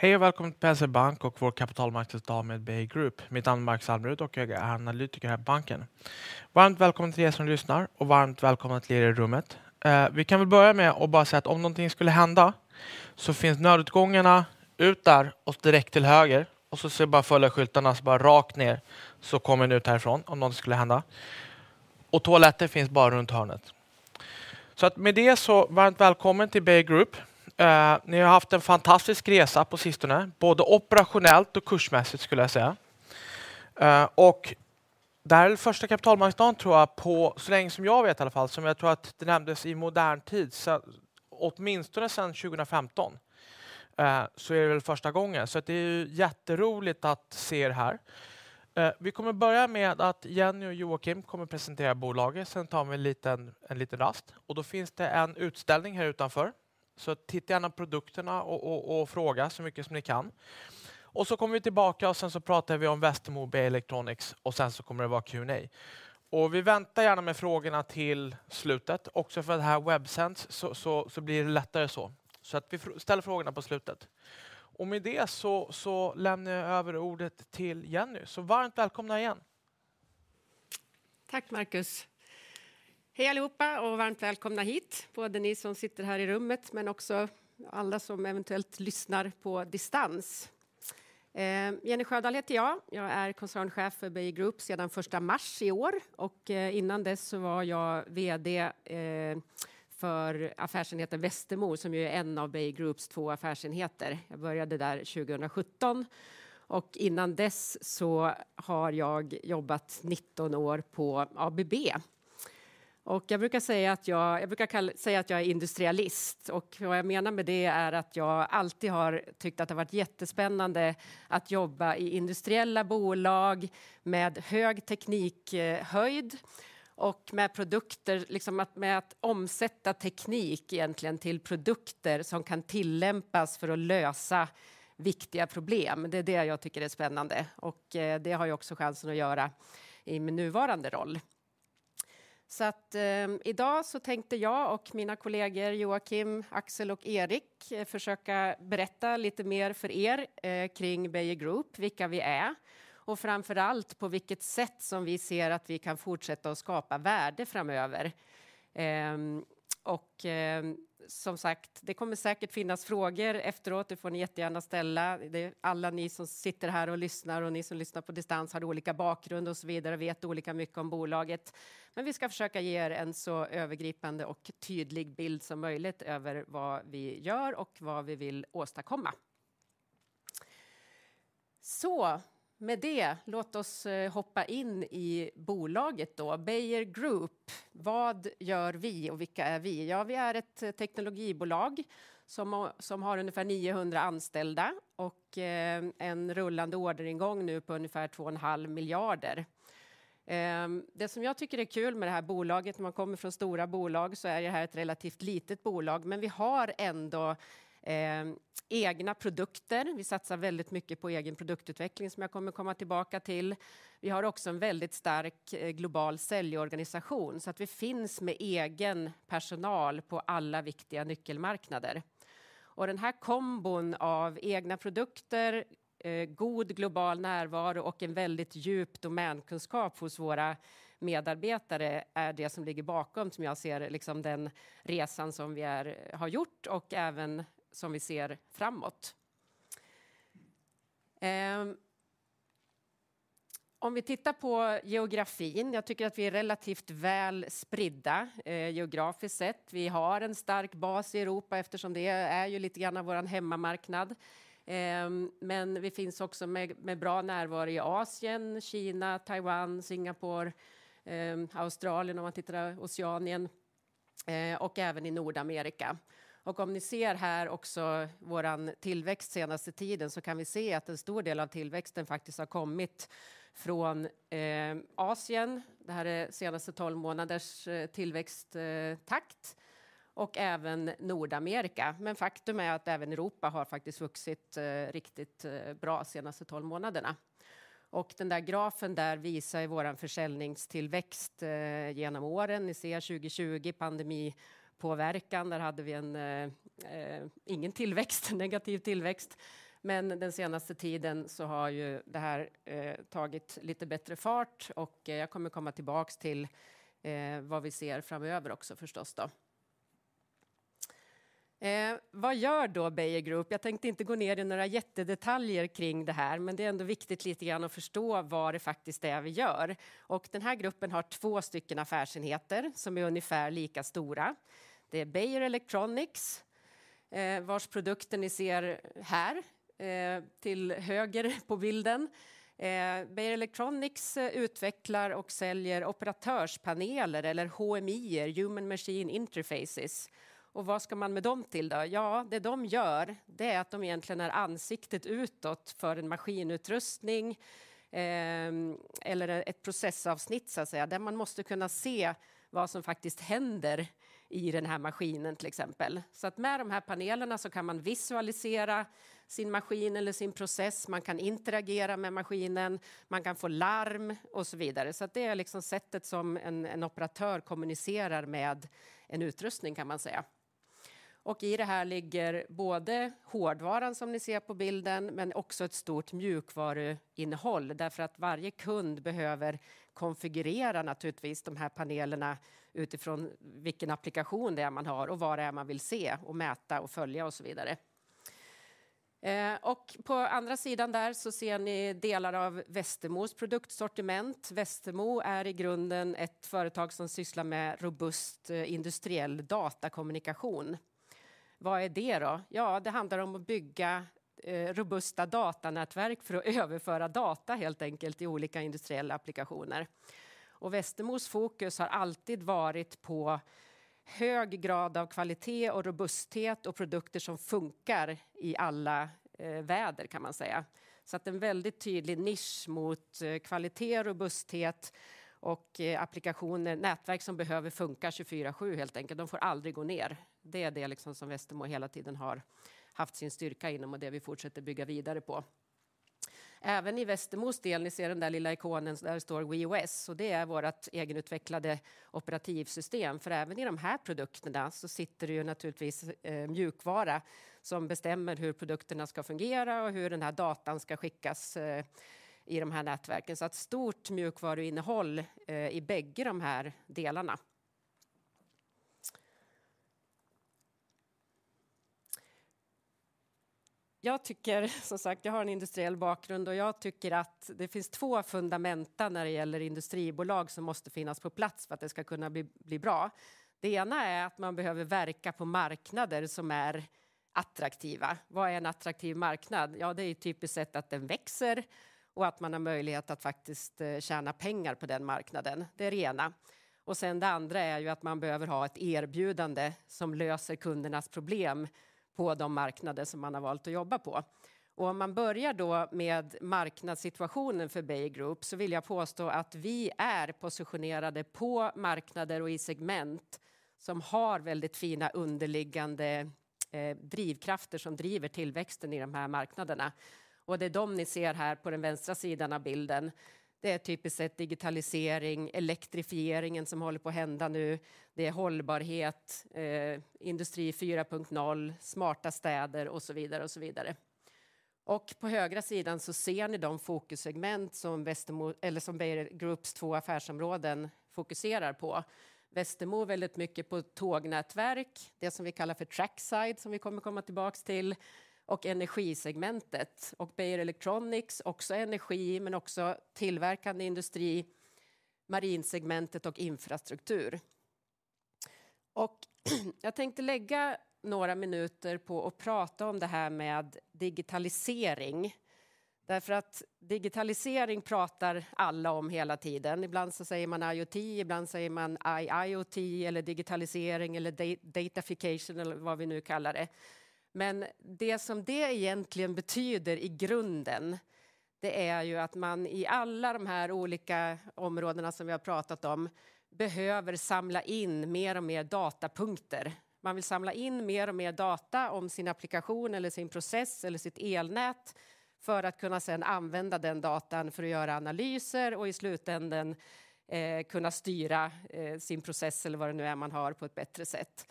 Hej och välkommen till SEB Bank och vår kapitalmarknadsdag med Beijer Group. Mitt namn är Markus Almerud och jag är analytiker här på banken. Varmt välkommen till er som lyssnar och varmt välkommen till er i rummet. Vi kan väl börja med att bara säga att om någonting skulle hända så finns nödutgångarna ut där och direkt till höger. Så är det bara att följa skyltarna, så bara rakt ner så kommer ni ut härifrån om något skulle hända. Toaletter finns bara runt hörnet. Med det så varmt välkommen till Beijer Group. Ni har haft en fantastisk resa på sistone, både operationellt och kursmässigt skulle jag säga. Det här är väl första kapitalmarknadsdagen tror jag på, så länge som jag vet i alla fall, som jag tror att det nämndes i modern tid. Åtminstone sedan 2015, så är det väl första gången. Det är jätteroligt att se er här. Vi kommer börja med att Jenny och Joakim kommer presentera bolaget. Tar vi en liten rast och då finns det en utställning här utanför. Titta gärna produkterna och fråga så mycket som ni kan. Kommer vi tillbaka och sen pratar vi om Västerås Mobile Electronics och sen kommer det vara Q&A. Vi väntar gärna med frågorna till slutet. Också för att det här websänds så blir det lättare så. Vi ställer frågorna på slutet. Med det så lämnar jag över ordet till Jenny. Varmt välkomna igen. Tack Markus. Hej allihopa och varmt välkomna hit. Både ni som sitter här i rummet, men också alla som eventuellt lyssnar på distans. Jenny Sjödahl heter jag. Jag är Koncernchef för Beijer Group sedan first of March i år. Innan dess så var jag vd för affärsenheten Västerås, som ju är en av Beijer Group's 2 affärsenheter. Jag började där 2017 och innan dess så har jag jobbat 19 år på ABB. Jag brukar säga att jag brukar säga att jag är industrialist och vad jag menar med det är att jag alltid har tyckt att det varit jättespännande att jobba i industriella bolag med hög teknikhöjd och med produkter, liksom med att omsätta teknik egentligen till produkter som kan tillämpas för att lösa viktiga problem. Det är det jag tycker är spännande och det har jag också chansen att göra i min nuvarande roll. I dag så tänkte jag och mina kollegor Joakim, Axel och Erik försöka berätta lite mer för er kring Beijer Group, vilka vi är och framför allt på vilket sätt som vi ser att vi kan fortsätta att skapa värde framöver. Som sagt, det kommer säkert finnas frågor efteråt. Det får ni jättegärna ställa. Alla ni som sitter här och lyssnar och ni som lyssnar på distans har olika bakgrund och så vidare och vet olika mycket om bolaget. Vi ska försöka ge er en så övergripande och tydlig bild som möjligt över vad vi gör och vad vi vill åstadkomma. Med det, låt oss hoppa in i bolaget då. Beijer Group. Vad gör vi och vilka är vi? Vi är ett teknologibolag som har ungefär 900 anställda och en rullande orderingång nu på ungefär 2.5 billion. Det som jag tycker är kul med det här bolaget, när man kommer från stora bolag, så är det här ett relativt litet bolag, men vi har ändå egna produkter. Vi satsar väldigt mycket på egen produktutveckling som jag kommer att komma tillbaka till. Vi har också en väldigt stark global säljorganisation så att vi finns med egen personal på alla viktiga nyckelmarknader. Den här kombon av egna produkter, god global närvaro och en väldigt djup domänkunskap hos våra medarbetare är det som ligger bakom som jag ser liksom den resan som vi har gjort och även som vi ser framåt. Om vi tittar på geografin, jag tycker att vi är relativt väl spridda geografiskt sett. Vi har en stark bas i Europa eftersom det är ju lite grann vår hemmamarknad. Men vi finns också med bra närvaro i Asien, Kina, Taiwan, Singapore, Australien om man tittar, Oceanien och även i Nordamerika. Om ni ser här också våran tillväxt senaste tiden så kan vi se att en stor del av tillväxten faktiskt har kommit från Asien. Det här är senaste 12 månaders tillväxttakt och även Nordamerika. Faktum är att även Europa har faktiskt vuxit riktigt bra senaste 12 månaderna. Den där grafen där visar ju vår försäljningstillväxt genom åren. Ni ser 2020 pandemipåverkan. Där hade vi en ingen tillväxt, negativ tillväxt. Den senaste tiden så har ju det här tagit lite bättre fart och jag kommer komma tillbaks till vad vi ser framöver också förstås då. Vad gör då Beijer Group? Jag tänkte inte gå ner i några jättedetaljer kring det här, men det är ändå viktigt lite grann att förstå vad det faktiskt är vi gör. Den här gruppen har två stycken affärsenheter som är ungefär lika stora. Det är Beijer Electronics, vars produkten ni ser här, till höger på bilden. Beijer Electronics utvecklar och säljer operatörspaneler eller HMIs, Human Machine Interfaces. Vad ska man med dem till då? Ja, det de gör, det är att de egentligen är ansiktet utåt för en maskinutrustning, eller ett processavsnitt så att säga, där man måste kunna se vad som faktiskt händer i den här maskinen, till exempel. Med de här panelerna så kan man visualisera sin maskin eller sin process. Man kan interagera med maskinen, man kan få larm och så vidare. Det är liksom sättet som en operatör kommunicerar med en utrustning kan man säga. I det här ligger både hårdvaran som ni ser på bilden, men också ett stort mjukvaruinnehåll. Varje kund behöver konfigurera naturligtvis de här panelerna utifrån vilken applikation det är man har och vad det är man vill se och mäta och följa och så vidare. På andra sidan där så ser ni delar av Westermo's produktsortiment. Westermo är i grunden ett företag som sysslar med robust Industrial Data Communications. Vad är det då? Ja, det handlar om att bygga robusta datanätverk för att överföra data helt enkelt i olika industriella applikationer. Westermo's fokus har alltid varit på hög grad av kvalitet och robusthet och produkter som funkar i alla väder kan man säga. En väldigt tydlig nisch mot kvalitet, robusthet och applikationer, nätverk som behöver funka 24/7 helt enkelt. De får aldrig gå ner. Det är det liksom som Westermo hela tiden har haft sin styrka inom och det vi fortsätter bygga vidare på. Även i Westermos del, ni ser den där lilla ikonen, där står WeOS och det är vårat egenutvecklade operativsystem. Även i de här produkterna så sitter det ju naturligtvis mjukvara som bestämmer hur produkterna ska fungera och hur den här datan ska skickas i de här nätverken. Stort mjukvaruinnehåll i bägge de här delarna. Jag tycker, som sagt, jag har en industriell bakgrund och jag tycker att det finns två fundamenta när det gäller industribolag som måste finnas på plats för att det ska kunna bli bra. Det ena är att man behöver verka på marknader som är attraktiva. Vad är en attraktiv marknad? Ja, det är typiskt sett att den växer och att man har möjlighet att faktiskt tjäna pengar på den marknaden. Det är det ena. Sen det andra är ju att man behöver ha ett erbjudande som löser kundernas problem på de marknader som man har valt att jobba på. Om man börjar då med marknadssituationen för Beijer Group så vill jag påstå att vi är positionerade på marknader och i segment som har väldigt fina underliggande drivkrafter som driver tillväxten i de här marknaderna. Det är dem ni ser här på den vänstra sidan av bilden. Det är typiskt sett digitalisering, elektrifieringen som håller på att hända nu. Det är hållbarhet, Industri 4.0, smarta städer och så vidare och så vidare. På högra sidan så ser ni de fokussegment som Westermo eller som Beijer Groups två affärsområden fokuserar på. Westermo väldigt mycket på tågnätverk, det som vi kallar för Trackside som vi kommer komma tillbaks till och energisegmentet. Beijer Electronics också energi, men också tillverkande industri, marinsegmentet och infrastruktur. Jag tänkte lägga några minuter på att prata om det här med digitalisering. Därför att digitalisering pratar alla om hela tiden. Ibland så säger man IoT, ibland säger man IIoT eller digitalisering eller datafication eller vad vi nu kallar det. Det som det egentligen betyder i grunden, det är ju att man i alla de här olika områdena som vi har pratat om behöver samla in mer och mer datapunkter. Man vill samla in mer och mer data om sin applikation eller sin process eller sitt elnät för att kunna sedan använda den datan för att göra analyser och i slutänden kunna styra sin process eller vad det nu är man har på ett bättre sätt.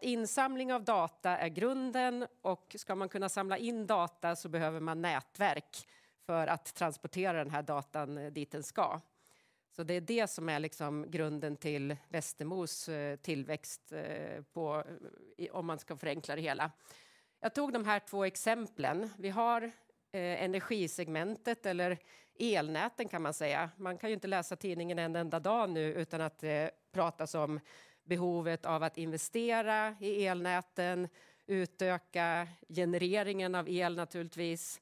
Insamling av data är grunden och ska man kunna samla in data så behöver man nätverk för att transportera den här datan dit den ska. Det är det som är liksom grunden till Westermos tillväxt på, om man ska förenkla det hela. Jag tog de här två exemplen. Vi har energisegmentet eller elnäten kan man säga. Man kan ju inte läsa tidningen en enda dag nu utan att det pratas om behovet av att investera i elnäten, utöka genereringen av el naturligtvis.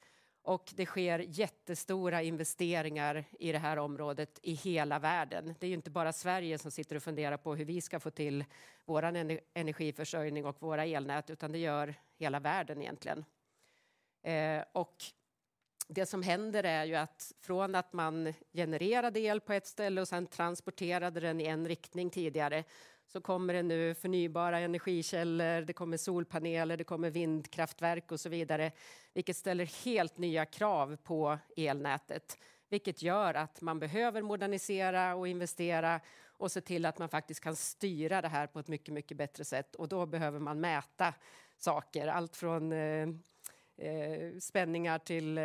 Det sker jättestora investeringar i det här området i hela världen. Det är inte bara Sverige som sitter och funderar på hur vi ska få till våran energiförsörjning och våra elnät, utan det gör hela världen egentligen. Det som händer är ju att från att man genererade el på ett ställe och sedan transporterade den i en riktning tidigare, så kommer det nu förnybara energikällor, det kommer solpaneler, det kommer vindkraftverk och så vidare, vilket ställer helt nya krav på elnätet, vilket gör att man behöver modernisera och investera och se till att man faktiskt kan styra det här på ett mycket bättre sätt. Då behöver man mäta saker, allt från spänningar till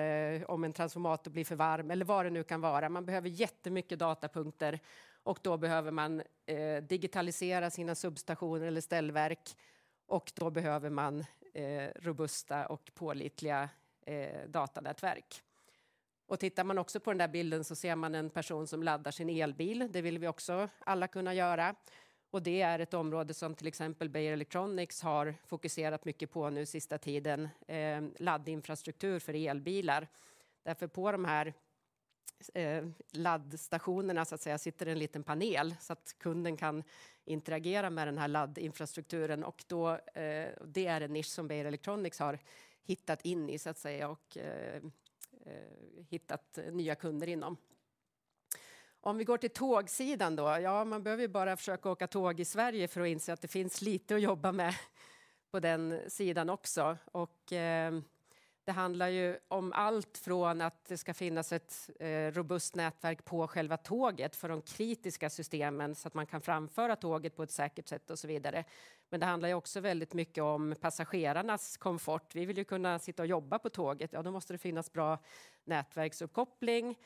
om en transformator blir för varm eller vad det nu kan vara. Man behöver jättemycket datapunkter och då behöver man digitalisera sina substationer eller ställverk och då behöver man robusta och pålitliga datanätverk. Tittar man också på den där bilden så ser man en person som laddar sin elbil. Det vill vi också alla kunna göra. Det är ett område som till exempel Beijer Electronics har fokuserat mycket på nu sista tiden. Laddinfrastruktur för elbilar. Därför på de här laddstationerna så att säga, sitter en liten panel så att kunden kan interagera med den här laddinfrastrukturen. Då, det är en nisch som Beijer Electronics har hittat in i så att säga och hittat nya kunder inom. Om vi går till tågsidan då. Ja, man behöver ju bara försöka åka tåg i Sverige för att inse att det finns lite att jobba med på den sidan också. Det handlar ju om allt från att det ska finnas ett robust nätverk på själva tåget för de kritiska systemen så att man kan framföra tåget på ett säkert sätt och så vidare. Det handlar ju också väldigt mycket om passagerarnas komfort. Vi vill ju kunna sitta och jobba på tåget. Då måste det finnas bra nätverksuppkoppling.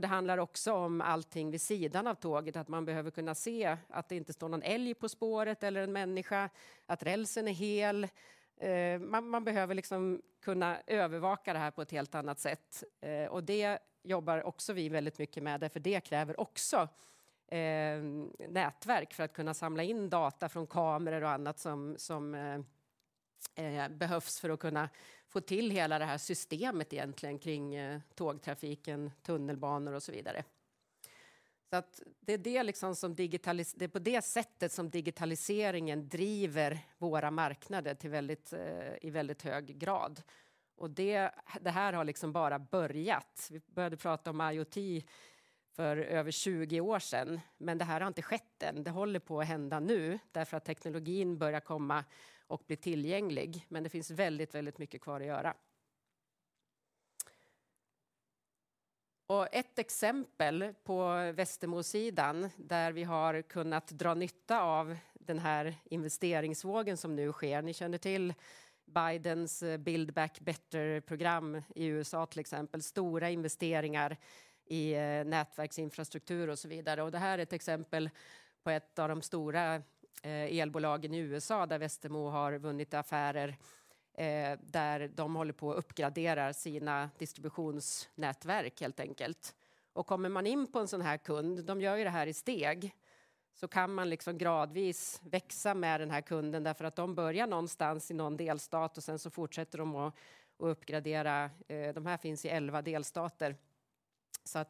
Det handlar också om allting vid sidan av tåget. Att man behöver kunna se att det inte står någon älg på spåret eller en människa, att rälsen är hel. Man behöver liksom kunna övervaka det här på ett helt annat sätt. Det jobbar också vi väldigt mycket med därför det kräver också nätverk för att kunna samla in data från kameror och annat som behövs för att kunna få till hela det här systemet egentligen kring tågtrafiken, tunnelbanor och så vidare. Det är det liksom det är på det sättet som digitaliseringen driver våra marknader till väldigt, i väldigt hög grad. Det, det här har liksom bara börjat. Vi började prata om IoT för över 20 år sedan, men det här har inte skett än. Det håller på att hända nu därför att teknologin börja komma och bli tillgänglig. Det finns väldigt mycket kvar att göra. Ett exempel på Westermo-sidan, där vi har kunnat dra nytta av den här investeringsvågen som nu sker. Ni känner till Biden's Build Back Better-program i USA, till exempel. Stora investeringar i nätverksinfrastruktur och så vidare. Det här är ett exempel på ett av de stora elbolagen i USA, där Westermo har vunnit affärer, där de håller på och uppgraderar sina distributionsnätverk helt enkelt. Kommer man in på en sådan här kund, de gör ju det här i steg, så kan man liksom gradvis växa med den här kunden. De börjar någonstans i någon delstat och sen så fortsätter de att uppgradera. De här finns i 11 delstater.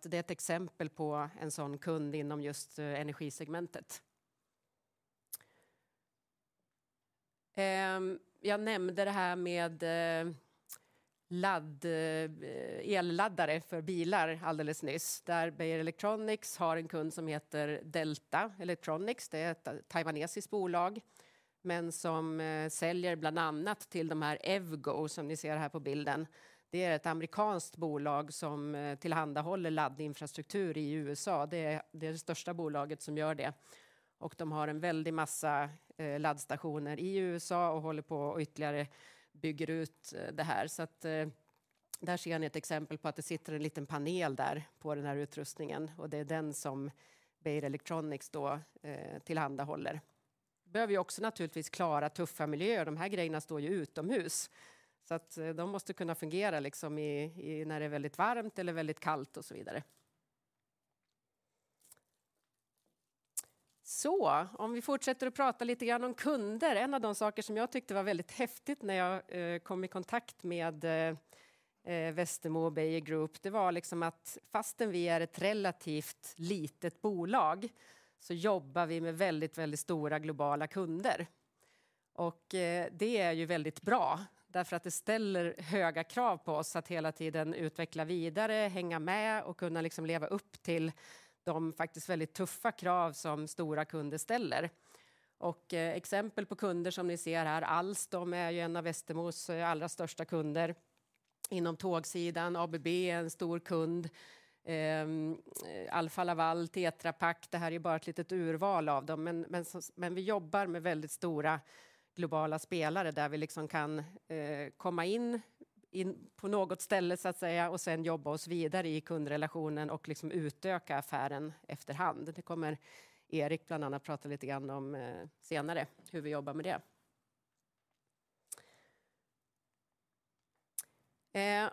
Det är ett exempel på en sådan kund inom just energisegmentet. Jag nämnde det här med ladd, elladdare för bilar alldeles nyss, där Beijer Electronics har en kund som heter Delta Electronics. Det är ett taiwanesiskt bolag, men som säljer bland annat till de här EVgo som ni ser här på bilden. Det är ett amerikanskt bolag som tillhandahåller laddinfrastruktur i USA. Det är det största bolaget som gör det och de har en väldig massa laddstationer i USA och håller på och ytterligare bygger ut det här. Där ser ni ett exempel på att det sitter en liten panel där på den här utrustningen och det är den som Beijer Electronics då tillhandahåller. Behöver ju också naturligtvis klara tuffa miljöer. De här grejerna står ju utomhus så att de måste kunna fungera liksom i när det är väldigt varmt eller väldigt kallt och så vidare. Om vi fortsätter att prata lite grann om kunder. En av de saker som jag tyckte var väldigt häftigt när jag kom i kontakt med Westermo och Beijer Group, det var liksom att fastän vi är ett relativt litet bolag så jobbar vi med väldigt stora globala kunder. Det är ju väldigt bra därför att det ställer höga krav på oss att hela tiden utveckla vidare, hänga med och kunna liksom leva upp till de faktiskt väldigt tuffa krav som stora kunder ställer. Exempel på kunder som ni ser här. Alstom är ju en av Westermo's allra största kunder inom tågsidan. ABB är en stor kund. Alfa Laval, Tetra Pak. Det här är bara ett litet urval av dem. Men vi jobbar med väldigt stora globala spelare där vi liksom kan komma in på något ställe så att säga och sen jobba oss vidare i kundrelationen och liksom utöka affären efterhand. Det kommer Erik bland annat prata lite grann om senare hur vi jobbar med det.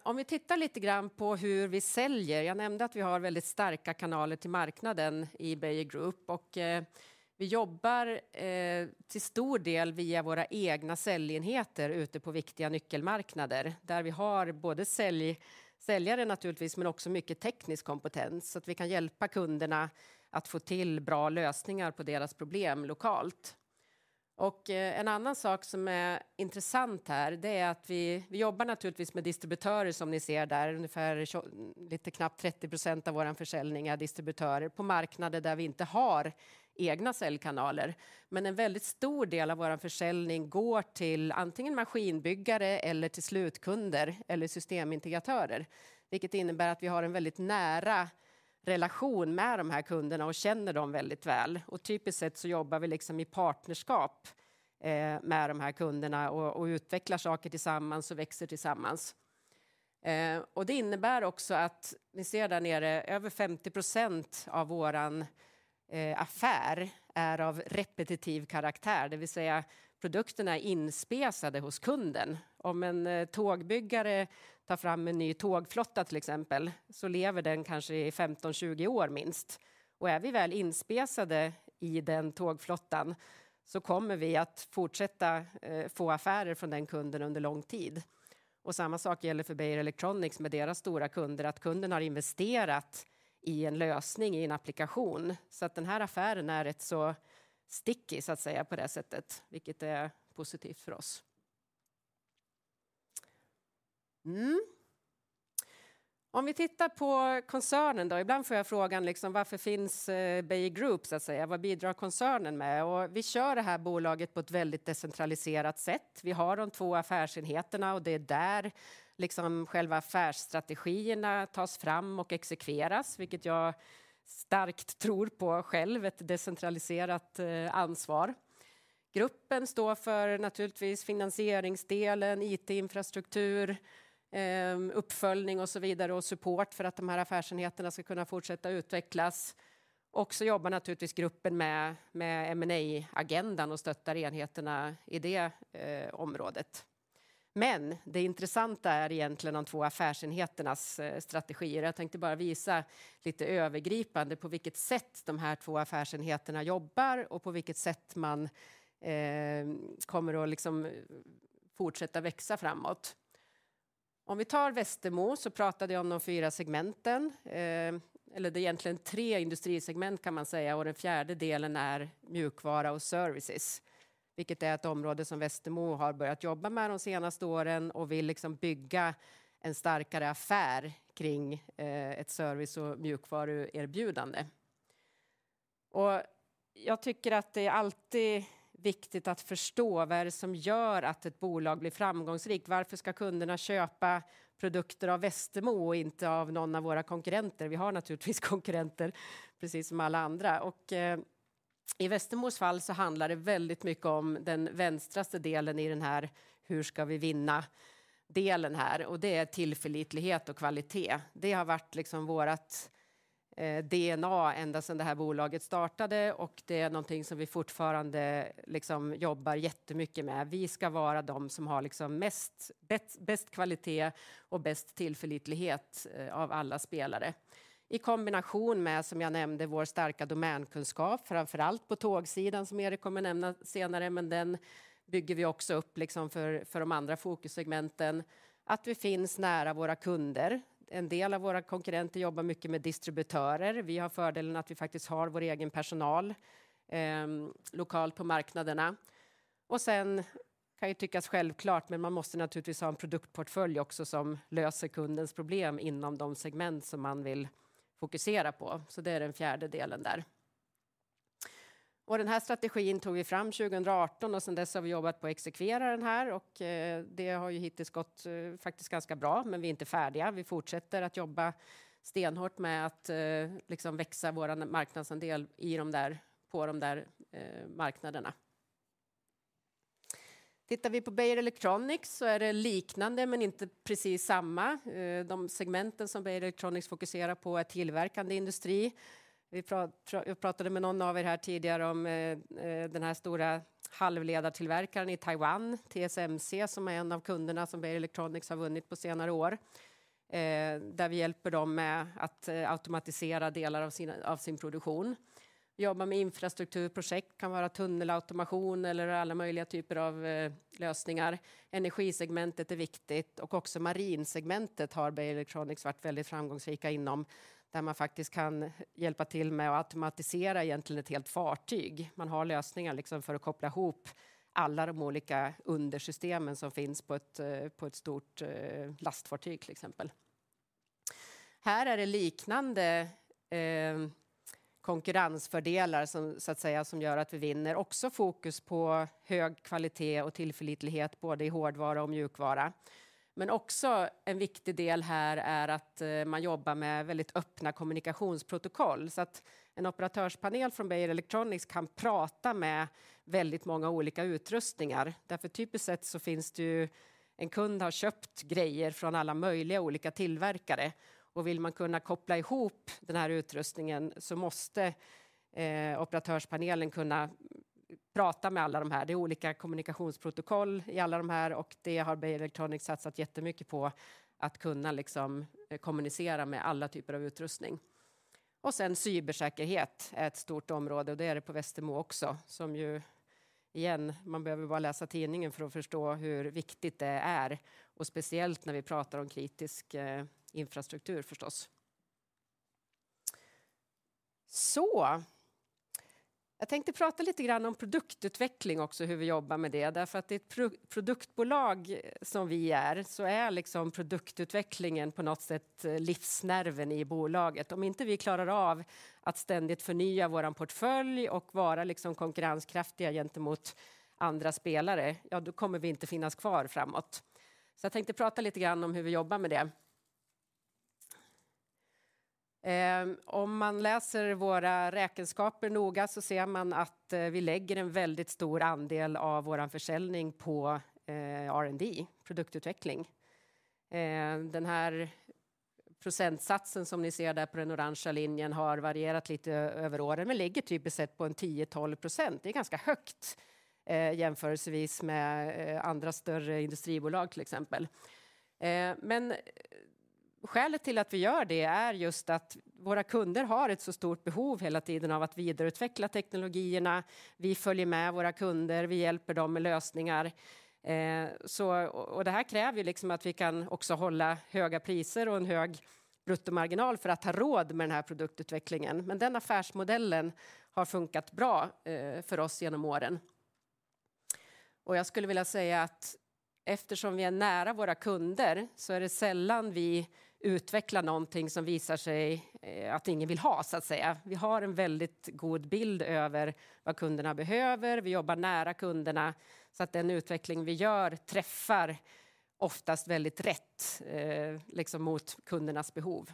Om vi tittar lite grann på hur vi säljer. Jag nämnde att vi har väldigt starka kanaler till marknaden i Beijer Group och vi jobbar till stor del via våra egna säljenheter ute på viktiga nyckelmarknader. Där vi har både sälj, säljare naturligtvis, men också mycket teknisk kompetens så att vi kan hjälpa kunderna att få till bra lösningar på deras problem lokalt. En annan sak som är intressant här det är att vi jobbar naturligtvis med distributörer som ni ser där. Ungefär lite knappt 30% av vår försäljning är distributörer på marknader där vi inte har egna säljkanaler. En väldigt stor del av vår försäljning går till antingen maskinbyggare eller till slutkunder eller systemintegratörer. Vilket innebär att vi har en väldigt nära relation med de här kunderna och känner dem väldigt väl. Typiskt sett så jobbar vi liksom i partnerskap med de här kunderna och utvecklar saker tillsammans och växer tillsammans. Det innebär också att ni ser där nere, över 50% av våran affär är av repetitiv karaktär. Det vill säga produkterna är inspesade hos kunden. Om en tågbyggare tar fram en ny tågflotta till exempel, så lever den kanske i 15, 20 år minst. Är vi väl inspesade i den tågflottan så kommer vi att fortsätta få affärer från den kunden under lång tid. Samma sak gäller för Beijer Electronics med deras stora kunder. Att kunden har investerat i en lösning i en applikation. Den här affären är rätt så sticky så att säga på det sättet, vilket är positivt för oss. Om vi tittar på koncernen då. Ibland får jag frågan liksom varför finns Beijer Group så att säga? Vad bidrar koncernen med? Vi kör det här bolaget på ett väldigt decentraliserat sätt. Vi har de två affärsenheterna och det är där liksom själva affärsstrategierna tas fram och exekveras, vilket jag starkt tror på själv, ett decentraliserat ansvar. Gruppen står för naturligtvis finansieringsdelen, IT infrastructure, uppföljning och så vidare och support för att de här affärsenheterna ska kunna fortsätta utvecklas. Också jobbar naturligtvis gruppen med M&A agenda och stöttar enheterna i det området. Det intressanta är egentligen de två affärsenheternas strategier. Jag tänkte bara visa lite övergripande på vilket sätt de här två affärsenheterna jobbar och på vilket sätt man kommer att liksom fortsätta växa framåt. Om vi tar Westermo så pratade jag om de fyra segmenten. Det är egentligen tre industrisegment kan man säga och den fjärde delen är mjukvara och services, vilket är ett område som Westermo har börjat jobba med de senaste åren och vill liksom bygga en starkare affär kring ett service- och mjukvaruerbjudande. Jag tycker att det är alltid viktigt att förstå vad är det som gör att ett bolag blir framgångsrikt. Varför ska kunderna köpa produkter av Westermo och inte av någon av våra konkurrenter? Vi har naturligtvis konkurrenter precis som alla andra. I Westermos fall så handlar det väldigt mycket om den vänstra delen i den här "hur ska vi vinna"-delen här. Det är tillförlitlighet och kvalitet. Det har varit liksom vårat DNA ända sedan det här bolaget startade och det är någonting som vi fortfarande liksom jobbar jättemycket med. Vi ska vara de som har liksom mest, bäst kvalitet och bäst tillförlitlighet av alla spelare. I kombination med, som jag nämnde, vår starka domänkunskap, framför allt på tågsidan som Erik kommer att nämna senare, den bygger vi också upp liksom för de andra fokussegmenten. Vi finns nära våra kunder. En del av våra konkurrenter jobbar mycket med distributörer. Vi har fördelen att vi faktiskt har vår egen personal lokalt på marknaderna. Kan ju tyckas självklart, man måste naturligtvis ha en produktportfölj också som löser kundens problem inom de segment som man vill fokusera på. Det är den fjärde delen där. Den här strategin tog vi fram 2018 och sedan dess har vi jobbat på att exekvera den här, det har ju hittills gått faktiskt ganska bra, vi är inte färdiga. Vi fortsätter att jobba stenhårt med att liksom växa vår marknadsandel i de där, på de där marknaderna. Tittar vi på Beijer Electronics är det liknande men inte precis samma. De segmenten som Beijer Electronics fokuserar på är tillverkande industri. Jag pratade med någon av er här tidigare om den här stora halvledartillverkaren i Taiwan, TSMC, som är en av kunderna som Beijer Electronics har vunnit på senare år. Där vi hjälper dem med att automatisera delar av sin produktion. Jobbar med infrastrukturprojekt, kan vara tunnelautomation eller alla möjliga typer av lösningar. Energisegmentet är viktigt också marinsegmentet har Beijer Electronics varit väldigt framgångsrika inom. Där man faktiskt kan hjälpa till med att automatisera egentligen ett helt fartyg. Man har lösningar liksom för att koppla ihop alla de olika undersystemen som finns på ett stort lastfartyg till exempel. Här är det liknande konkurrensfördelar som så att säga, som gör att vi vinner. Också fokus på hög kvalitet och tillförlitlighet, både i hårdvara och mjukvara. Också en viktig del här är att man jobbar med väldigt öppna kommunikationsprotokoll. En operatörspanel från Beijer Electronics kan prata med väldigt många olika utrustningar. Därför typiskt sett så finns det ju, en kund har köpt grejer från alla möjliga olika tillverkare och vill man kunna koppla ihop den här utrustningen så måste operatörspanelen kunna prata med alla de här. Det är olika kommunikationsprotokoll i alla de här och det har Beijer Electronics satsat jättemycket på att kunna liksom kommunicera med alla typer av utrustning. Cybersäkerhet är ett stort område och det är det på Westermo också. Som ju igen, man behöver bara läsa tidningen för att förstå hur viktigt det är och speciellt när vi pratar om kritisk infrastruktur förstås. Jag tänkte prata lite grann om produktutveckling också, hur vi jobbar med det. Därför att i ett produktbolag som vi är, så är liksom produktutvecklingen på något sätt livsnerven i bolaget. Om inte vi klarar av att ständigt förnya vår portfölj och vara liksom konkurrenskraftiga gentemot andra spelare, ja då kommer vi inte finnas kvar framåt. Jag tänkte prata lite grann om hur vi jobbar med det. Om man läser våra räkenskaper noga så ser man att vi lägger en väldigt stor andel av vår försäljning på R&D, produktutveckling. Den här procentsatsen som ni ser där på den orangea linjen har varierat lite över åren, men ligger typiskt sett på en 10-12%. Det är ganska högt, jämförelsevis med andra större industribolag till exempel. Men skälet till att vi gör det är just att våra kunder har ett så stort behov hela tiden av att vidareutveckla teknologierna. Vi följer med våra kunder, vi hjälper dem med lösningar. Så, och det här kräver ju liksom att vi kan också hålla höga priser och en hög bruttomarginal för att ha råd med den här produktutvecklingen. Men den affärsmodellen har funkat bra för oss genom åren. Jag skulle vilja säga att eftersom vi är nära våra kunder så är det sällan vi utvecklar någonting som visar sig att ingen vill ha så att säga. Vi har en väldigt god bild över vad kunderna behöver. Vi jobbar nära kunderna så att den utveckling vi gör träffar oftast väldigt rätt, liksom mot kundernas behov.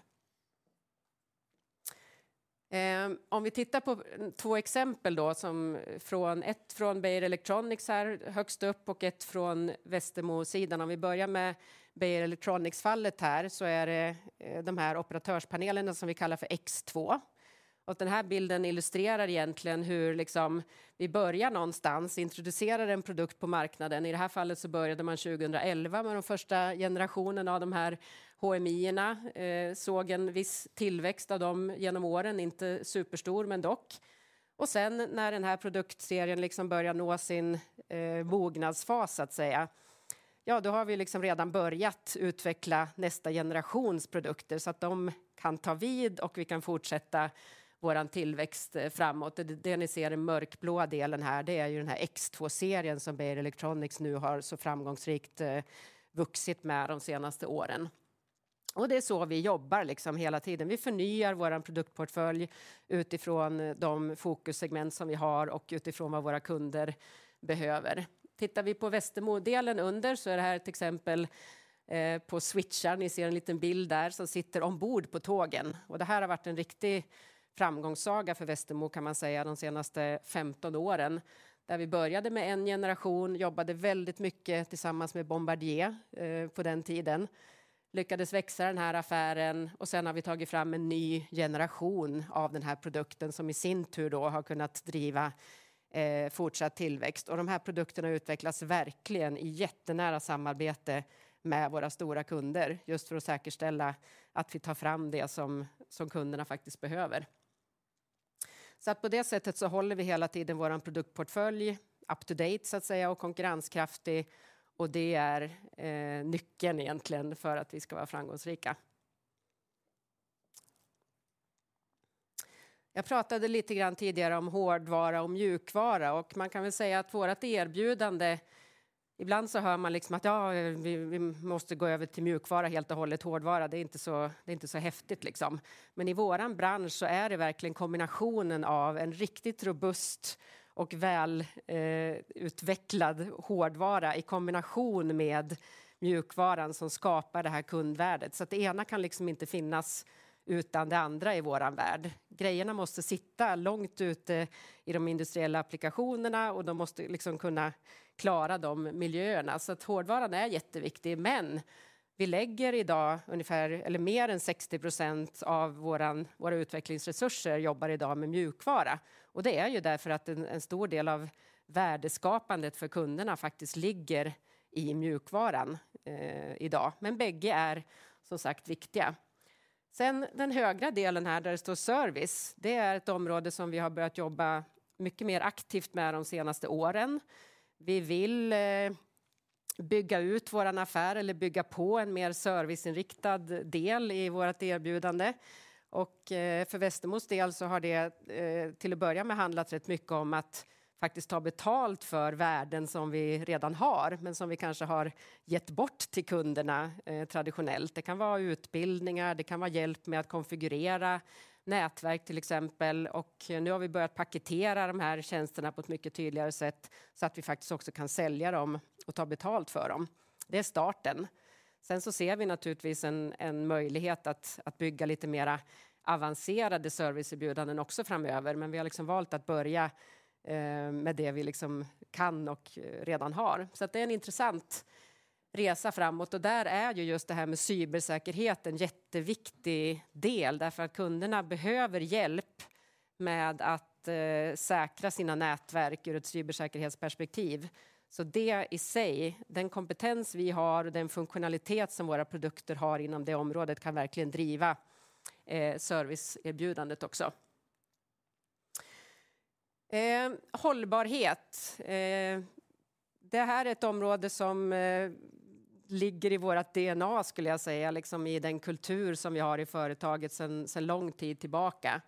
Om vi tittar på två exempel då som från, ett från Beijer Electronics här högst upp och ett från Westermo sidan. Om vi börjar med Beijer Electronics fallet här så är det de här operatörspanelerna som vi kallar för X2. Den här bilden illustrerar egentligen hur liksom vi börjar någonstans, introducerar en produkt på marknaden. I det här fallet så började man 2011 med den första generationen av de här HMIerna. Såg en viss tillväxt av dem genom åren, inte superstor men dock. Och sen när den här produktserien liksom börjar nå sin mognadsfas så att säga, ja, då har vi liksom redan börjat utveckla nästa generations produkter så att de kan ta vid och vi kan fortsätta vår tillväxt framåt. Det ni ser, den mörkblå delen här, det är ju den här X2-serien som Beijer Electronics nu har så framgångsrikt vuxit med de senaste åren. Det är så vi jobbar liksom hela tiden. Vi förnyar vår produktportfölj utifrån de fokussegment som vi har och utifrån vad våra kunder behöver. Tittar vi på Westermo-delen under så är det här ett exempel på switchar. Ni ser en liten bild där som sitter ombord på tågen. Det här har varit en riktig framgångssaga för Westermo kan man säga de senaste 15 åren. Där vi började med en generation, jobbade väldigt mycket tillsammans med Bombardier på den tiden, lyckades växa den här affären och sen har vi tagit fram en ny generation av den här produkten som i sin tur då har kunnat driva fortsatt tillväxt. De här produkterna utvecklas verkligen i jättenära samarbete med våra stora kunder, just för att säkerställa att vi tar fram det som kunderna faktiskt behöver. På det sättet så håller vi hela tiden vår produktportfölj up to date så att säga och konkurrenskraftig. Det är nyckeln egentligen för att vi ska vara framgångsrika. Jag pratade lite grann tidigare om hårdvara och mjukvara och man kan väl säga att vårt erbjudande, ibland så hör man liksom att ja, vi måste gå över till mjukvara helt och hållet. Hårdvara, det är inte så, det är inte så häftigt liksom. I våran bransch så är det verkligen kombinationen av en riktigt robust och väl utvecklad hårdvara i kombination med mjukvaran som skapar det här kundvärdet. Det ena kan liksom inte finnas utan det andra i våran värld. Grejerna måste sitta långt ute i de industriella applikationerna och de måste liksom kunna klara de miljöerna. Hårdvaran är jätteviktig, men vi lägger i dag ungefär eller mer än 60% av våra utvecklingsresurser jobbar i dag med mjukvara. Det är ju därför att en stor del av värdeskapandet för kunderna faktiskt ligger i mjukvaran i dag. Bägge är som sagt viktiga. Den högra delen här där det står service, det är ett område som vi har börjat jobba mycket mer aktivt med de senaste åren. Vi vill bygga ut våran affär eller bygga på en mer serviceinriktad del i vårt erbjudande. För Westermo del så har det till att börja med handlat rätt mycket om att faktiskt ta betalt för värden som vi redan har, men som vi kanske har gett bort till kunderna traditionellt. Det kan vara utbildningar, det kan vara hjälp med att konfigurera nätverk till exempel. Nu har vi börjat paketera de här tjänsterna på ett mycket tydligare sätt så att vi faktiskt också kan sälja dem och ta betalt för dem. Det är starten. Vi ser naturligtvis en möjlighet att bygga lite mera avancerade serviceerbjudanden också framöver. Vi har liksom valt att börja med det vi liksom kan och redan har. Det är en intressant resa framåt och där är ju just det här med cybersecurity en jätteviktig del därför att kunderna behöver hjälp med att säkra sina nätverk ur ett cybersecurityperspektiv. Det i sig, den kompetens vi har och den funktionalitet som våra produkter har inom det området kan verkligen driva serviceerbjudandet också. Sustainability. Det här är ett område som ligger i vårt DNA skulle jag säga, liksom i den kultur som vi har i företaget sedan lång tid tillbaka.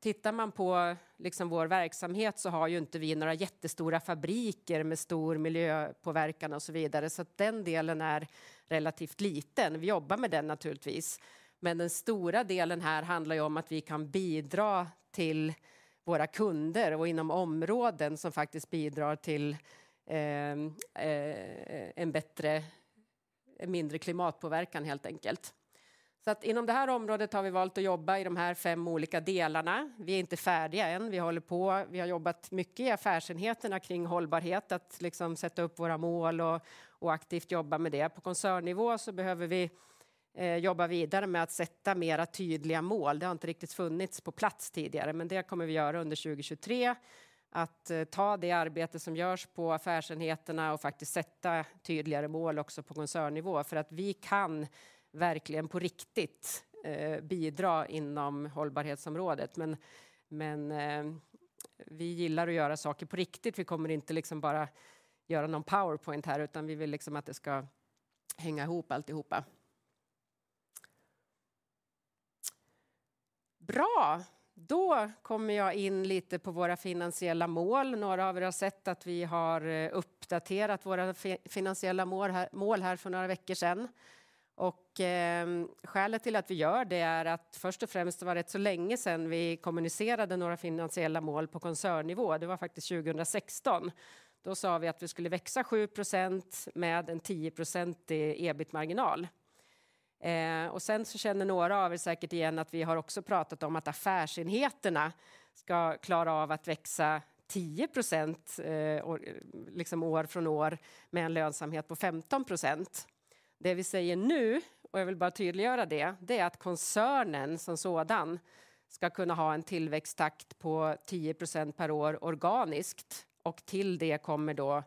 Tittar man på liksom vår verksamhet så har ju inte vi några jättestora fabriker med stor miljöpåverkan och så vidare. Den delen är relativt liten. Vi jobbar med den naturligtvis, men den stora delen här handlar ju om att vi kan bidra till våra kunder och inom områden som faktiskt bidrar till en bättre, en mindre klimatpåverkan helt enkelt. Inom det här området har vi valt att jobba i de här fem olika delarna. Vi är inte färdiga än. Vi håller på, vi har jobbat mycket i affärsenheterna kring hållbarhet att liksom sätta upp våra mål och aktivt jobba med det. På koncernnivå behöver vi jobba vidare med att sätta mera tydliga mål. Det har inte riktigt funnits på plats tidigare, men det kommer vi göra under 2023. Att ta det arbete som görs på affärsenheterna och faktiskt sätta tydligare mål också på koncernnivå. För att vi kan verkligen på riktigt bidra inom hållbarhetsområdet. Vi gillar att göra saker på riktigt. Vi kommer inte liksom bara göra någon PowerPoint här, utan vi vill liksom att det ska hänga ihop alltihopa. Bra, då kommer jag in lite på våra finansiella mål. Några av er har sett att vi har uppdaterat våra finansiella mål här för några veckor sedan. Skälet till att vi gör det är att först och främst det var rätt så länge sedan vi kommunicerade några finansiella mål på koncernnivå. Det var faktiskt 2016. Då sa vi att vi skulle växa 7% med en 10% EBIT-marginal. Sen så känner några av er säkert igen att vi har också pratat om att affärsenheterna ska klara av att växa 10%, liksom år från år med en lönsamhet på 15%. Det vi säger nu, och jag vill bara tydliggöra det är att koncernen som sådan ska kunna ha en tillväxttakt på 10% per år organiskt. Till det kommer då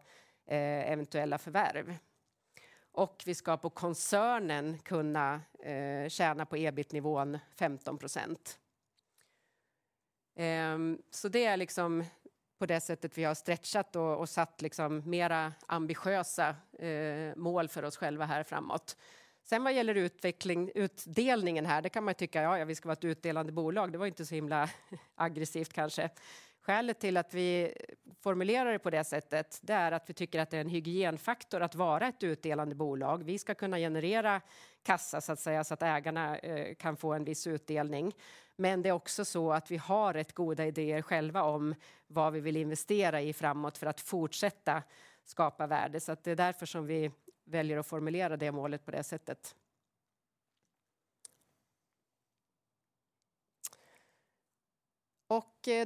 eventuella förvärv. Vi ska på koncernen kunna tjäna på EBIT-nivån 15%. Det är liksom på det sättet vi har stretchat och satt liksom mera ambitiösa mål för oss själva här framåt. Vad gäller utveckling, utdelningen här, det kan man tycka, ja vi ska vara ett utdelande bolag. Det var inte så himla aggressivt kanske. Skälet till att vi formulerar det på det sättet, det är att vi tycker att det är en hygienfaktor att vara ett utdelande bolag. Vi ska kunna generera kassa så att säga så att ägarna kan få en viss utdelning. Det är också så att vi har rätt goda idéer själva om vad vi vill investera i framåt för att fortsätta skapa värde. Det är därför som vi väljer att formulera det målet på det sättet.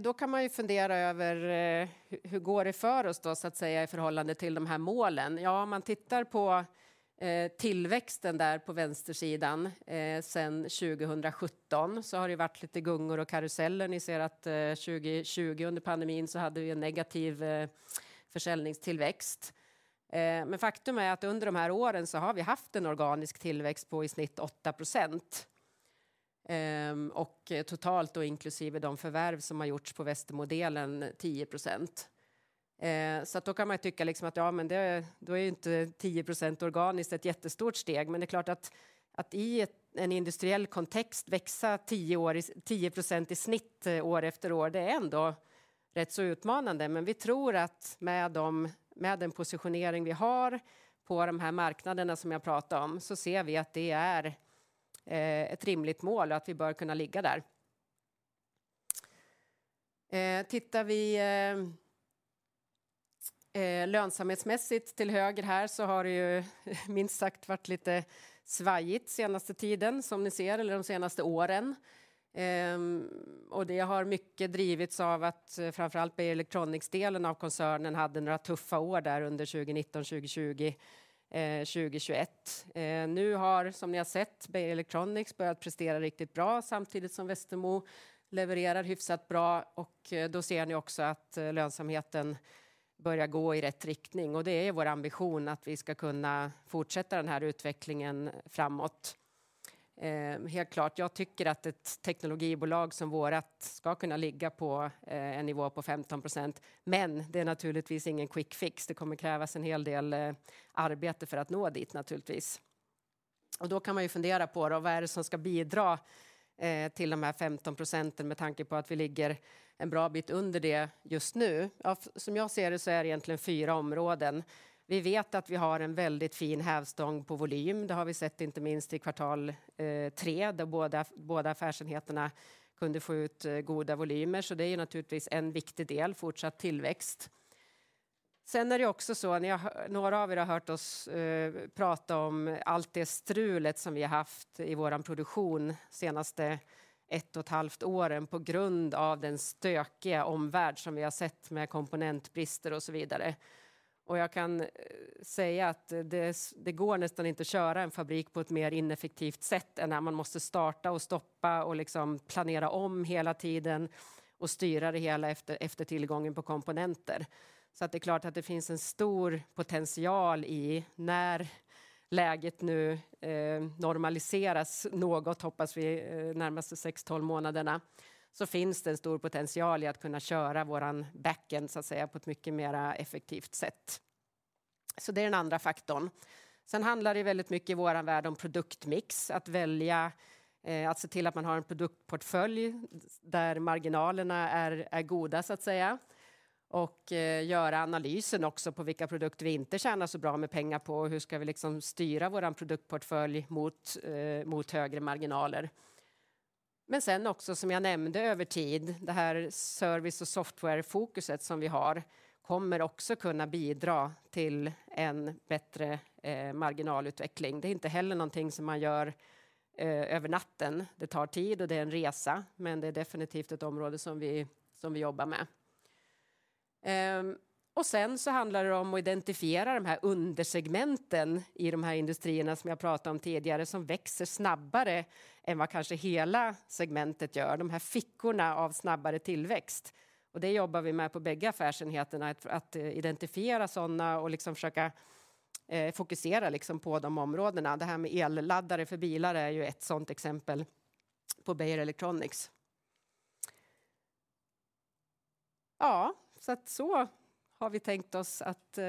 Då kan man ju fundera över hur går det för oss då så att säga i förhållande till de här målen. Om man tittar på tillväxten där på vänstersidan sedan 2017 så har det ju varit lite gungor och karuseller. Ni ser att 2020 under pandemin så hade vi en negativ försäljningstillväxt. Faktum är att under de här åren så har vi haft en organisk tillväxt på i snitt 8%. Totalt då inklusive de förvärv som har gjorts på Westermo-modellen 10%. Då kan man tycka liksom att ja, men det, då är ju inte 10% organiskt ett jättestort steg. Det är klart att i ett, en industriell kontext växa 10 år, 10% i snitt år efter år, det är ändå rätt så utmanande. Vi tror att med de, med den positionering vi har på de här marknaderna som jag pratar om så ser vi att det är ett rimligt mål och att vi bör kunna ligga där. Tittar vi lönsamhetsmässigt till höger här så har det ju minst sagt varit lite svajigt senaste tiden som ni ser eller de senaste åren. Det har mycket drivits av att framför allt BE Electronics-delen av koncernen hade några tuffa år där under 2019, 2020, 2021. Nu har, som ni har sett, BE Electronics börjat prestera riktigt bra samtidigt som Westermo levererar hyfsat bra och då ser ni också att lönsamheten börja gå i rätt riktning. Det är vår ambition att vi ska kunna fortsätta den här utvecklingen framåt. Helt klart, jag tycker att ett teknologibolag som vårat ska kunna ligga på en nivå på 15%, men det är naturligtvis ingen quick fix. Det kommer krävas en hel del arbete för att nå dit naturligtvis. Då kan man ju fundera på då, vad är det som ska bidra till de här 15% med tanke på att vi ligger en bra bit under det just nu? Ja, som jag ser det så är det egentligen four områden. Vi vet att vi har en väldigt fin hävstång på volym. Det har vi sett inte minst i quarter 3, där båda affärsenheterna kunde få ut goda volymer. Det är naturligtvis en viktig del, fortsatt tillväxt. Det är också så, ni har, några av er har hört oss prata om allt det strulet som vi haft i vår produktion senaste one and a half years på grund av den stökiga omvärld som vi har sett med komponentbrister och så vidare. Jag kan säga att det går nästan inte att köra en fabrik på ett mer ineffektivt sätt än när man måste starta och stoppa och liksom planera om hela tiden och styra det hela efter tillgången på komponenter. Det är klart att det finns en stor potential i när läget nu normaliseras något, hoppas vi närmaste 6-12 months. Finns det en stor potential i att kunna köra våran backend så att säga på ett mycket mera effektivt sätt. Det är den andra faktorn. Handlar det väldigt mycket i vår värld om produktmix. Att välja, att se till att man har en produktportfölj där marginalerna är goda så att säga. Göra analysen också på vilka produkter vi inte tjänar så bra med pengar på. Hur ska vi liksom styra vår produktportfölj mot högre marginaler? Också, som jag nämnde över tid, det här service- och software-fokuset som vi har kommer också kunna bidra till en bättre marginalutveckling. Det är inte heller någonting som man gör över natten. Det tar tid och det är en resa, men det är definitivt ett område som vi jobbar med. Sen så handlar det om att identifiera de här undersegmenten i de här industrierna som jag pratade om tidigare, som växer snabbare än vad kanske hela segmentet gör. De här fickorna av snabbare tillväxt. Det jobbar vi med på bägge affärsenheterna att identifiera sådana och liksom försöka fokusera på de områdena. Det här med elladdare för bilar är ju ett sådant exempel på BE Electronics. Så har vi tänkt oss att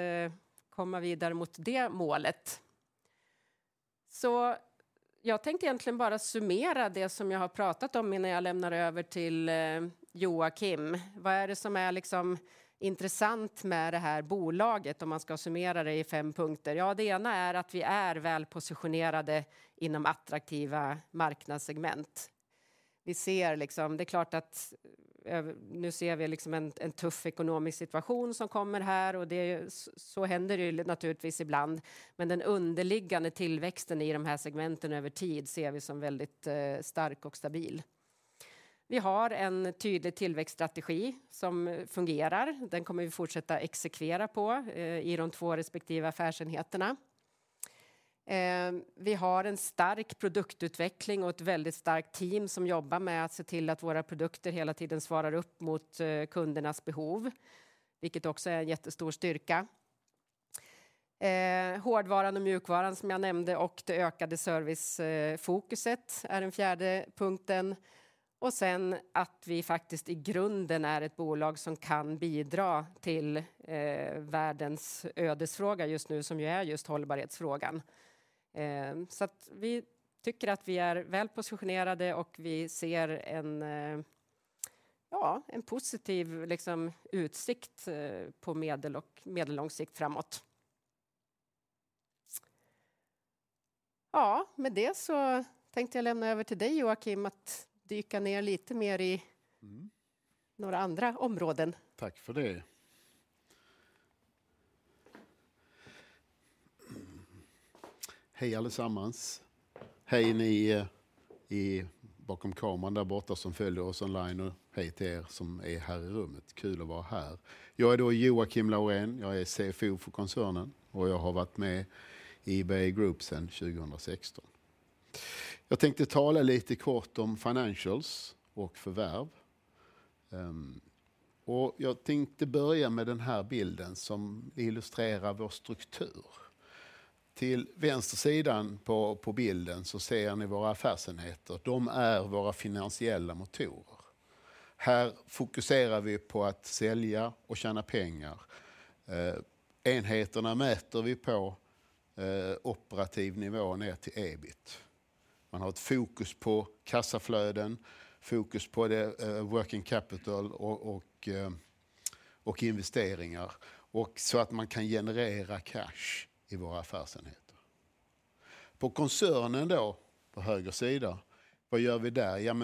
komma vidare mot det målet. Jag tänker egentligen bara summera det som jag har pratat om innan jag lämnar över till Joakim. Vad är det som är liksom intressant med det här bolaget om man ska summera det i 5 punkter? Det ena är att vi är väl positionerade inom attraktiva marknadssegment. Vi ser liksom, det är klart att nu ser vi liksom en tuff ekonomisk situation som kommer här, så händer det ju naturligtvis ibland. Men den underliggande tillväxten i de här segmenten över tid ser vi som väldigt stark och stabil. Vi har en tydlig tillväxtstrategi som fungerar. Den kommer vi fortsätta exekvera på i de 2 respektive affärsenheterna. Vi har en stark produktutveckling och ett väldigt starkt team som jobbar med att se till att våra produkter hela tiden svarar upp mot kundernas behov, vilket också är en jättestor styrka. Hårdvaran och mjukvaran som jag nämnde och det ökade servicefokuset är den 4th punkten. Att vi faktiskt i grunden är ett bolag som kan bidra till världens ödesfråga just nu, som ju är just hållbarhetsfrågan. Så att vi tycker att vi är väl positionerade och vi ser en positiv liksom utsikt på medel- och medellång sikt framåt. Med det så tänkte jag lämna över till dig, Joakim, att dyka ner lite mer i några andra områden. Tack för det. Hej allesammans. Hej ni i, bakom kameran där borta som följer oss online. Hej till er som är här i rummet. Kul att vara här. Jag är då Joakim Laurén. Jag är CFO för koncernen och jag har varit med i Beijer Group sedan 2016. Jag tänkte tala lite kort om financials och förvärv. Jag tänkte börja med den här bilden som illustrerar vår struktur. Till vänster sidan på bilden så ser ni våra affärsenheter. De är våra finansiella motorer. Här fokuserar vi på att sälja och tjäna pengar. Enheterna mäter vi på operativ nivå ner till EBIT. Man har ett fokus på kassaflöden, fokus på working capital och investeringar och så att man kan generera cash i våra affärsenheter. På koncernen då, på höger sida, vad gör vi där?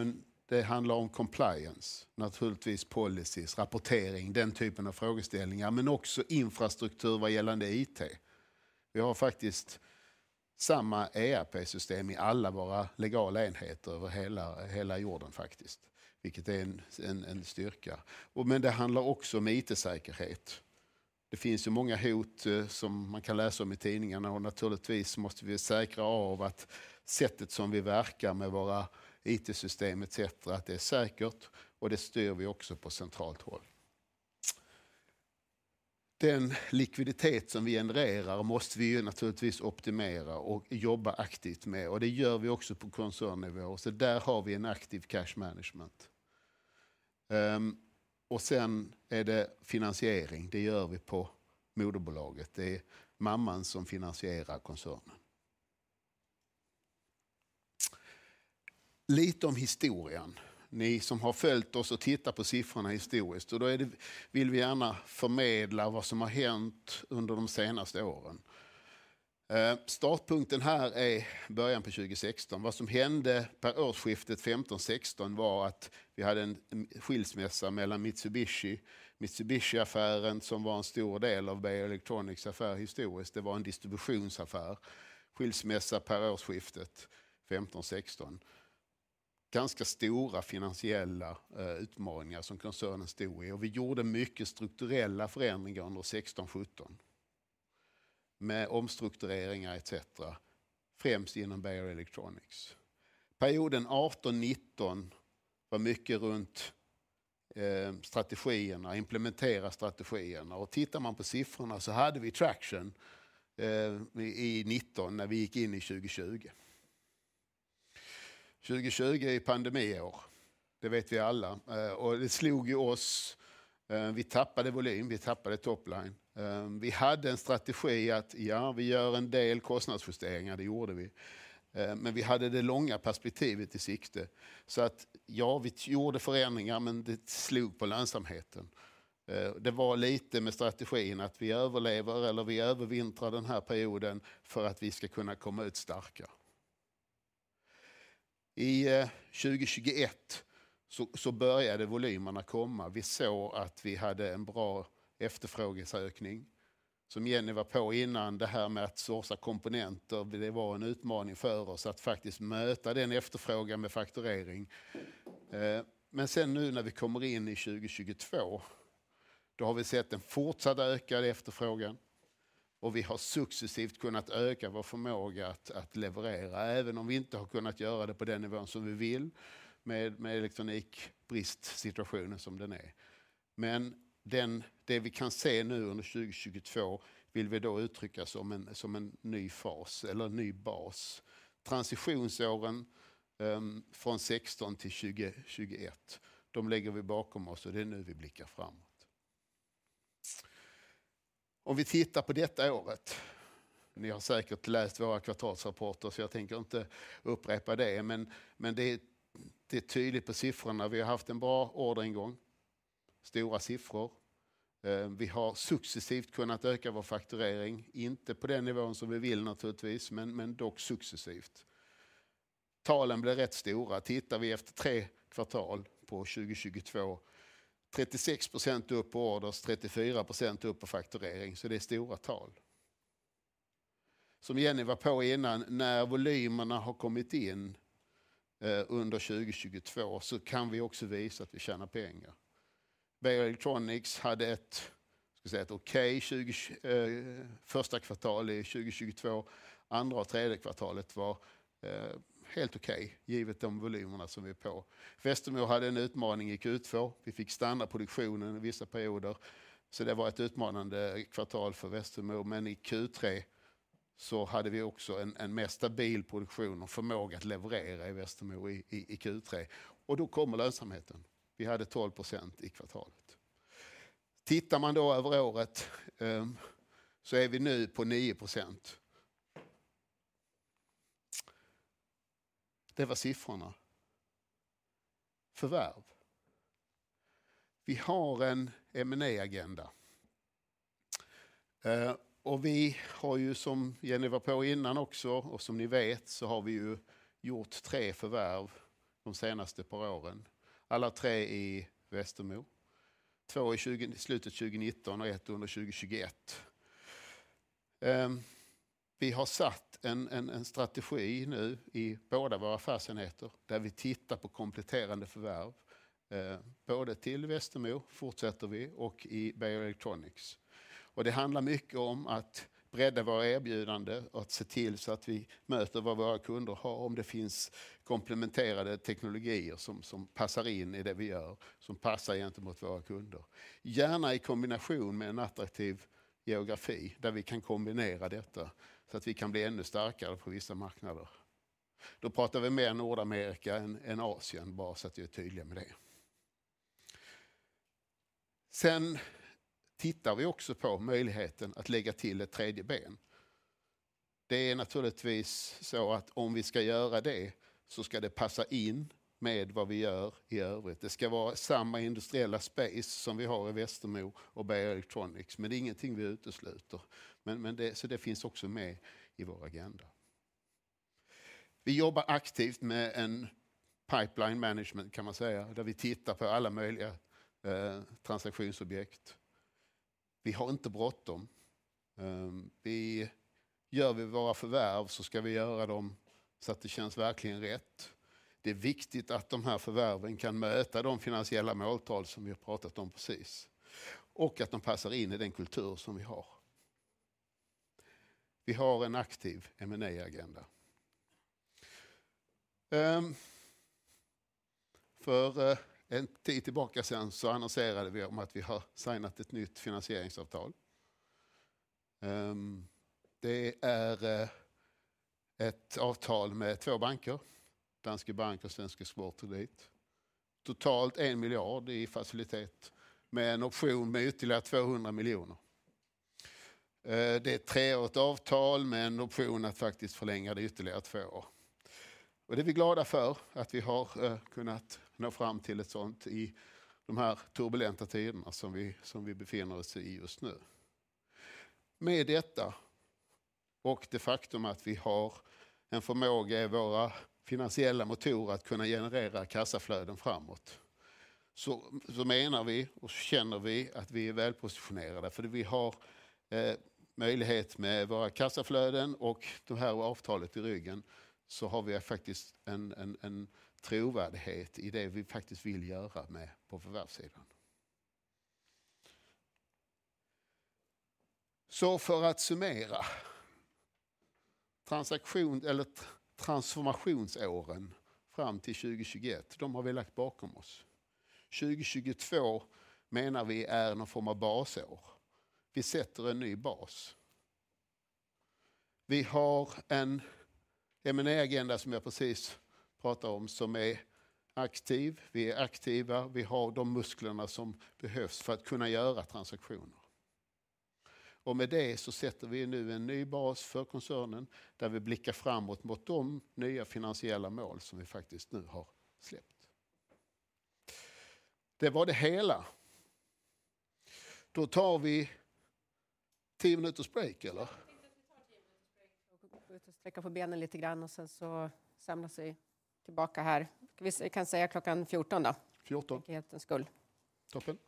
Det handlar om compliance, naturligtvis policies, rapportering, den typen av frågeställningar, men också infrastruktur vad gällande IT. Vi har faktiskt samma ERP-system i alla våra legala enheter över hela jorden faktiskt, vilket är en styrka. Det handlar också om IT-säkerhet. Det finns ju många hot som man kan läsa om i tidningarna och naturligtvis måste vi säkra av att sättet som vi verkar med våra IT-system etc. att det är säkert och det styr vi också på centralt håll. Den likviditet som vi genererar måste vi ju naturligtvis optimera och jobba aktivt med. Det gör vi också på koncernnivå. Där har vi en aktiv cash management. Sen är det finansiering. Det gör vi på moderbolaget. Det är mamman som finansierar koncernen. Lite om historian. Ni som har följt oss och tittar på siffrorna historiskt, vill vi gärna förmedla vad som har hänt under de senaste åren. Startpunkten här är början på 2016. Vad som hände per årsskiftet 2015, 2016 var att vi hade en skilsmässa mellan Mitsubishi. Mitsubishi-affären som var en stor del av BE Electronics affär historiskt. Det var en distributionsaffär. Skilsmässa per årsskiftet 2015, 2016. Ganska stora finansiella utmaningar som koncernen stod i. Vi gjorde mycket strukturella förändringar under 2016, 2017. Med omstruktureringar etc. Främst inom BE Electronics. Perioden 2018, 2019 var mycket runt strategierna, implementera strategierna. Tittar man på siffrorna så hade vi traction i 2019 när vi gick in i 2020. 2020 är pandemiår. Det vet vi alla. Det slog ju oss. Vi tappade volym, vi tappade top line. Vi hade en strategi att ja, vi gör en del kostnadsjusteringar. Det gjorde vi. Vi hade det långa perspektivet i sikte. Ja, vi gjorde förändringar, men det slog på lönsamheten. Det var lite med strategin att vi överlever eller vi övervintrar den här perioden för att vi ska kunna komma ut starka. I 2021 så började volymerna komma. Vi såg att vi hade en bra efterfrågesökning. Som Jenny var på innan, det här med att sourca komponenter, det var en utmaning för oss att faktiskt möta den efterfrågan med fakturering. Nu när vi kommer in i 2022, då har vi sett en fortsatt ökad efterfrågan och vi har successivt kunnat öka vår förmåga att leverera, även om vi inte har kunnat göra det på den nivån som vi vill med elektronikbristsituationen som den är. Det vi kan se nu under 2022 vill vi då uttrycka som en ny fas eller en ny bas. Transitionsåren från 2016 till 2021, de lägger vi bakom oss och det är nu vi blickar framåt. Om vi tittar på detta året. Ni har säkert läst våra kvartalsrapporter. Jag tänker inte upprepa det. Det är tydligt på siffrorna. Vi har haft en bra orderingång, stora siffror. Vi har successivt kunnat öka vår fakturering, inte på den nivån som vi vill naturligtvis, dock successivt. Talen blir rätt stora. Tittar vi efter 3 quarters på 2022, 36% upp på orders, 34% upp på fakturering. Det är stora tal. Som Jenny var på innan, när volymerna har kommit in under 2022 kan vi också visa att vi tjänar pengar. Beijer Electronics hade ett, ska vi säga ett okej första kvartal i 2022. Andra och tredje kvartalet var helt okej givet de volymerna som vi är på. Westermo hade en utmaning i Q2. Vi fick stanna produktionen i vissa perioder, så det var ett utmanande kvartal för Westermo. I Q3 så hade vi också en mer stabil produktion och förmåga att leverera i Westermo i Q3. Då kommer lönsamheten. Vi hade 12% i kvartalet. Tittar man då över året så är vi nu på 9%. Det var siffrorna. Förvärv. Vi har en M&A-agenda. Vi har ju som Jenny var på innan också och som ni vet så har vi ju gjort 3 förvärv de senaste par åren. All 3 i Westermo. 2 i slutet av 2019 och 1 under 2021. Vi har satt en strategi nu i båda våra affärsenheter där vi tittar på kompletterande förvärv, både till Westermo fortsätter vi och i BE Electronics. Det handlar mycket om att bredda våra erbjudande och att se till så att vi möter vad våra kunder har. Om det finns komplementerade teknologier som passar in i det vi gör, som passar gentemot våra kunder. Gärna i kombination med en attraktiv geografi där vi kan kombinera detta så att vi kan bli ännu starkare på vissa marknader. Då pratar vi mer Nordamerika än Asien, bara så att vi är tydliga med det. Tittar vi också på möjligheten att lägga till ett tredje ben. Det är naturligtvis så att om vi ska göra det så ska det passa in med vad vi gör i övrigt. Det ska vara samma industriella space som vi har i Westermo och BE Electronics, men det är ingenting vi utesluter. Det finns också med i vår agenda. Vi jobbar aktivt med en pipeline management kan man säga, där vi tittar på alla möjliga transaktionsobjekt. Vi har inte bråttom. Gör vi våra förvärv så ska vi göra dem så att det känns verkligen rätt. Det är viktigt att de här förvärven kan möta de finansiella måltal som vi har pratat om precis och att de passar in i den kultur som vi har. Vi har en aktiv M&A-agenda. För en tid tillbaka sedan så annonserade vi om att vi har signat ett nytt finansieringsavtal. Det är ett avtal med två banker, Danske Bank och SEB. Totalt 1 billion i facilitet med en option med ytterligare 200 million. Det är ett 3-årigt avtal med en option att faktiskt förlänga det ytterligare 2 år. Det är vi glada för att vi har kunnat nå fram till ett sådant i de här turbulenta tiderna som vi, som vi befinner oss i just nu. Med detta och det faktum att vi har en förmåga i våra finansiella motorer att kunna generera kassaflöden framåt. Vi menar och känner vi att vi är välpositionerade för vi har möjlighet med våra kassaflöden och det här avtalet i ryggen så har vi faktiskt en trovärdighet i det vi faktiskt vill göra med på förvärvssidan. För att summera. Transaktion eller transformationsåren fram till 2021, de har vi lagt bakom oss. 2022 menar vi är någon form av basår. Vi sätter en ny bas. Vi har en M&A agenda som jag precis pratade om som är aktiv. Vi är aktiva, vi har de musklerna som behövs för att kunna göra transaktioner. Med det så sätter vi nu en ny bas för koncernen där vi blickar framåt mot de nya finansiella mål som vi faktiskt nu har släppt. Det var det hela. Tar vi 10 minuters break eller? Jag tänker att vi tar 10 minuters break för att gå ut och sträcka på benen lite grann och sen så samlas vi tillbaka här. Vi kan säga klockan 14:00 då. Fjorton. För enkelhetens skull. Toppen.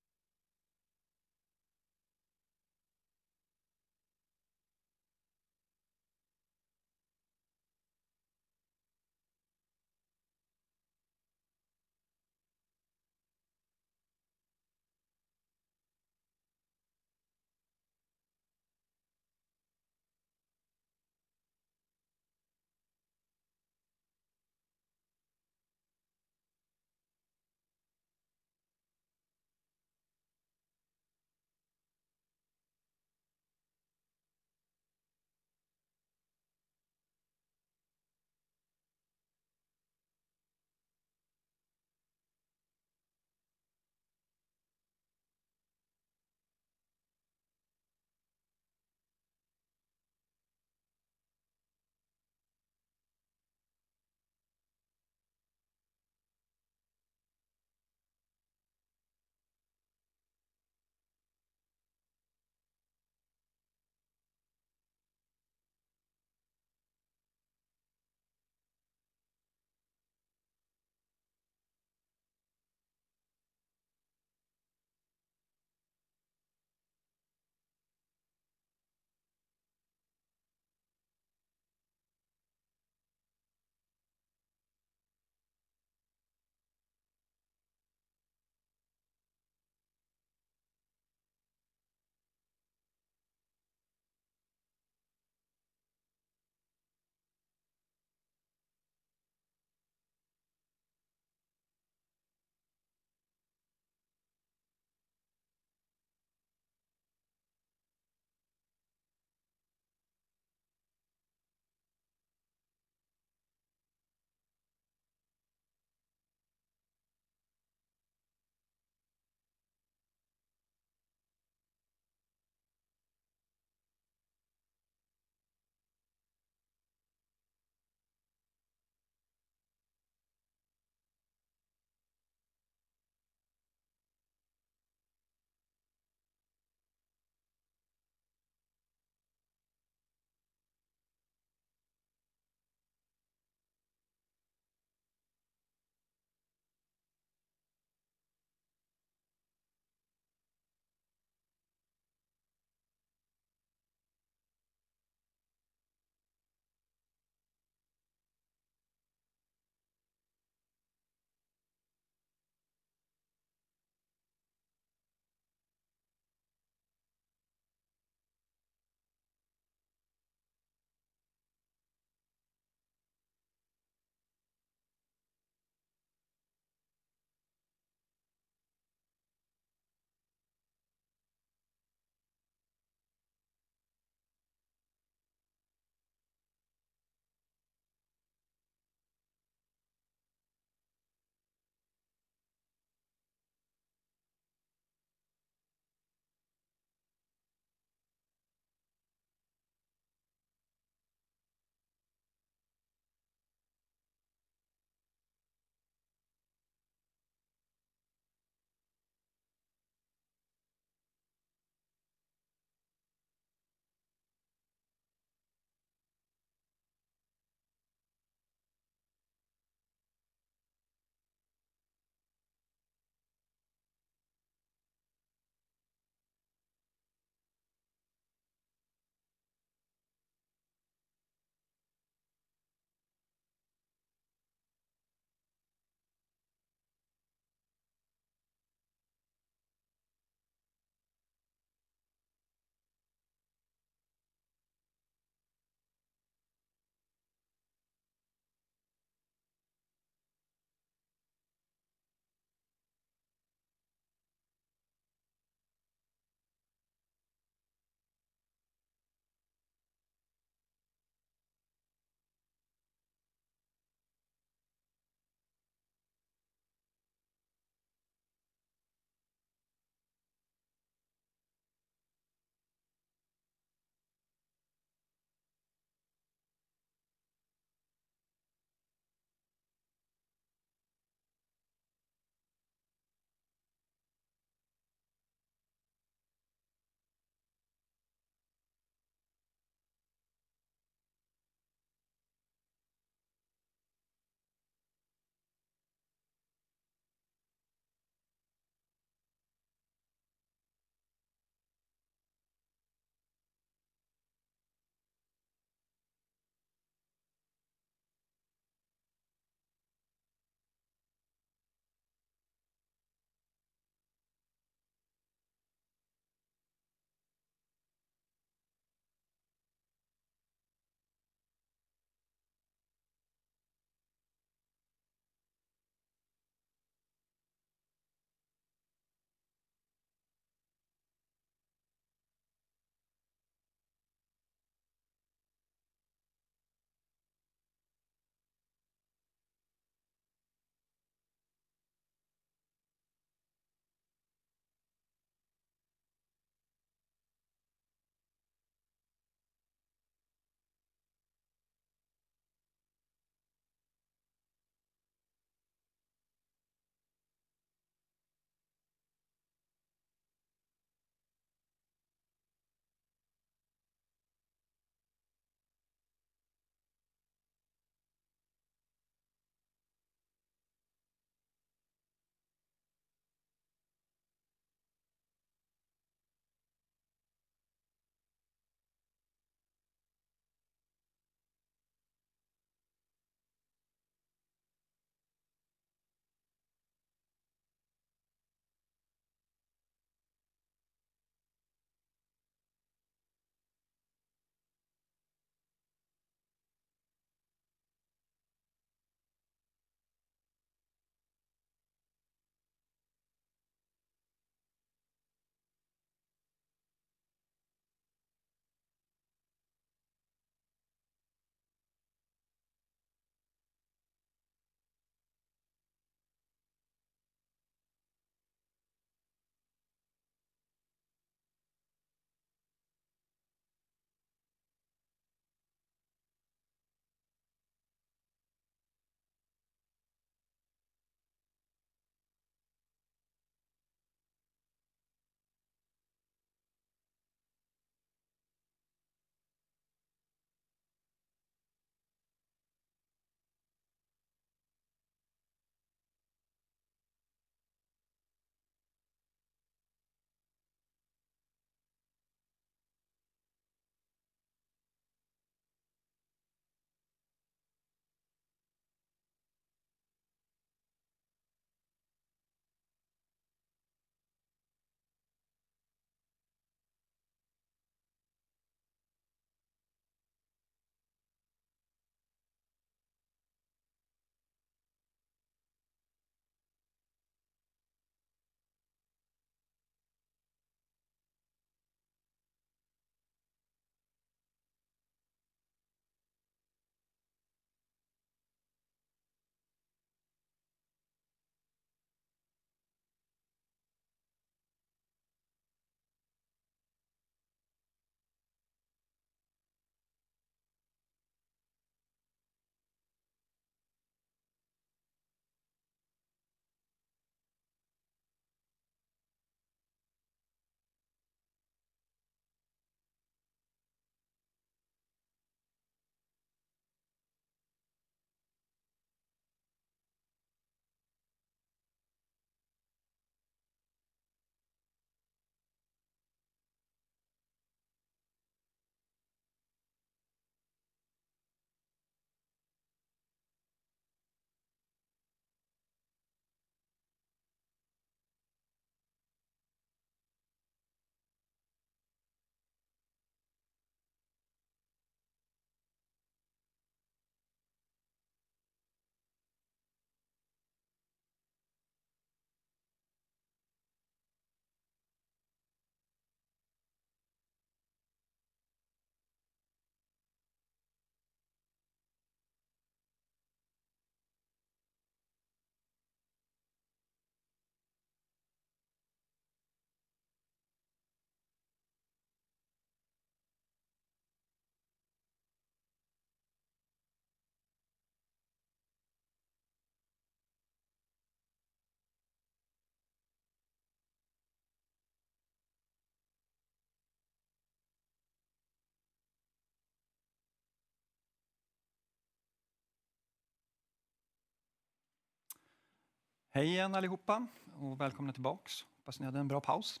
Mm. Hej igen allihopa och välkomna tillbaks. Hoppas ni hade en bra paus.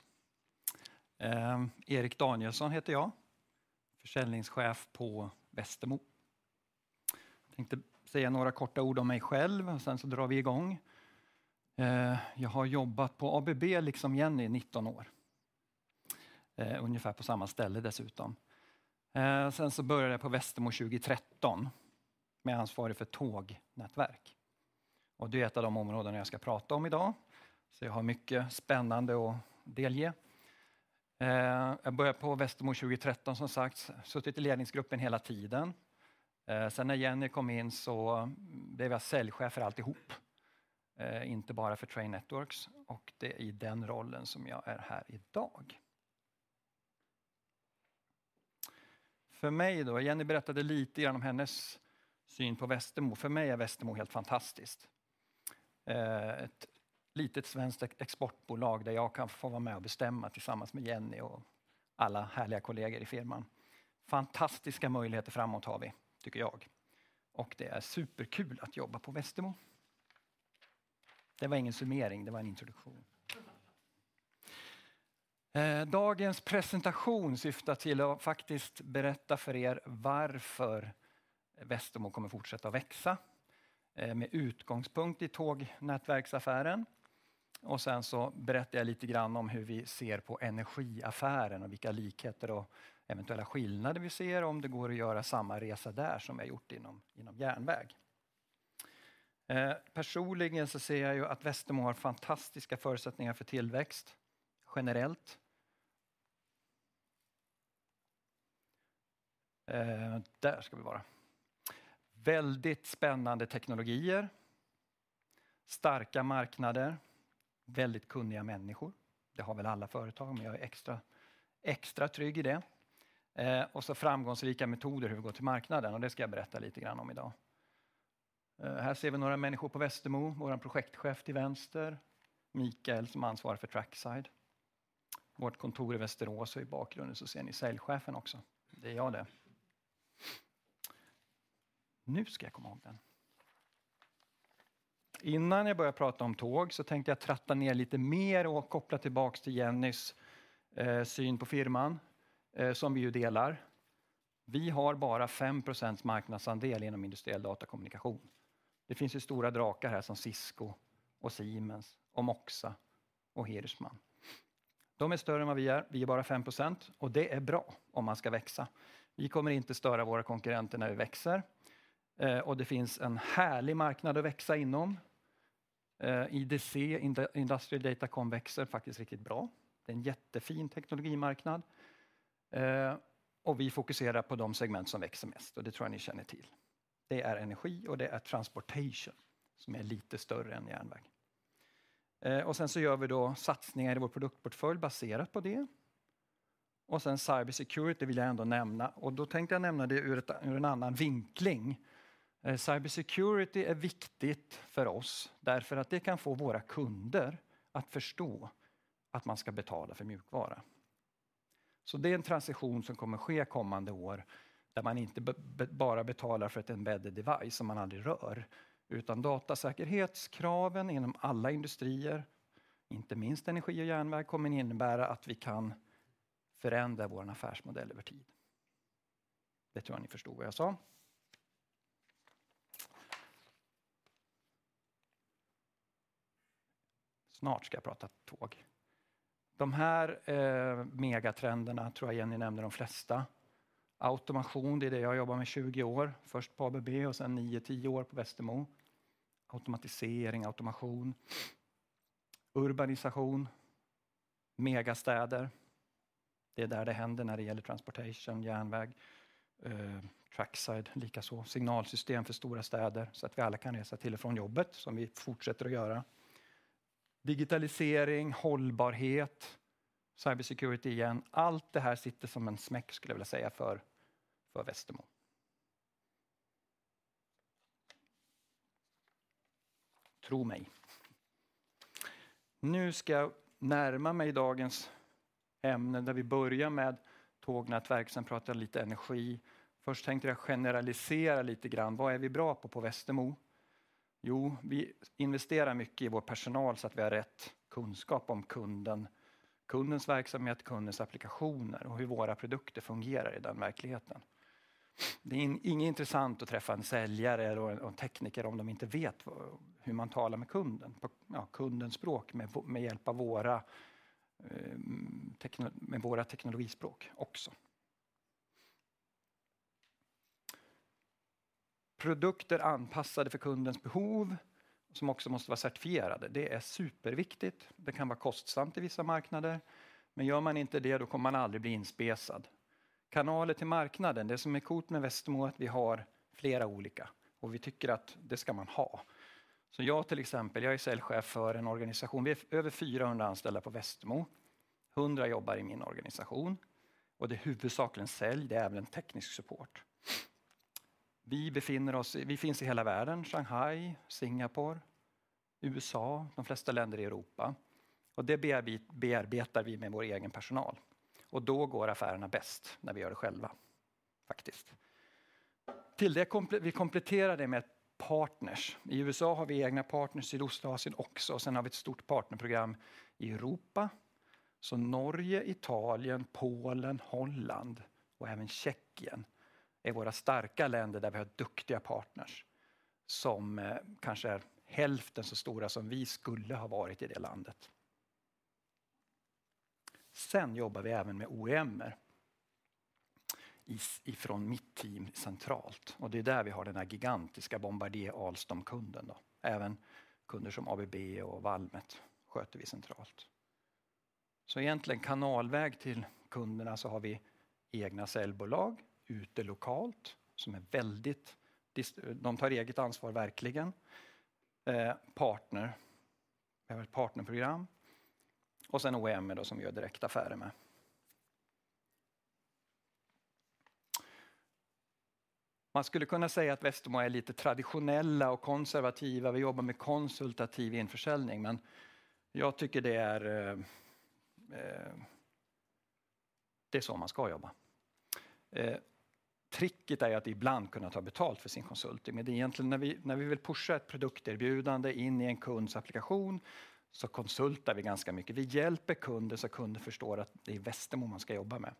Erik Danielsson heter jag, försäljningschef på Westermo. Tänkte säga några korta ord om mig själv och sen så drar vi i gång. Jag har jobbat på ABB liksom Jenny i 19 år. Ungefär på samma ställe dessutom. Började jag på Westermo 2013 med ansvar för tågnätverk. Det är ett av de områden jag ska prata om i dag. Jag har mycket spännande att delge. Jag började på Westermo 2013 som sagt, suttit i ledningsgruppen hela tiden. När Jenny kom in så blev jag säljchef för alltihop, inte bara för Train Networks och det är i den rollen som jag är här i dag. För mig då, Jenny berättade lite grann om hennes syn på Westermo. För mig är Westermo helt fantastiskt. Ett litet svenskt exportbolag där jag kan få vara med och bestämma tillsammans med Jenny och alla härliga kollegor i firman. Fantastiska möjligheter framåt har vi tycker jag. Och det är superkul att jobba på Westermo. Det var ingen summering, det var en introduktion. Dagens presentation syftar till att faktiskt berätta för er varför Westermo kommer fortsätta växa med utgångspunkt i tågnätverksaffären. Och sen så berättar jag lite grann om hur vi ser på energiaffären och vilka likheter och eventuella skillnader vi ser om det går att göra samma resa där som vi har gjort inom järnväg. Personligen så ser jag ju att Westermo har fantastiska förutsättningar för tillväxt generellt. Där ska vi vara. Väldigt spännande teknologier, starka marknader, väldigt kunniga människor. Det har väl alla företag, men jag är extra trygg i det. Framgångsrika metoder hur vi går till marknaden och det ska jag berätta lite grann om idag. Här ser vi några människor på Westermo, våran projektchef till vänster, Mikael, som ansvarar för Trackside. Vårt kontor i Västerås i bakgrunden ser ni säljchefen också. Det är jag det. Nu ska jag komma ihåg den. Innan jag börjar prata om tåg tänkte jag tratta ner lite mer och koppla tillbaks till Jenny's syn på firman som vi ju delar. Vi har bara 5% marknadsandel inom Industrial Data Communications. Det finns ju stora drakar här som Cisco och Siemens och Moxa och Hirschmann. De är större än vad vi är. Vi är bara 5% det är bra om man ska växa. Vi kommer inte störa våra konkurrenter när vi växer. Det finns en härlig marknad att växa inom. IDC, Industrial Data Com växer faktiskt riktigt bra. Det är en jättefin teknologimarknad. Vi fokuserar på de segment som växer mest och det tror jag ni känner till. Det är energi och det är transportation som är lite större än järnväg. Sen så gör vi då satsningar i vår produktportfölj baserat på det. Sen cybersecurity vill jag ändå nämna och då tänkte jag nämna det ur ett, ur en annan vinkling. Cybersecurity är viktigt för oss därför att det kan få våra kunder att förstå att man ska betala för mjukvara. Det är en transition som kommer ske kommande år där man inte bara betalar för ett embedded device som man aldrig rör, utan datasäkerhetskraven inom alla industrier, inte minst energi och järnväg, kommer innebära att vi kan förändra vår affärsmodell över tid. Det tror jag ni förstod vad jag sa. Snart ska jag prata tåg. De här megatrenderna tror jag Jenny nämnde de flesta. Automation, det är det jag har jobbat med i 20 år. Först på ABB och sen 9, 10 år på Westermo. Automatisering, automation, urbanisation, megastäder. Det är där det händer när det gäller transportation, järnväg, Trackside likaså. Signalsystem för stora städer så att vi alla kan resa till och från jobbet som vi fortsätter att göra. Digitalisering, hållbarhet, cybersecurity igen. Allt det här sitter som en smäck skulle jag vilja säga för Westermo. Tro mig. Nu ska jag närma mig dagens ämne där vi börjar med tågnätverk, sen pratar jag lite energi. Först tänkte jag generalisera lite grann. Vad är vi bra på Westermo? Jo, vi investerar mycket i vår personal så att vi har rätt kunskap om kunden, kundens verksamhet, kundens applikationer och hur våra produkter fungerar i den verkligheten. Det är inte intressant att träffa en säljare eller en tekniker om de inte vet va, hur man talar med kunden på, ja kundens språk med hjälp av våra teknologispråk också. Produkter anpassade för kundens behov som också måste vara certifierade. Det är superviktigt. Det kan vara kostsamt i vissa marknader, men gör man inte det, då kommer man aldrig bli inspesad. Kanaler till marknaden. Det som är coolt med Westermo är att vi har flera olika och vi tycker att det ska man ha. Jag till exempel, jag är säljchef för en organisation. Vi är över 400 anställda på Westermo. 100 jobbar i min organisation och det är huvudsakligen sälj. Det är även teknisk support. Vi befinner oss i, vi finns i hela världen, Shanghai, Singapore, USA, de flesta länder i Europa. Det bearbetar vi med vår egen personal. Då går affärerna bäst när vi gör det själva. Faktiskt. Till det, vi kompletterar det med partners. I USA har vi egna partners, i Sydostasien också. Vi har ett stort partnerprogram i Europa. Norge, Italien, Polen, Holland och även Tjeckien är våra starka länder där vi har duktiga partners som kanske är hälften så stora som vi skulle ha varit i det landet. Vi jobbar även med OEM:er ifrån mitt team centralt. Det är där vi har den här gigantiska Bombardier Alstom-kunden då. Även kunder som ABB och Valmet sköter vi centralt. Egentligen kanalväg till kunderna så har vi egna säljbolag ute lokalt som är väldigt, de tar eget ansvar verkligen. Partner. Vi har ett partnerprogram och sen OEM då som vi gör direkt affärer med. Man skulle kunna säga att Westermo är lite traditionella och konservativa. Vi jobbar med konsultativ införsäljning, men jag tycker det är, det är så man ska jobba. Tricket är att ibland kunna ta betalt för sin konsulting, men det är egentligen när vi, när vi vill pusha ett produkterbjudande in i en kunds applikation så konsultar vi ganska mycket. Vi hjälper kunden så kunden förstår att det är Westermo man ska jobba med.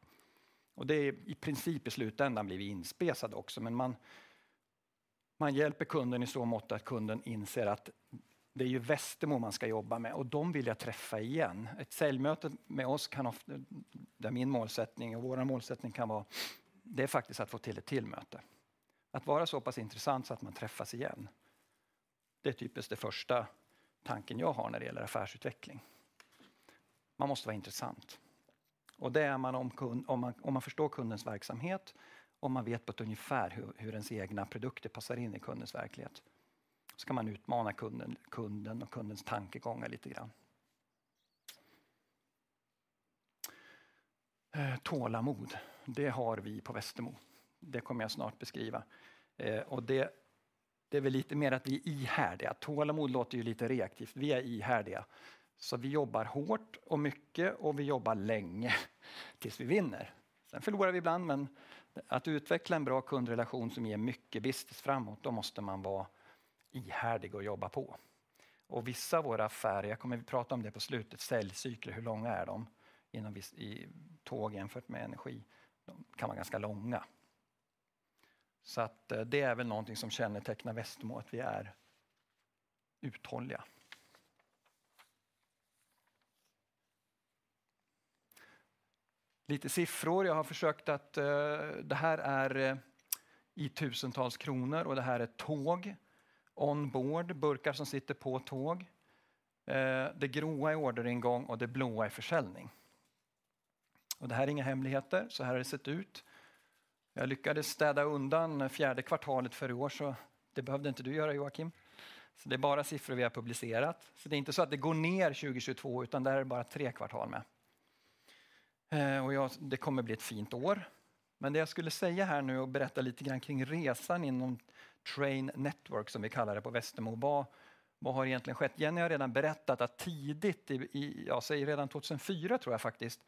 Det är i princip i slutändan blir vi inspesade också. Man hjälper kunden i så måtta att kunden inser att det är ju Westermo man ska jobba med och dem vill jag träffa igen. Ett säljmöte med oss kan ofta, det är min målsättning och vår målsättning kan vara, det är faktiskt att få till ett till möte. Att vara så pass intressant så att man träffas igen. Det är typiskt det första tanken jag har när det gäller affärsutveckling. Man måste vara intressant och det är man om kund, om man, om man förstår kundens verksamhet, om man vet på ett ungefär hur ens egna produkter passar in i kundens verklighet. Kan man utmana kunden och kundens tankegångar lite grann. Tålamod, det har vi på Westermo. Det kommer jag snart beskriva. Det, det är väl lite mer att vi är ihärdiga. Tålamod låter ju lite reaktivt. Vi är ihärdiga. Vi jobbar hårt och mycket och vi jobbar länge tills vi vinner. Sen förlorar vi ibland. Att utveckla en bra kundrelation som ger mycket business framåt, då måste man vara ihärdig och jobba på. Vissa av våra affärer, jag kommer att prata om det på slutet. Säljcykler, hur långa är de inom visst, i tåg jämfört med energi? De kan vara ganska långa. Det är väl någonting som kännetecknar Westermo att vi är uthålliga. Lite siffror. Jag har försökt att, det här är i SEK thousands och det här är tåg on board, burkar som sitter på tåg. Det gråa är orderingång och det blåa är försäljning. Det här är inga hemligheter. Så här har det sett ut. Jag lyckades städa undan fourth quarter för i år, så det behövde inte du göra Joakim. Det är bara siffror vi har publicerat. Det är inte så att det går ner 2022, utan där är det bara 3 quarters med. Det kommer bli ett fint år. Det jag skulle säga här nu och berätta lite grann kring resan inom Train Network som vi kallar det på Westermo. Vad har egentligen skett? Jenny har redan berättat att tidigt redan 2004 tror jag faktiskt,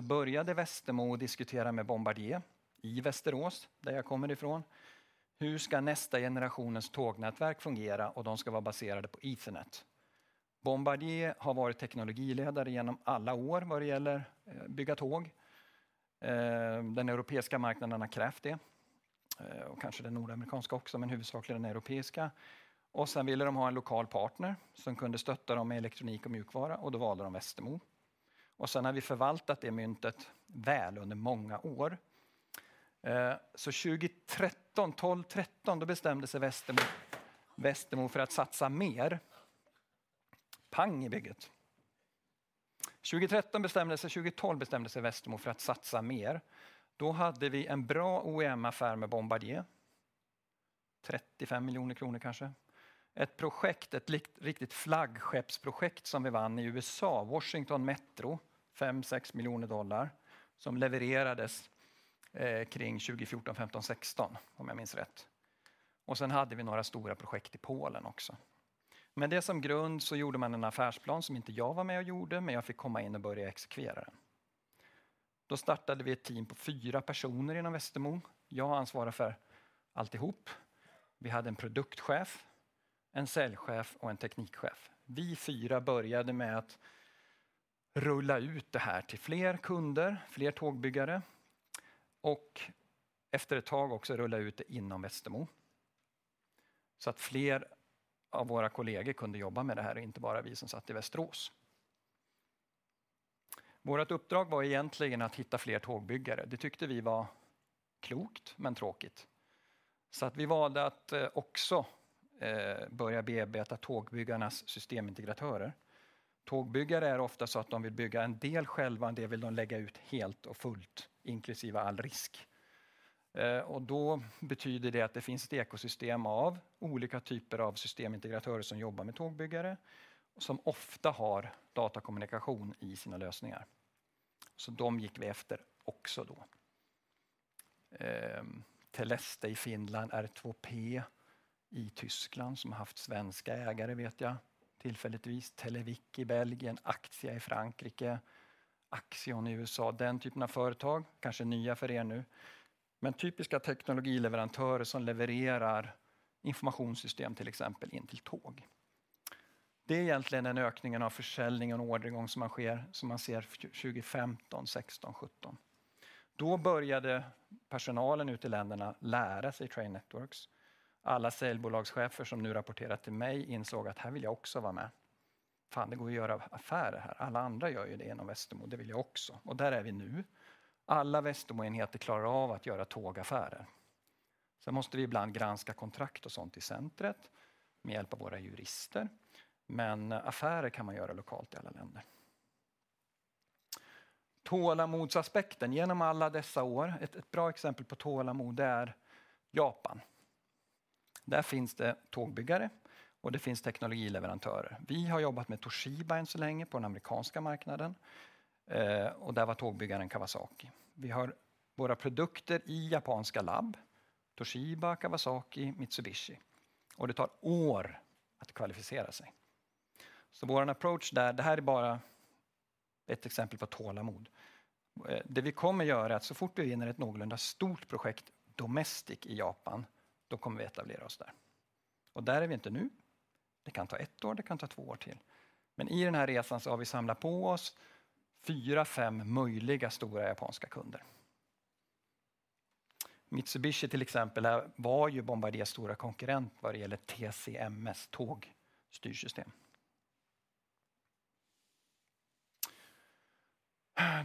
började Westermo diskutera med Bombardier i Västerås, där jag kommer ifrån. Hur ska nästa generationens tågnätverk fungera? De ska vara baserade på Ethernet. Bombardier har varit teknologiledare genom alla år vad det gäller bygga tåg. Den europeiska marknaden har krävt det och kanske den nordamerikanska också, men huvudsakligen den europeiska. Sen ville de ha en lokal partner som kunde stötta dem med elektronik och mjukvara då valde de Westermo. Sen har vi förvaltat det myntet väl under många år. 2013, 2012, 2013, då bestämde sig Westermo för att satsa mer. Pang i bygget. 2012 bestämde sig Westermo för att satsa mer. Då hade vi en bra OEM-affär med Bombardier. 35 million kronor, kanske. Ett projekt, ett riktigt flaggskeppsprojekt som vi vann i USA, Washington Metro, $5 million-$6 million som levererades kring 2014, 2015, 2016 om jag minns rätt. Sen hade vi några stora projekt i Polen också. Med det som grund gjorde man en affärsplan som inte jag var med och gjorde, men jag fick komma in och börja exekvera den. Vi startade ett team på 4 personer inom Westermo. Jag ansvarar för alltihop. Vi hade en produktchef, en säljchef och en teknikchef. Vi 4 började med att rulla ut det här till fler kunder, fler tågbyggare och efter ett tag också rulla ut det inom Westermo. Fler av våra kollegor kunde jobba med det här och inte bara vi som satt i Västerås. Vårat uppdrag var egentligen att hitta fler tågbyggare. Det tyckte vi var klokt men tråkigt. Vi valde att också börja bearbeta tågbyggarnas systemintegratörer. Tågbyggare är ofta så att de vill bygga en del själva, en del vill de lägga ut helt och fullt, inklusive all risk. Och då betyder det att det finns ett ekosystem av olika typer av systemintegratörer som jobbar med tågbyggare som ofta har datakommunikation i sina lösningar. De gick vi efter också då. Teleste i Finland, r2p i Tyskland som haft svenska ägare vet jag tillfälligtvis. Televic i Belgien, ACTIA i Frankrike, Axiomtek i USA, den typen av företag. Kanske nya för er nu, men typiska teknologileverantörer som levererar informationssystem, till exempel in till tåg. Det är egentligen den ökningen av försäljning och orderingång som sker, som man ser 2015, 2016, 2017. Då började personalen ute i länderna lära sig Train Networks. Alla säljbolagschefer som nu rapporterar till mig insåg att här vill jag också vara med. Fan, det går ju att göra affärer här. Alla andra gör ju det inom Westermo. Det vill jag också. Där är vi nu. Alla Westermoenheter klarar av att göra tågaffärer. Måste vi ibland granska kontrakt och sånt i centret med hjälp av våra jurister. Affärer kan man göra lokalt i alla länder. Tålamodsaspekten genom alla dessa år. Ett bra exempel på tålamod, det är Japan. Där finns det tågbyggare och det finns teknologileverantörer. Vi har jobbat med Toshiba än så länge på den amerikanska marknaden och där var tågbyggaren Kawasaki. Vi har våra produkter i japanska labb, Toshiba, Kawasaki, Mitsubishi och det tar år att kvalificera sig. Vår approach där, det här är bara ett exempel på tålamod. Det vi kommer göra är att så fort vi vinner ett någorlunda stort projekt domestic i Japan, då kommer vi etablera oss där. Där är vi inte nu. Det kan ta 1 år, det kan ta 2 år till. I den här resan så har vi samlat på oss 4, 5 möjliga stora japanska kunder. Mitsubishi, till exempel, var ju Bombardiers stora konkurrent vad det gäller TCMS-tåg, styrsystem.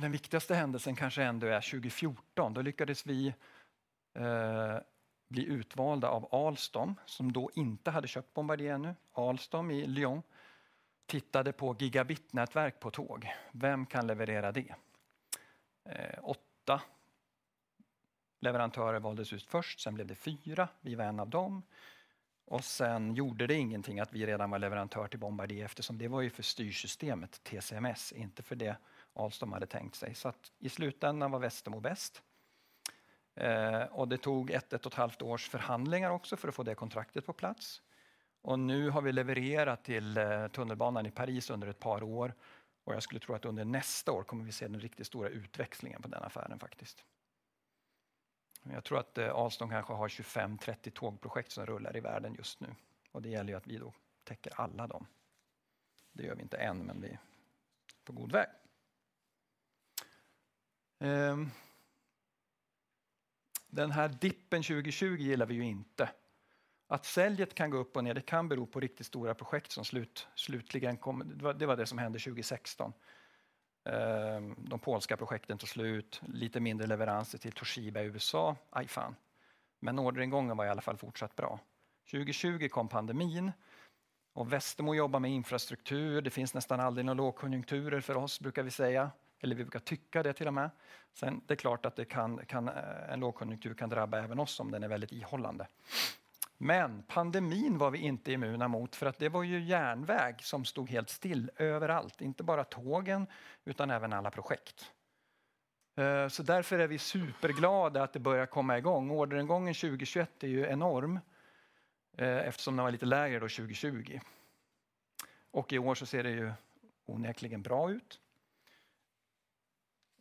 Den viktigaste händelsen kanske ändå är 2014. Då lyckades vi bli utvalda av Alstom, som då inte hade köpt Bombardier ännu. Alstom i Lyon tittade på gigabitnätverk på tåg. Vem kan leverera det? 8 leverantörer valdes ut först, sen blev det 4. Vi var en av dem. Sen gjorde det ingenting att vi redan var leverantör till Bombardier eftersom det var ju för styrsystemet TCMS, inte för det Alstom hade tänkt sig. I slutändan var Västerås bäst. Det tog 1 och ett halvt års förhandlingar också för att få det kontraktet på plats. Nu har vi levererat till tunnelbanan i Paris under ett par år och jag skulle tro att under nästa år kommer vi se den riktigt stora utväxlingen på den affären faktiskt. Jag tror att Alstom kanske har 25, 30 tågprojekt som rullar i världen just nu och det gäller ju att vi då täcker alla dem. Det gör vi inte än, men vi är på god väg. Den här dippen 2020 gillar vi ju inte. Att säljet kan gå upp och ner, det kan bero på riktigt stora projekt som slutligen kommer. Det var det som hände 2016. De polska projekten tog slut, lite mindre leveranser till Toshiba i USA. Aj fan. Orderingången var i alla fall fortsatt bra. 2020 kom pandemin. Westermo jobbar med infrastruktur. Det finns nästan aldrig några lågkonjunkturer för oss brukar vi säga. Vi brukar tycka det till och med. Det är klart att det kan en lågkonjunktur kan drabba även oss om den är väldigt ihållande. Pandemin var vi inte immuna mot för att det var ju järnväg som stod helt still överallt. Inte bara tågen, utan även alla projekt. Därför är vi superglada att det börjar komma i gång. Orderingången 2021 är ju enorm, eftersom den var lite lägre då 2020. I år ser det ju onekligen bra ut.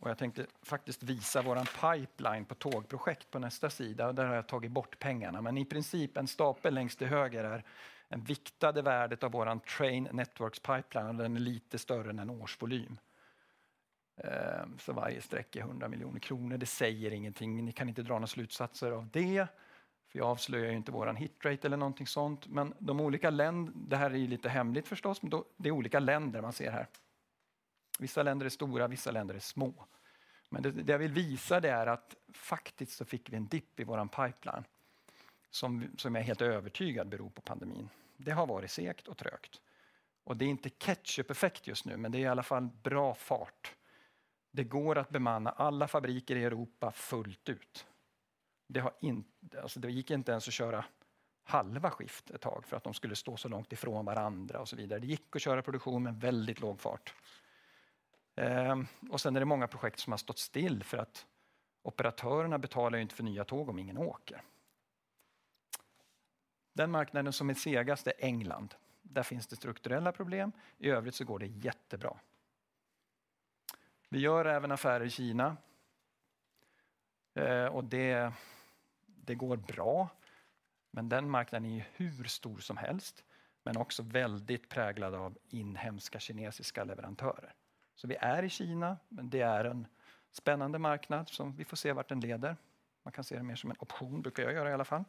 Jag tänkte faktiskt visa vår pipeline på tågprojekt på nästa sida. Där har jag tagit bort pengarna. I princip en stapel längst till höger är den viktade värdet av vår Train Networks pipeline och den är lite större än en årsvolym. Varje streck är 100 million kronor. Det säger ingenting. Ni kan inte dra några slutsatser av det för jag avslöjar ju inte vår hit rate eller någonting sånt. Det här är ju lite hemligt förstås, men det är olika länder man ser här. Vissa länder är stora, vissa länder är små. Det jag vill visa det är att faktiskt så fick vi en dipp i vår pipeline som jag är helt övertygad beror på pandemin. Det har varit segt och trögt och det är inte ketchup effect just now, men det är i alla fall bra fart. Det går att bemanna alla fabriker i Europa fullt ut. Det har Alltså, det gick inte ens att köra halva skift ett tag för att de skulle stå så långt ifrån varandra och så vidare. Det gick att köra produktion, men väldigt låg fart. Det är många projekt som har stått still för att operatörerna betalar ju inte för nya tåg om ingen åker. Den marknaden som är segast är England. Där finns det strukturella problem. I övrigt går det jättebra. Vi gör även affärer i Kina. Det går bra. Den marknaden är ju hur stor som helst, men också väldigt präglad av inhemska kinesiska leverantörer. Vi är i Kina, men det är en spännande marknad som vi får se vart den leder. Man kan se det mer som en option brukar jag göra i alla fall.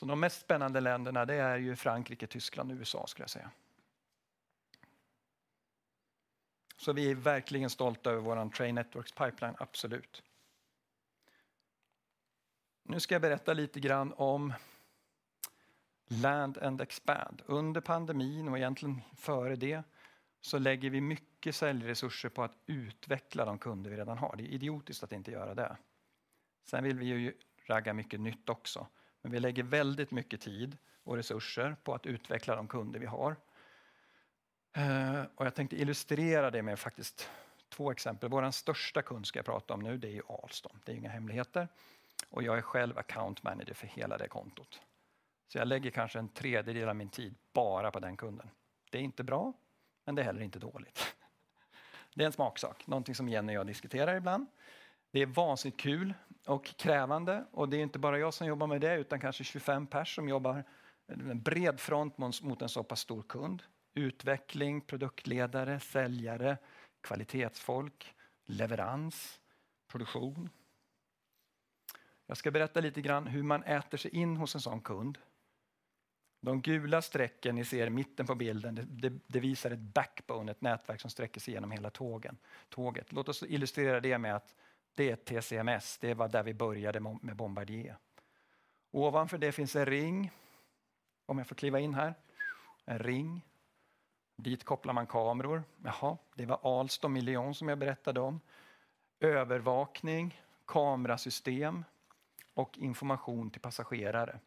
De mest spännande länderna, det är ju Frankrike, Tyskland och U.S. skulle jag säga. Vi är verkligen stolta över vår Train Networks pipeline, absolut. Nu ska jag berätta lite grann om land and expand. Under pandemin och egentligen före det så lägger vi mycket säljresurser på att utveckla de kunder vi redan har. Det är idiotiskt att inte göra det. Vill vi ju ragga mycket nytt också, men vi lägger väldigt mycket tid och resurser på att utveckla de kunder vi har. Jag tänkte illustrera det med faktiskt två exempel. Vår största kund ska jag prata om nu, det är ju Alstom. Det är inga hemligheter och jag är själv account manager för hela det kontot. Jag lägger kanske en tredjedel av min tid bara på den kunden. Det är inte bra, men det är heller inte dåligt. Det är en smaksak, någonting som Jenny och jag diskuterar ibland. Det är vansinnigt kul och krävande och det är inte bara jag som jobbar med det, utan kanske 25 personer som jobbar en bred front mot en så pass stor kund. Utveckling, produktledare, säljare, kvalitetsfolk, leverans, produktion. Jag ska berätta lite grann hur man äter sig in hos en sådan kund. De gula strecken ni ser i mitten på bilden, det visar ett backbone, ett nätverk som sträcker sig igenom hela tåget. Låt oss illustrera det med att det är ett TCMS. Det var där vi började med Bombardier. Ovanför det finns en ring. Om jag får kliva in här. En ring. Dit kopplar man kameror. Jaha, det var Alstom i Lyon som jag berättade om. Övervakning, kamerasystem och information till passagerare.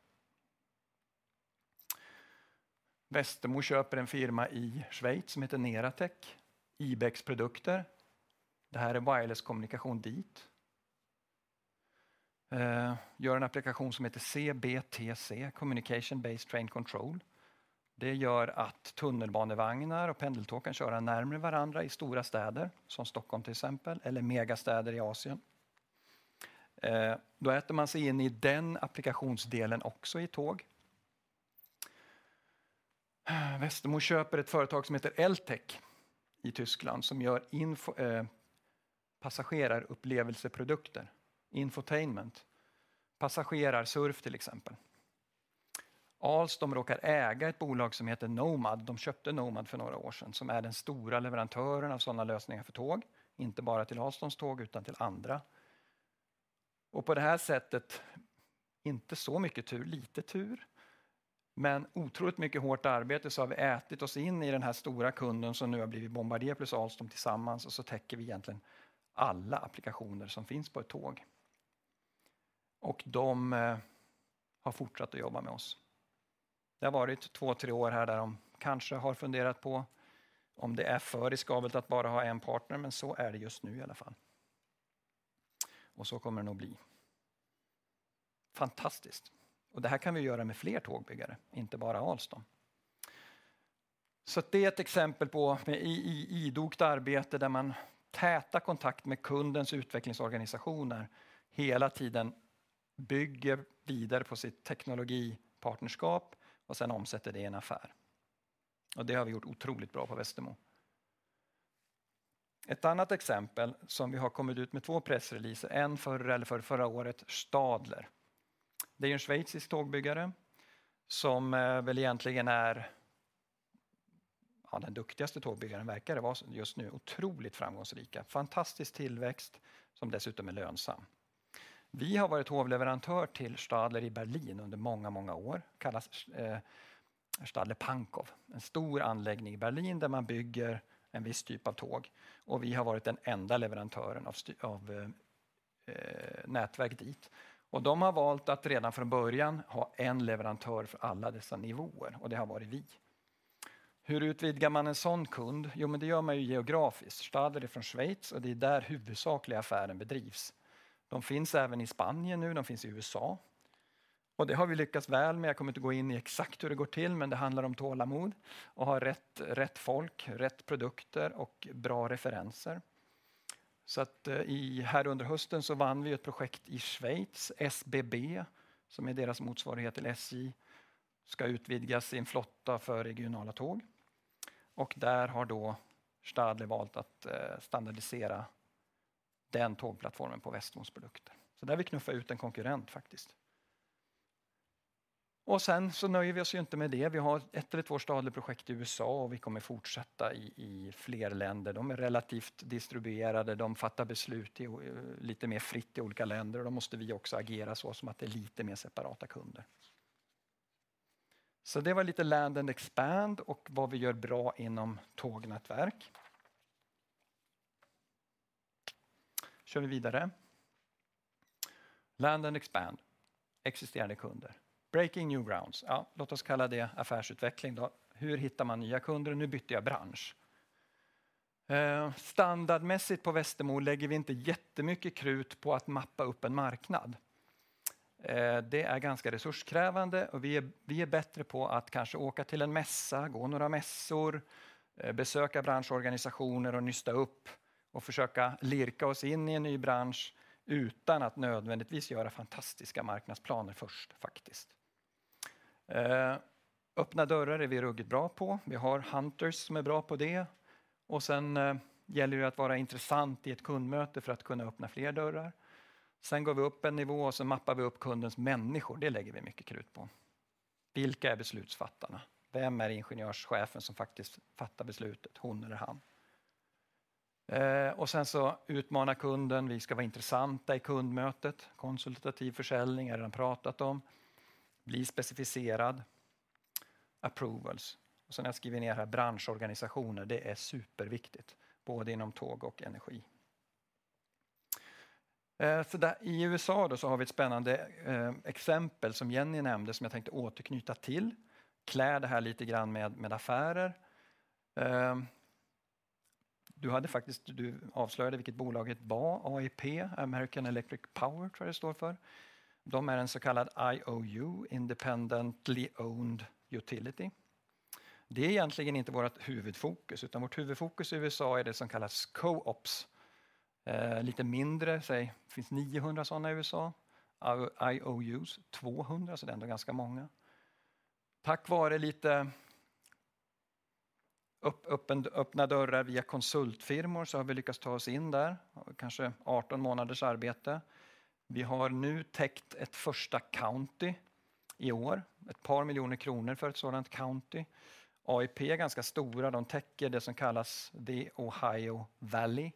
Västerås köper en firma i Schweiz som heter Neratec, Ibex-produkter. Det här är wireless communication dit. Gör en applikation som heter CBTC, Communications-Based Train Control. Det gör att tunnelbanevagnar och pendeltåg kan köra närmare varandra i stora städer som Stockholm till exempel, eller megastäder i Asia. Då äter man sig in i den applikationsdelen också i tåg. Westermo köper ett företag som heter Eltec i Germany som gör info, passenger experience products, infotainment, passenger surf till exempel. Alstom råkar äga ett bolag som heter Nomad. De köpte Nomad för några år sedan som är den stora leverantören av sådana lösningar för tåg. Inte bara till Alstom's tåg utan till andra. På det här sättet, inte så mycket tur, lite tur, men otroligt mycket hårt arbete så har vi ätit oss in i den här stora kunden som nu har blivit Bombardier plus Alstom tillsammans. Så täcker vi egentligen alla applikationer som finns på ett tåg. De har fortsatt att jobba med oss. Det har varit 2, 3 år här där de kanske har funderat på om det är för riskabelt att bara ha en partner, men så är det just nu i alla fall. Så kommer det nog bli. Fantastiskt. Det här kan vi göra med fler tågbyggare, inte bara Alstom. Det är ett exempel på idogt arbete där man täta kontakt med kundens utvecklingsorganisationer hela tiden bygger vidare på sitt teknologipartnerskap och sen omsätter det i en affär. Det har vi gjort otroligt bra på Westermo. Ett annat exempel som vi har kommit ut med 2 press releases, en förr eller förrförra året, Stadler. Det är ju en schweizisk tågbyggare som väl egentligen är, ja den duktigaste tågbyggaren verkar det vara just nu. Otroligt framgångsrika, fantastisk tillväxt som dessutom är lönsam. Vi har varit hovleverantör till Stadler i Berlin under många år. Kallas Stadler Pankow. En stor anläggning i Berlin där man bygger en viss typ av tåg och vi har varit den enda leverantören av network dit. De har valt att redan från början ha en leverantör för alla dessa nivåer och det har varit vi. Hur utvidgar man en sådan kund? Det gör man ju geografiskt. Stadler är från Switzerland och det är där huvudsakliga affären bedrivs. De finns även i Spain nu, de finns i USA. Det har vi lyckats väl med. Jag kommer inte gå in i exakt hur det går till, men det handlar om tålamod och ha rätt folk, rätt produkter och bra referenser. Här under hösten så vann vi ett projekt i Switzerland. SBB, som är deras motsvarighet till SJ, ska utvidga sin flotta för regionala tåg. Där har då Stadler valt att standardisera den tågplattformen på Westermo's produkter. Där vi knuffar ut en konkurrent faktiskt. Nöjer vi oss ju inte med det. Vi har ett eller två Stadler projects i USA och vi kommer fortsätta i fler länder. De är relativt distribuerade. De fattar beslut lite mer fritt i olika länder. Då måste vi också agera så som att det är lite mer separata kunder. Det var lite land and expand och vad vi gör bra inom Train Networks. Kör vi vidare. Land and expand, existerande kunder. Breaking new grounds. Låt oss kalla det affärsutveckling då. Hur hittar man nya kunder? Bytte jag bransch. Standardmässigt på Westermo lägger vi inte jättemycket krut på att mappa upp en marknad. Det är ganska resurskrävande och vi är bättre på att kanske åka till en mässa, gå några mässor, besöka branschorganisationer och nysta upp och försöka lirka oss in i en ny bransch utan att nödvändigtvis göra fantastiska marknadsplaner först faktiskt. Öppna dörrar är vi ruggigt bra på. Vi har hunters som är bra på det och sen gäller det att vara intressant i ett kundmöte för att kunna öppna fler dörrar. Går vi upp en nivå och så mappar vi upp kundens människor. Det lägger vi mycket krut på. Vilka är beslutsfattarna? Vem är ingenjörschefen som faktiskt fattar beslutet? Hon eller han. Utmana kunden. Vi ska vara intressanta i kundmötet. Konsultativ försäljning har jag redan pratat om. Bli specificerad. Approvals. Har jag skrivit ner här branschorganisationer. Det är superviktigt, både inom tåg och energi. Där i U.S.A. har vi ett spännande exempel som Jenny nämnde, som jag tänkte återknyta till. Klä det här lite grann med affärer. Du hade faktiskt, du avslöjade vilket bolaget var. AEP, American Electric Power tror jag det står för. De är en så kallad IOU, independently owned utility. Det är egentligen inte vårt huvudfokus, utan vårt huvudfokus i U.S.A. är det som kallas co-ops. Lite mindre, säg det finns 900 sådana i U.S.A. IOUs 200, det är ändå ganska många. Tack vare lite öppna dörrar via konsultfirmor har vi lyckats ta oss in där. Kanske 18 månaders arbete. Vi har nu täckt ett first county i år. Ett par million SEK för ett sådant county. AEP är ganska stora. De täcker det som kallas The Ohio Valley.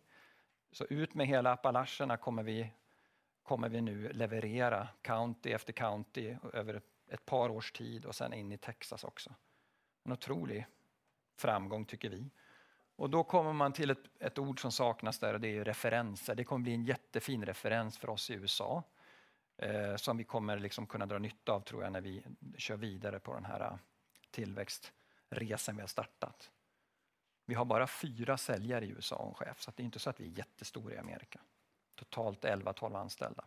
Ut med hela Appalacherna kommer vi nu leverera county efter county över ett par års tid och sen in i Texas också. En otrolig framgång tycker vi. Då kommer man till ett ord som saknas där och det är ju referenser. Det kommer bli en jättefin referens för oss i USA, som vi kommer liksom kunna dra nytta av tror jag, när vi kör vidare på den här tillväxtresan vi har startat. Vi har bara 4 säljare i USA och en chef, så det är inte så att vi är jättestora i Amerika. Totalt 11, 12 anställda.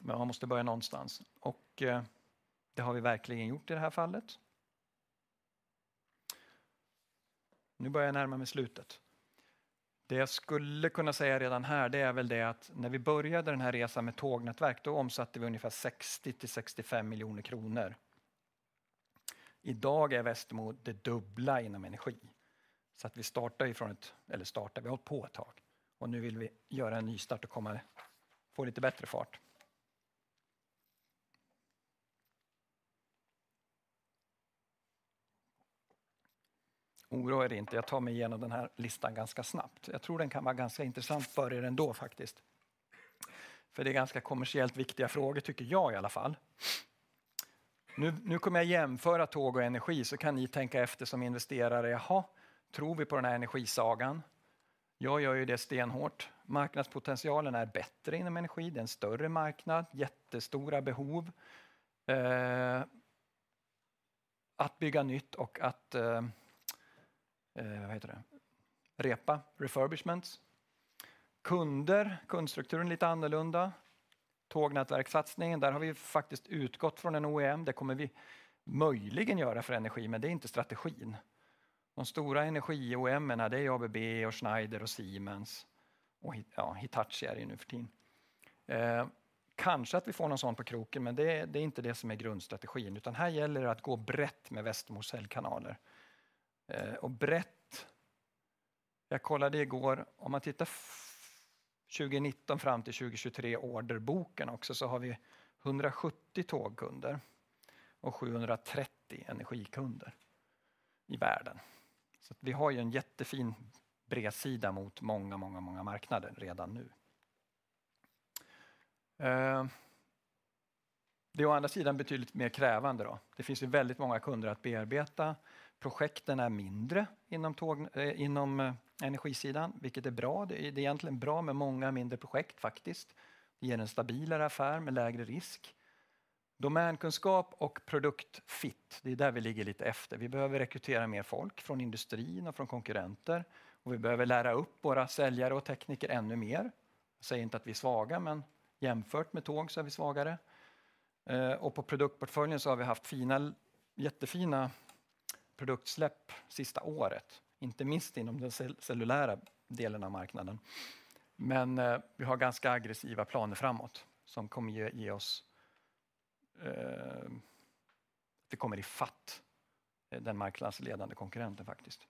Man måste börja någonstans och det har vi verkligen gjort i det här fallet. Nu börjar jag närma mig slutet. Det jag skulle kunna säga redan här, det är väl det att när vi började den här resan med tågnätverk, då omsatte vi ungefär 60-65 million kronor. I dag är Westermo det dubbla inom energi. Vi startar ju från ett, eller startar, vi har hållit på ett tag och nu vill vi göra en nystart och komma, få lite bättre fart. Oroa er inte, jag tar mig igenom den här listan ganska snabbt. Jag tror den kan vara ganska intressant för er ändå faktiskt. Det är ganska kommersiellt viktiga frågor tycker jag i alla fall. Nu kommer jag jämföra tåg och energi så kan ni tänka efter som investerare: "Jaha, tror vi på den här energisagan?" Jag gör ju det stenhårt. Marknadspotentialen är bättre inom energi, det är en större marknad, jättestora behov. Att bygga nytt och att, vad heter det? Repa, refurbishments. Kunder, kundstrukturen är lite annorlunda. Tågnätverkssatsningen, där har vi faktiskt utgått från en OEM. Det kommer vi möjligen göra för energi, men det är inte strategin. De stora energi-OEMs, det är ABB och Schneider och Siemens och ja, Hitachi är det ju nuförtiden. Kanske att vi får någon sådan på kroken, men det är inte det som är grundstrategin, utan här gäller det att gå brett med Westermo's säljkanaler. Brett, jag kollade i går, om man tittar 2019 fram till 2023 orderboken också, så har vi 170 tågkunder och 730 energikunder i världen. Vi har ju en jättefin bredsida mot många, många marknader redan nu. Det är å andra sidan betydligt mer krävande då. Det finns ju väldigt många kunder att bearbeta. Projekten är mindre inom tåg, inom energisidan, vilket är bra. Det är egentligen bra med många mindre projekt faktiskt. Det ger en stabilare affär med lägre risk. Domänkunskap och produkt fit, det är där vi ligger lite efter. Vi behöver rekrytera mer folk från industrin och från konkurrenter och vi behöver lära upp våra säljare och tekniker ännu mer. Jag säger inte att vi är svaga, jämfört med tåg så är vi svagare. På produktportföljen så har vi haft fina, jättefina produktsläpp sista året, inte minst inom den cellulära delen av marknaden. Vi har ganska aggressiva planer framåt som kommer ge oss, vi kommer ifatt den marknadsledande konkurrenten faktiskt.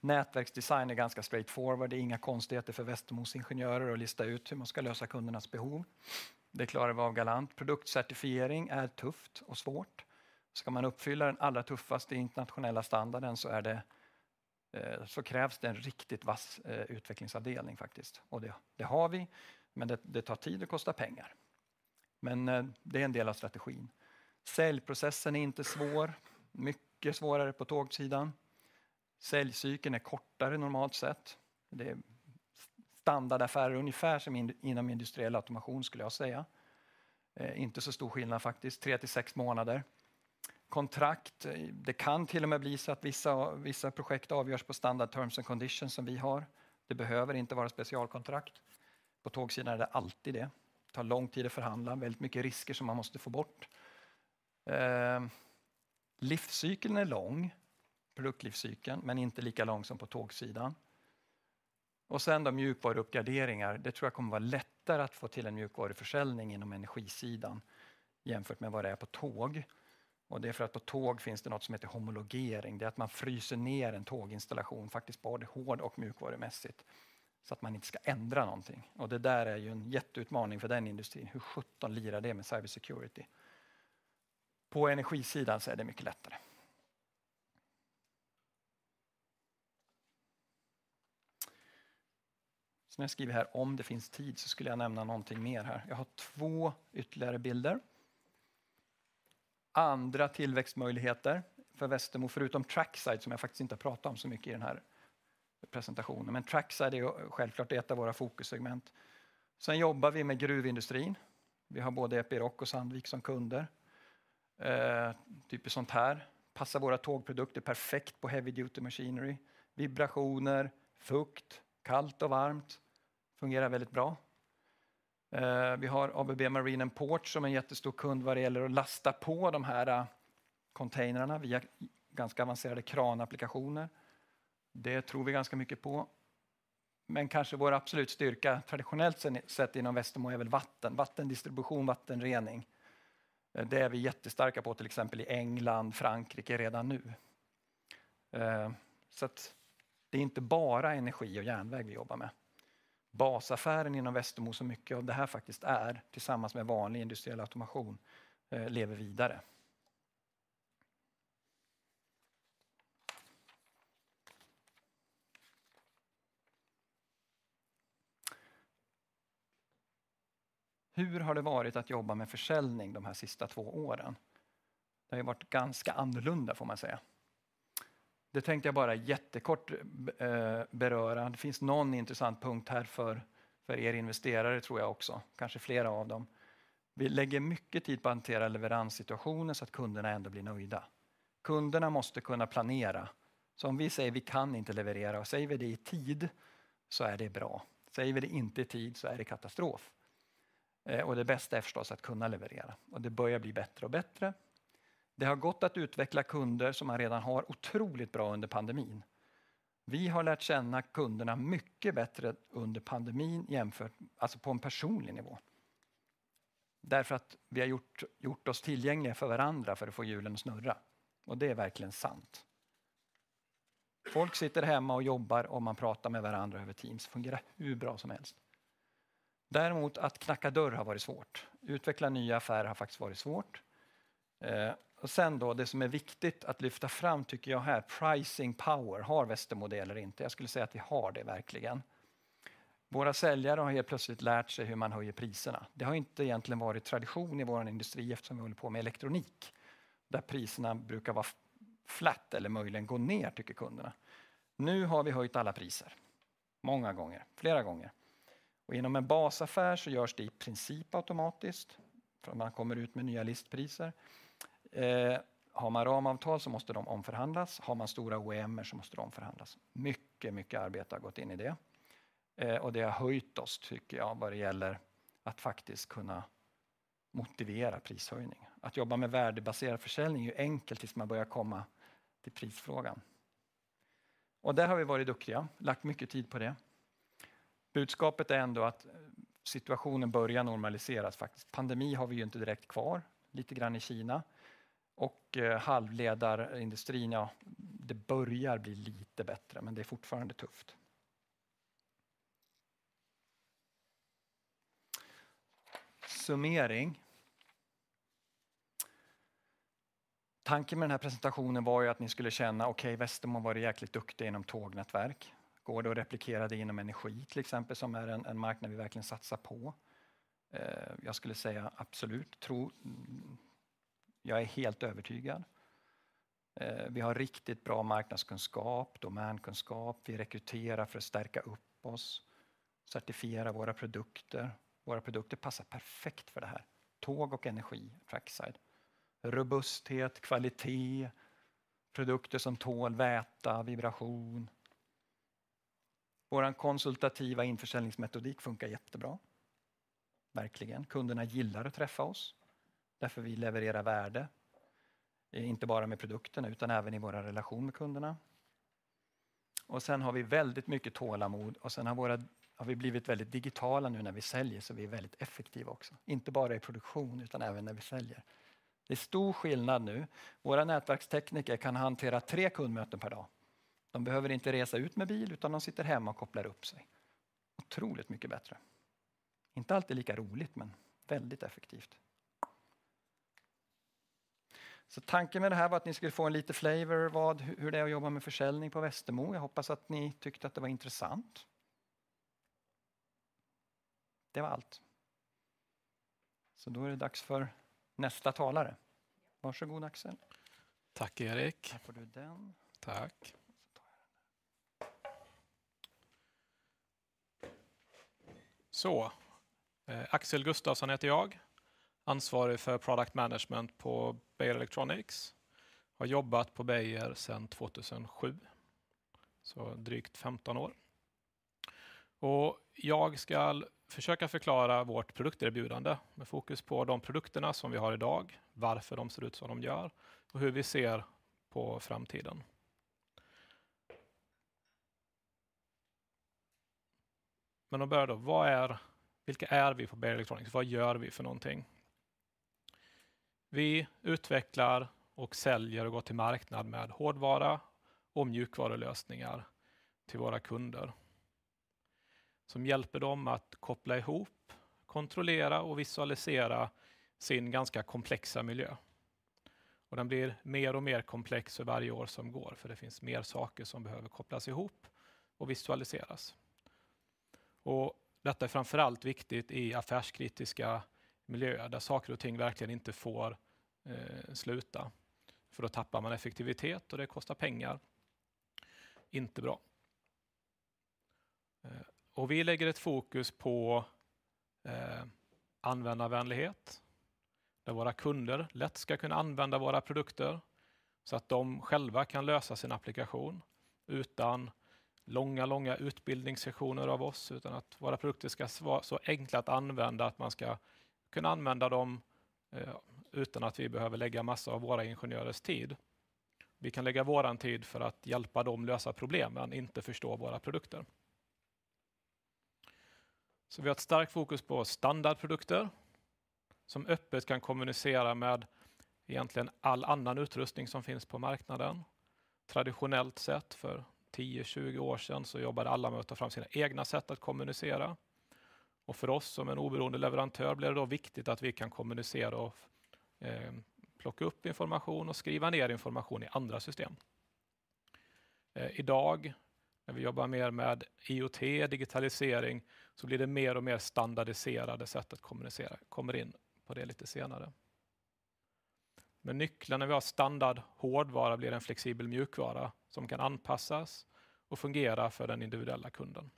Nätverksdesign är ganska straightforward. Det är inga konstigheter för Westermos ingenjörer att lista ut hur man ska lösa kundernas behov. Det klarar vi av galant. Produktcertifiering är tufft och svårt. Ska man uppfylla den allra tuffaste internationella standarden så krävs det en riktigt vass utvecklingsavdelning faktiskt. Det har vi, men det tar tid och kostar pengar. Det är en del av strategin. Säljprocessen är inte svår, mycket svårare på tågsidan. Säljcykeln är kortare normalt sett. Det är standardaffärer ungefär som inom Industrial automation skulle jag säga. Inte så stor skillnad faktiskt, 3-6 månader. Kontrakt, det kan till och med bli så att vissa projekt avgörs på standard terms and conditions som vi har. Det behöver inte vara specialkontrakt. På tågsidan är det alltid det. Det tar lång tid att förhandla, väldigt mycket risker som man måste få bort. Livscykeln är lång, produktlivscykeln, men inte lika lång som på tågsidan. Sen då mjukvaruppgraderingar, det tror jag kommer att vara lättare att få till en mjukvaruförsäljning inom energisidan jämfört med vad det är på tåg. Det är för att på tåg finns det något som heter homologering. Det är att man fryser ner en tåginstallation, faktiskt både hård- och mjukvaremässigt, så att man inte ska ändra någonting. Det där är ju en jätteutmaning för den industrin. Hur sjutton lirar det med cybersecurity? På energisidan så är det mycket lättare. Som jag skriver här, om det finns tid så skulle jag nämna någonting mer här. Jag har två ytterligare bilder. Andra tillväxtmöjligheter för Westermo, förutom Trackside som jag faktiskt inte pratat om så mycket i den här presentationen. Trackside är ju självklart ett av våra fokussegment. Vi jobbar med gruvindustrin. Vi har både Epiroc och Sandvik som kunder. Typiskt sånt här passar våra tågprodukter perfekt på heavy duty machinery. Vibrationer, fukt, kallt och varmt fungerar väldigt bra. Vi har ABB Marine & Ports som är en jättestor kund vad det gäller att lasta på de här containrarna via ganska avancerade kranapplikationer. Det tror vi ganska mycket på. Kanske vår absolut styrka traditionellt sett inom Westermo är väl vatten. Vattendistribution, vattenrening. Det är vi jättestarka på, till exempel i England, Frankrike redan nu. Att det är inte bara energi och järnväg vi jobbar med. Basaffären inom Westermo så mycket av det här faktiskt är tillsammans med vanlig industriell automation lever vidare. Hur har det varit att jobba med försäljning de här sista två åren? Det har ju varit ganska annorlunda får man säga. Det tänkte jag bara jättekort beröra. Det finns någon intressant punkt här för er investerare tror jag också. Kanske flera av dem. Vi lägger mycket tid på att hantera leveranssituationen så att kunderna ändå blir nöjda. Kunderna måste kunna planera. Om vi säger vi kan inte leverera och säger vi det i tid så är det bra. Säger vi det inte i tid så är det katastrof. Det bästa är förstås att kunna leverera och det börjar bli bättre och bättre. Det har gått att utveckla kunder som man redan har otroligt bra under pandemin. Vi har lärt känna kunderna mycket bättre under pandemin jämfört, alltså på en personlig nivå. Därför att vi har gjort oss tillgängliga för varandra för att få hjulen att snurra. Det är verkligen sant. Folk sitter hemma och jobbar och man pratar med varandra över Teams. Fungerar hur bra som helst. Däremot att knacka dörr har varit svårt. Utveckla nya affärer har faktiskt varit svårt. Sen då det som är viktigt att lyfta fram tycker jag här, pricing power. Har Westermo det eller inte? Jag skulle säga att vi har det verkligen. Våra säljare har helt plötsligt lärt sig hur man höjer priserna. Det har inte egentligen varit tradition i vår industri eftersom vi håller på med elektronik, där priserna brukar vara flat eller möjligen gå ner tycker kunderna. Nu har vi höjt alla priser många gånger, flera gånger. Inom en basaffär så görs det i princip automatiskt för man kommer ut med nya listpriser. Har man ramavtal så måste de omförhandlas. Har man stora OEM:er så måste de förhandlas. Mycket arbete har gått in i det. Det har höjt oss tycker jag vad det gäller att faktiskt kunna motivera prishöjning. Att jobba med värdebaserad försäljning är ju enkelt tills man börjar komma till prisfrågan. Där har vi varit duktiga, lagt mycket tid på det. Budskapet är ändå att situationen börjar normaliseras faktiskt. Pandemi har vi ju inte direkt kvar, lite grann i Kina och halvledarindustrin, ja, det börjar bli lite bättre, men det är fortfarande tufft. Summering. Tanken med den här presentationen var ju att ni skulle känna okej, Westermo har varit jäkligt duktiga inom tågnätverk. Går det att replikera det inom energy till exempel, som är en marknad vi verkligen satsar på. Jag skulle säga absolut. Tro, jag är helt övertygad. Vi har riktigt bra marknadskunskap, domänkunskap. Vi rekryterar för att stärka upp oss, certifiera våra produkter. Våra produkter passar perfekt för det här. Tåg och energy, Trackside. Robusthet, kvalitet, produkter som tål väta, vibration. Våran konsultativa införsäljningsmetodik funkar jättebra. Verkligen. Kunderna gillar att träffa oss därför vi levererar värde. Inte bara med produkterna utan även i våran relation med kunderna. Sen har vi väldigt mycket tålamod och sen har vi blivit väldigt digitala nu när vi säljer så vi är väldigt effektiva också. Inte bara i produktion utan även när vi säljer. Det är stor skillnad nu. Våra nätverkstekniker kan hantera 3 kundmöten per dag. De behöver inte resa ut med bil utan de sitter hemma och kopplar upp sig. Otroligt mycket bättre. Inte alltid lika roligt, men väldigt effektivt. Tanken med det här var att ni skulle få en lite flavor vad, hur det är att jobba med försäljning på Westermo. Jag hoppas att ni tyckte att det var intressant. Det var allt. Då är det dags för nästa talare. Varsågod Axel. Tack Erik. Får du den. Tack. tar jag den där. Axel Gustafson heter jag. Ansvarig för Product Management på Beijer Electronics. Har jobbat på Beijer sedan 2007. Drygt 15 år. Jag skall försöka förklara vårt produkterbjudande med fokus på de produkterna som vi har i dag, varför de ser ut som de gör och hur vi ser på framtiden. Om början då, vilka är vi på Beijer Electronics? Vad gör vi för någonting? Vi utvecklar och säljer och går till marknad med hårdvara och mjukvarulösningar till våra kunder. Som hjälper dem att koppla ihop, kontrollera och visualisera sin ganska komplexa miljö. Den blir mer och mer komplex för varje år som går för det finns mer saker som behöver kopplas ihop och visualiseras. Detta är framför allt viktigt i affärskritiska miljöer där saker och ting verkligen inte får sluta. Då tappar man effektivitet och det kostar pengar. Inte bra. Vi lägger ett fokus på användarvänlighet, där våra kunder lätt ska kunna använda våra produkter så att de själva kan lösa sin applikation utan långa utbildningssessioner av oss, utan att våra produkter ska vara så enkla att använda att man ska kunna använda dem utan att vi behöver lägga massa av våra ingenjörers tid. Vi kan lägga våran tid för att hjälpa dem lösa problem men inte förstå våra produkter. Vi har ett starkt fokus på standardprodukter som öppet kan kommunicera med egentligen all annan utrustning som finns på marknaden. Traditionellt sett för 10, 20 år sedan så jobbade alla med att ta fram sina egna sätt att kommunicera. För oss som en oberoende leverantör blev det då viktigt att vi kan kommunicera och plocka upp information och skriva ner information i andra system. I dag när vi jobbar mer med IoT, digitalisering, så blir det mer och mer standardiserade sätt att kommunicera. Kommer in på det lite senare. Nyckeln när vi har standard hårdvara blir en flexibel mjukvara som kan anpassas och fungera för den individuella kunden.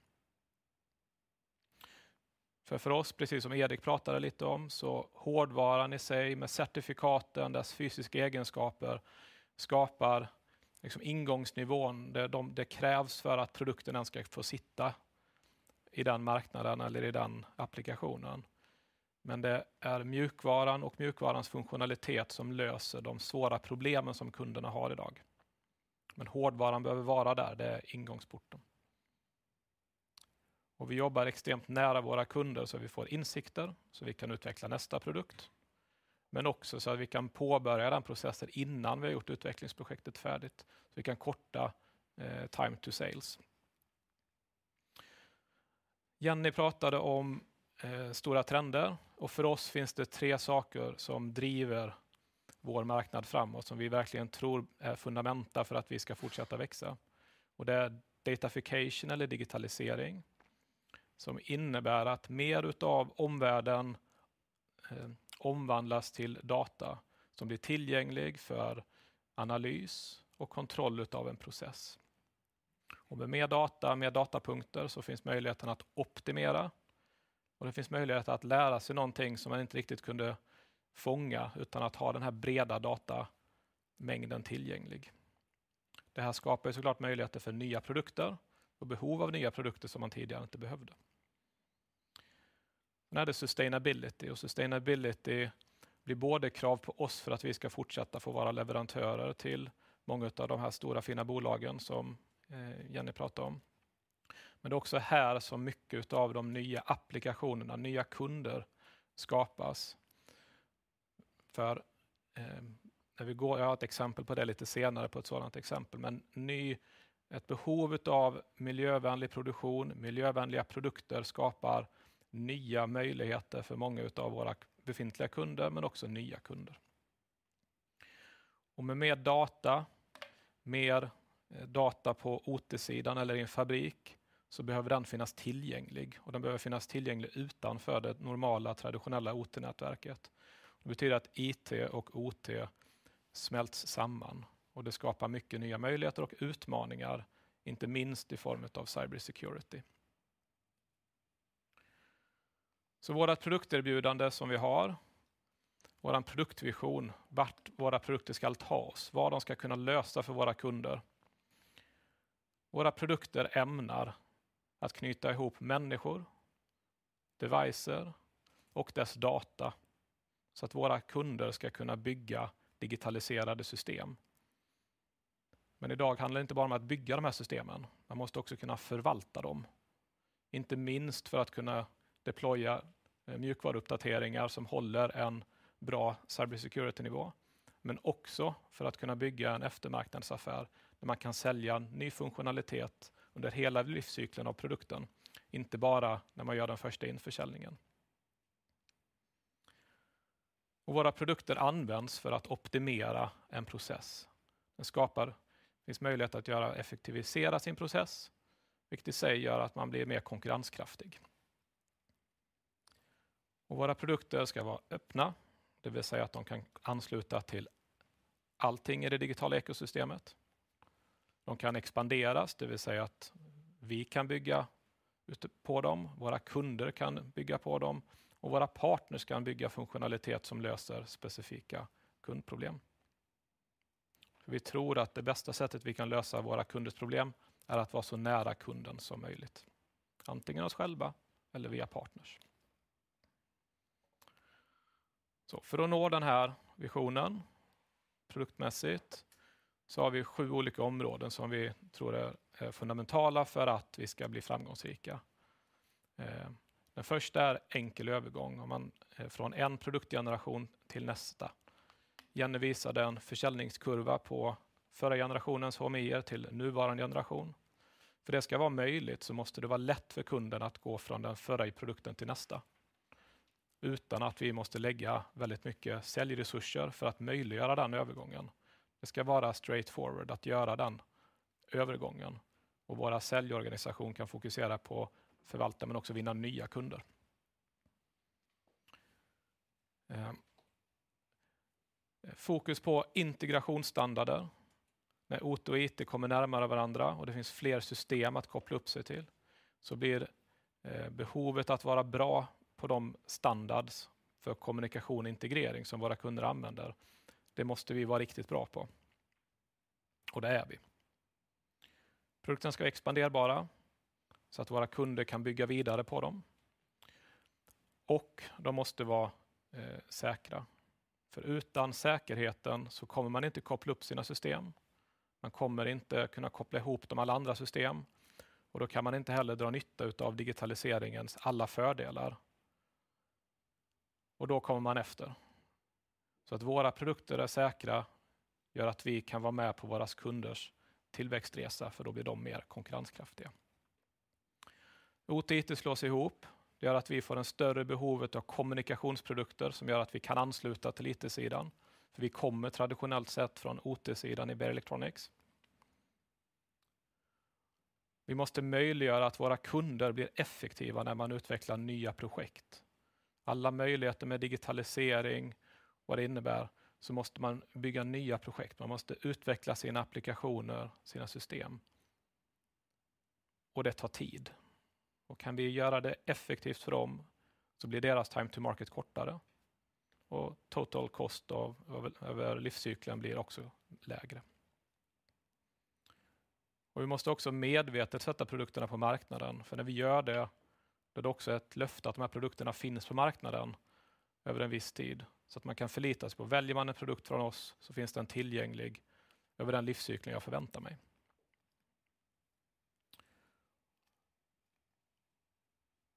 För oss, precis som Erik pratade lite om, så hårdvaran i sig med certifikaten, dess fysiska egenskaper skapar liksom ingångsnivån. Det krävs för att produkten ens ska få sitta i den marknaden eller i den applikationen. Det är mjukvaran och mjukvarans funktionalitet som löser de svåra problemen som kunderna har i dag. Hårdvaran behöver vara där, det är ingångsporten. Vi jobbar extremt nära våra kunder så vi får insikter, så vi kan utveckla nästa produkt. Också så att vi kan påbörja den processen innan vi har gjort utvecklingsprojektet färdigt. Vi kan korta time to sales. Jenny pratade om stora trender och för oss finns det tre saker som driver vår marknad framåt som vi verkligen tror är fundamenta för att vi ska fortsätta växa. Det är datafication eller digitalisering som innebär att mer utav omvärlden omvandlas till data som blir tillgänglig för analys och kontroll utav en process. Med mer data, mer datapunkter, så finns möjligheten att optimera. Det finns möjlighet att lära sig någonting som man inte riktigt kunde fånga utan att ha den här breda datamängden tillgänglig. Det här skapar så klart möjligheter för nya produkter och behov av nya produkter som man tidigare inte behövde. Det är sustainability och sustainability blir både krav på oss för att vi ska fortsätta få vara leverantörer till många utav de här stora fina bolagen som Jenny pratade om. Det är också här som mycket utav de nya applikationerna, nya kunder skapas. När vi går, jag har ett exempel på det lite senare på ett sådant exempel, men ett behov utav miljövänlig produktion, miljövänliga produkter skapar nya möjligheter för många utav våra befintliga kunder, men också nya kunder. Med mer data på OT-sidan eller i en fabrik, så behöver den finnas tillgänglig och den behöver finnas tillgänglig utanför det normala traditionella OT-nätverket. Det betyder att IT och OT smälts samman och det skapar mycket nya möjligheter och utmaningar, inte minst i form utav cybersecurity. Vårat produkterbjudande som vi har, våran produktvision, vart våra produkter ska ta oss, vad de ska kunna lösa för våra kunder. Våra produkter ämnar att knyta ihop människor, devices och dess data så att våra kunder ska kunna bygga digitaliserade system. I dag handlar det inte bara om att bygga de här systemen. Man måste också kunna förvalta dem, inte minst för att kunna deploya mjukvaruuppdateringar som håller en bra cybersecurity-nivå, men också för att kunna bygga en eftermarknadsaffär där man kan sälja ny funktionalitet under hela livscykeln av produkten, inte bara när man gör den första införsäljningen. Våra produkter används för att optimera en process. finns möjlighet att göra, effektivisera sin process, vilket i sig gör att man blir mer konkurrenskraftig. Våra produkter ska vara öppna, det vill säga att de kan ansluta till allting i det digitala ekosystemet. De kan expanderas, det vill säga att vi kan bygga ute på dem, våra kunder kan bygga på dem och våra partners kan bygga funktionalitet som löser specifika kundproblem. Vi tror att det bästa sättet vi kan lösa våra kunders problem är att vara så nära kunden som möjligt. Antingen oss själva eller via partners. För att nå den här visionen produktmässigt så har vi sju olika områden som vi tror är fundamentala för att vi ska bli framgångsrika. Den första är enkel övergång om man från en produktgeneration till nästa. Jenny visade en försäljningskurva på förra generationens HMI till nuvarande generation. Det ska vara möjligt så måste det vara lätt för kunden att gå från den förra produkten till nästa. Utan att vi måste lägga väldigt mycket säljresurser för att möjliggöra den övergången. Det ska vara straightforward att göra den övergången och vår säljorganisation kan fokusera på att förvalta men också vinna nya kunder. Fokus på integrationsstandarder. När OT och IT kommer närmare varandra och det finns fler system att koppla upp sig till, så blir behovet att vara bra på de standards för communication och integration som våra kunder använder. Det måste vi vara riktigt bra på. Och det är vi. Produkterna ska vara expanderbara så att våra kunder kan bygga vidare på dem. Och de måste vara säkra. För utan säkerheten så kommer man inte koppla upp sina system. Man kommer inte kunna koppla ihop de alla andra system och då kan man inte heller dra nytta utav digitalization's alla fördelar. Och då kommer man efter. Så att våra produkter är säkra gör att vi kan vara med på våra kunders tillväxtresa för då blir de mer konkurrenskraftiga. OT, IT slås ihop. Det gör att vi får en större behov av communication products som gör att vi kan ansluta till IT-sidan. Vi kommer traditionellt sett från OT-sidan i Beijer Electronics. Vi måste möjliggöra att våra kunder blir effektiva när man utvecklar nya projekt. Alla möjligheter med digitalisering, vad det innebär, så måste man bygga nya projekt. Man måste utveckla sina applikationer, sina system. Det tar tid. Kan vi göra det effektivt för dem, så blir deras time to market kortare och total cost av, över livscykeln blir också lägre. Och vi måste också medvetet sätta produkterna på marknaden. För när vi gör det, då är det också ett löfte att de här produkterna finns på marknaden över en viss tid så att man kan förlita sig på. Väljer man en produkt från oss så finns den tillgänglig över den livscykeln jag förväntar mig.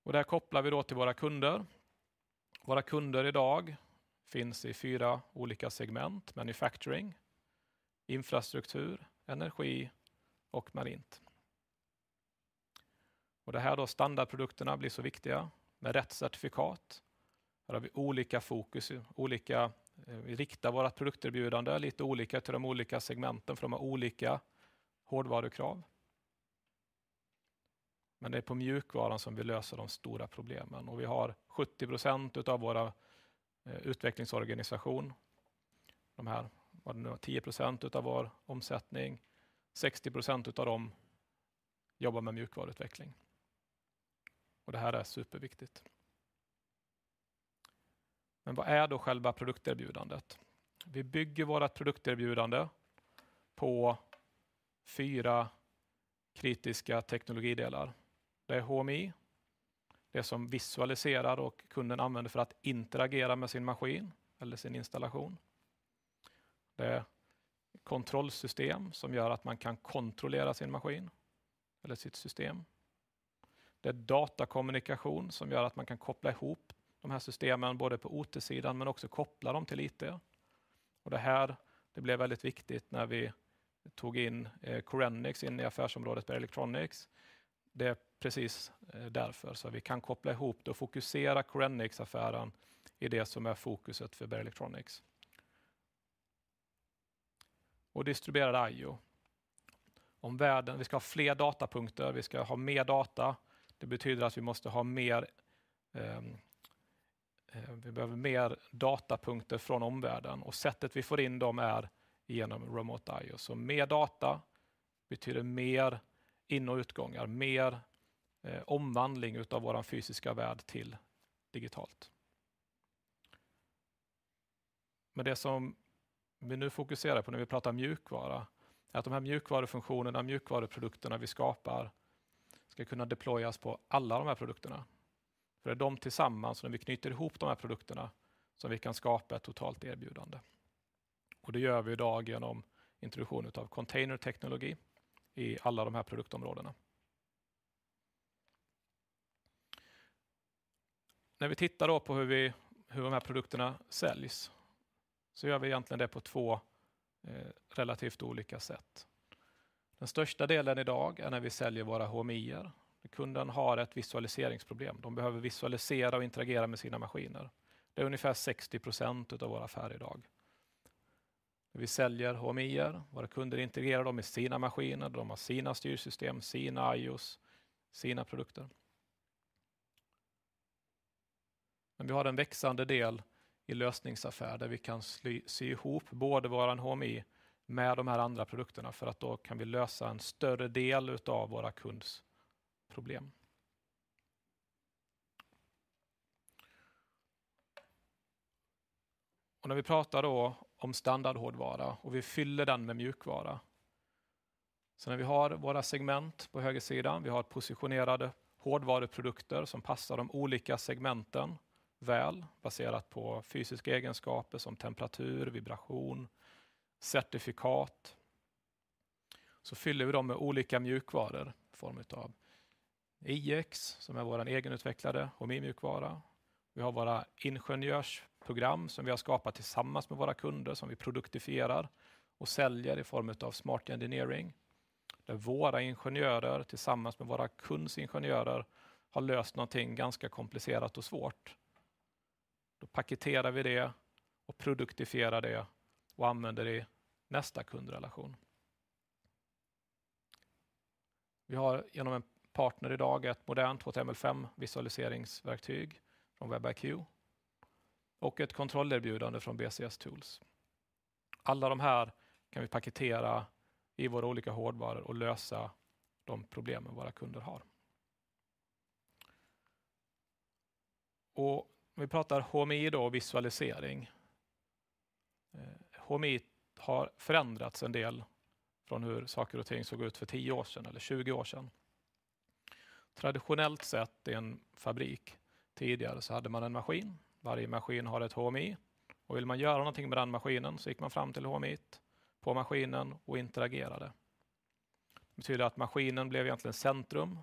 Det här kopplar vi då till våra kunder. Våra kunder i dag finns i fyra olika segment, manufacturing, infrastruktur, energi och marint. Det här då standardprodukterna blir så viktiga med rätt certifikat. Här har vi olika fokus, vi riktar vårt produkterbjudande lite olika till de olika segmenten för de har olika hårdvarukrav. Det är på mjukvaran som vi löser de stora problemen och vi har 70% utav vår utvecklingsorganisation. De här, vad är det nu, 10% utav vår omsättning, 60% utav dem jobbar med mjukvaruutveckling. Det här är superviktigt. Vad är då själva produkterbjudandet? Vi bygger vårt produkterbjudande på four kritiska teknologidelar. Det är HMI, det som visualiserar och kunden använder för att interagera med sin maskin eller sin installation. Det är kontrollsystem som gör att man kan kontrollera sin maskin eller sitt system. Det är datakommunikation som gör att man kan koppla ihop de här systemen både på OT-sidan men också koppla dem till IT. Det här, det blev väldigt viktigt när vi tog in Korenix in i affärsområdet Beijer Electronics. Det är precis därför, vi kan koppla ihop och fokusera Korenix-affären i det som är fokuset för Beijer Electronics. Distribuerad I/O. Om världen, vi ska ha fler datapunkter, vi ska ha mer data. Det betyder att vi måste ha mer, vi behöver mer datapunkter från omvärlden och sättet vi får in dem är igenom Remote I/O. Mer data betyder mer in- och utgångar, mer omvandling utav vår fysiska värld till digitalt. Det som vi nu fokuserar på när vi pratar mjukvara är att de här mjukvarufunktionerna, mjukvaruprodukterna vi skapar ska kunna deployas på alla de här produkterna. Det är de tillsammans och när vi knyter ihop de här produkterna så vi kan skapa ett totalt erbjudande. Det gör vi i dag genom introduktion utav containerteknologi i alla de här produktområdena. När vi tittar då på hur de här produkterna säljs så gör vi egentligen det på två relativt olika sätt. Den största delen i dag är när vi säljer våra HMI:er. Kunden har ett visualiseringsproblem. De behöver visualisera och interagera med sina maskiner. Det är ungefär 60% utav vår affär i dag. Vi säljer HMI:er, våra kunder integrerar dem i sina maskiner, de har sina styrsystem, sina I/Os, sina produkter. Vi har en växande del i lösningsaffär där vi kan sy ihop både vår HMI med de här andra produkterna för att då kan vi lösa en större del utav vår kunds problem. När vi pratar då om standardhårdvara och vi fyller den med mjukvara. När vi har våra segment på högersidan, vi har positionerade hårdvaruprodukter som passar de olika segmenten väl baserat på fysiska egenskaper som temperatur, vibration, certifikat. Fyller vi dem med olika mjukvaror i form utav iX, som är vår egenutvecklade HMI-mjukvara. Vi har våra ingenjörsprogram som vi har skapat tillsammans med våra kunder som vi produktifierar och säljer i form utav Smart engineering, där våra ingenjörer tillsammans med våra kunds ingenjörer har löst någonting ganska komplicerat och svårt. Paketerar vi det och produktifierar det och använder i nästa kundrelation. Vi har genom en partner i dag ett modernt HTML5 visualiseringsverktyg från WebIQ och ett kontrollerbjudande från BCS Tools. Alla de här kan vi paketera i våra olika hårdvaror och lösa de problemen våra kunder har. Vi pratar HMI då och visualisering. HMI har förändrats en del från hur saker och ting såg ut för 10 år sedan eller 20 år sedan. Traditionellt sett i en fabrik tidigare så hade man en maskin. Varje maskin har ett HMI och vill man göra någonting med den maskinen så gick man fram till HMI på maskinen och interagerade. Det betyder att maskinen blev egentligen centrum.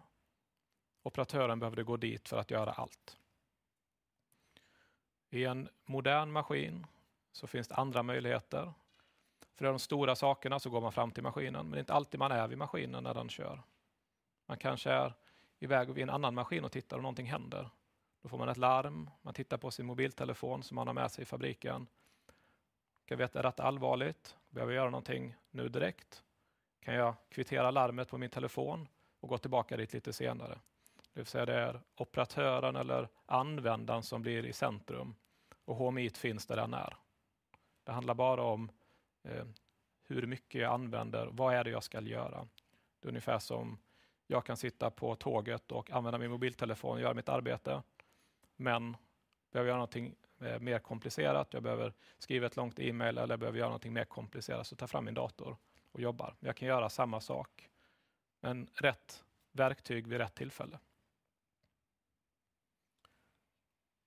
Operatören behövde gå dit för att göra allt. I en modern maskin så finns det andra möjligheter. För de stora sakerna så går man fram till maskinen, men det är inte alltid man är vid maskinen när den kör. Man kanske är i väg vid en annan maskin och tittar om någonting händer. Får man ett larm. Man tittar på sin mobiltelefon som man har med sig i fabriken. Ska veta, är detta allvarligt? Behöver jag göra någonting nu direkt? Kan jag kvittera larmet på min telefon och gå tillbaka dit lite senare. Det vill säga, det är operatören eller användaren som blir i centrum och HMI:t finns där den är. Det handlar bara om hur mycket jag använder, vad är det jag ska göra. Det är ungefär som jag kan sitta på tåget och använda min mobiltelefon och göra mitt arbete. Behöver jag göra någonting mer komplicerat. Jag behöver skriva ett långt email eller jag behöver göra någonting mer komplicerat så tar jag fram min dator och jobbar. Jag kan göra samma sak, men rätt verktyg vid rätt tillfälle.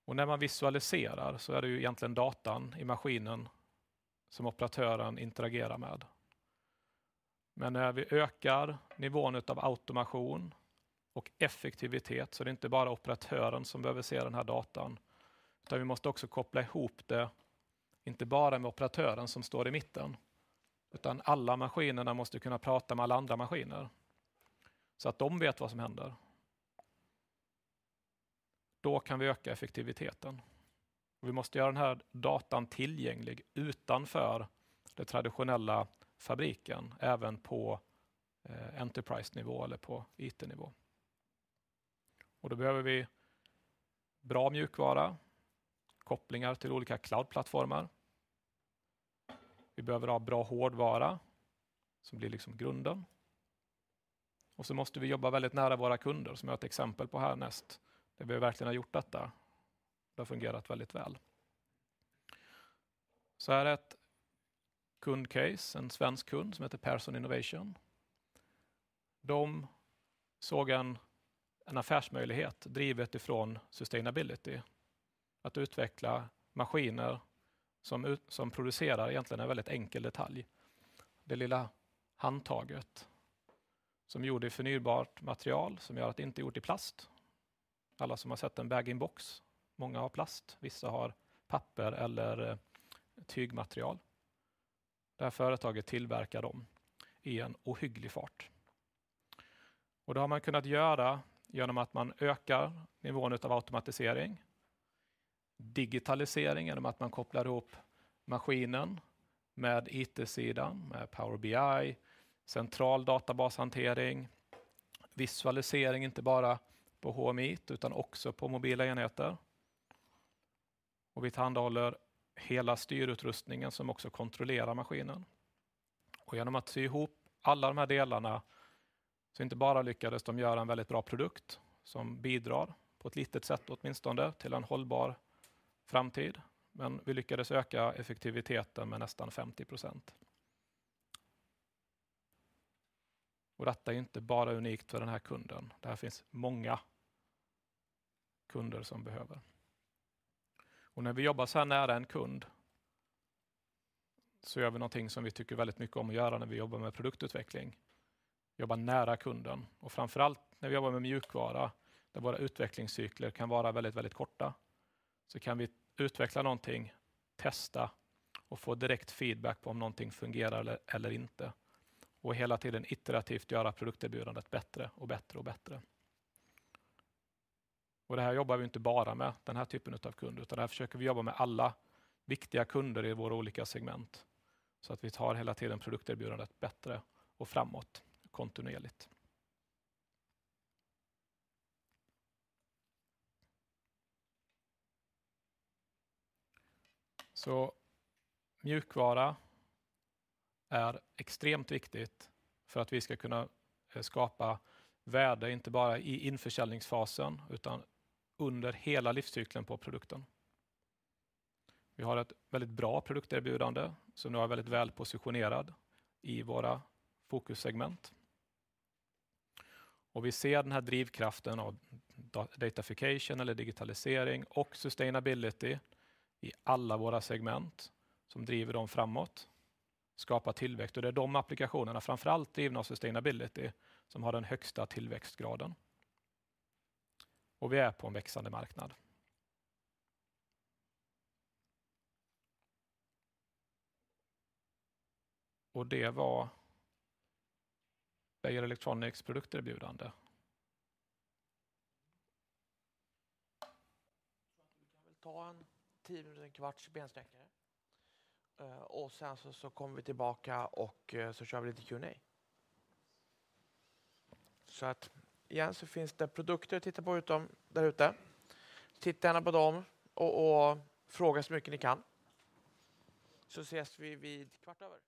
När man visualiserar så är det ju egentligen datan i maskinen som operatören interagerar med. När vi ökar nivån utav automation och effektivitet, så är det inte bara operatören som behöver se den här datan, utan vi måste också koppla ihop det, inte bara med operatören som står i mitten, utan alla maskinerna måste kunna prata med alla andra maskiner så att de vet vad som händer. Vi kan öka effektiviteten. Vi måste göra den här datan tillgänglig utanför den traditionella fabriken, även på enterprise nivå eller på IT-nivå. Vi behöver bra mjukvara, kopplingar till olika cloud-plattformar. Vi behöver ha bra hårdvara som blir liksom grunden. Vi måste jobba väldigt nära våra kunder som jag har ett exempel på här näst, där vi verkligen har gjort detta. Det har fungerat väldigt väl. Här är ett kundcase, en svensk kund som heter Persson Innovation. De såg en affärsmöjlighet drivet ifrån sustainability. Att utveckla maskiner som producerar egentligen en väldigt enkel detalj. Det lilla handtaget som är gjort i förnybart material som gör att det inte är gjort i plast. Alla som har sett en bag-in-box, många har plast, vissa har papper eller tygmaterial. Det här företaget tillverkar dem i en ohygglig fart. Det har man kunnat göra genom att man ökar nivån utav automatisering, digitalisering genom att man kopplar ihop maskinen med IT-sidan, med Power BI, central databashantering, visualisering inte bara på HMI utan också på mobila enheter. Vi handhåller hela styrutrustningen som också kontrollerar maskinen. Genom att sy ihop alla de här delarna så inte bara lyckades de göra en väldigt bra produkt som bidrar på ett litet sätt åtminstone till en hållbar framtid, men vi lyckades öka effektiviteten med nästan 50%. Detta är inte bara unikt för den här kunden. Det här finns många kunder som behöver. När vi jobbar såhär nära en kund så gör vi någonting som vi tycker väldigt mycket om att göra när vi jobbar med produktutveckling. Jobba nära kunden och framför allt när vi jobbar med mjukvara, där våra utvecklingscykler kan vara väldigt korta, så kan vi utveckla någonting, testa och få direkt feedback på om någonting fungerar eller inte. Hela tiden iterativt göra produkterbjudandet bättre och bättre och bättre. Det här jobbar vi inte bara med den här typen utav kund, utan det här försöker vi jobba med alla viktiga kunder i våra olika segment. Att vi tar hela tiden produkterbjudandet bättre och framåt kontinuerligt. Mjukvara är extremt viktigt för att vi ska kunna skapa värde inte bara i införsäljningsfasen utan under hela livscykeln på produkten. Vi har ett väldigt bra produkterbjudande som nu är väldigt välpositionerad i våra fokussegment. Vi ser den här drivkraften av datafication eller digitalisering och sustainability i alla våra segment som driver dem framåt, skapar tillväxt. Det är de applikationerna, framför allt drivna av sustainability, som har den högsta tillväxtgraden. Vi är på en växande marknad. Det var Beijer Electronics produkterbjudande. Vi kan väl ta en 10 minuter, en kvarts bensträckare. Sen så kommer vi tillbaka och så kör vi lite Q&A. Igen så finns det produkter att titta på utom där ute. Titta gärna på dem och fråga så mycket ni kan. Ses vi vid kvart över.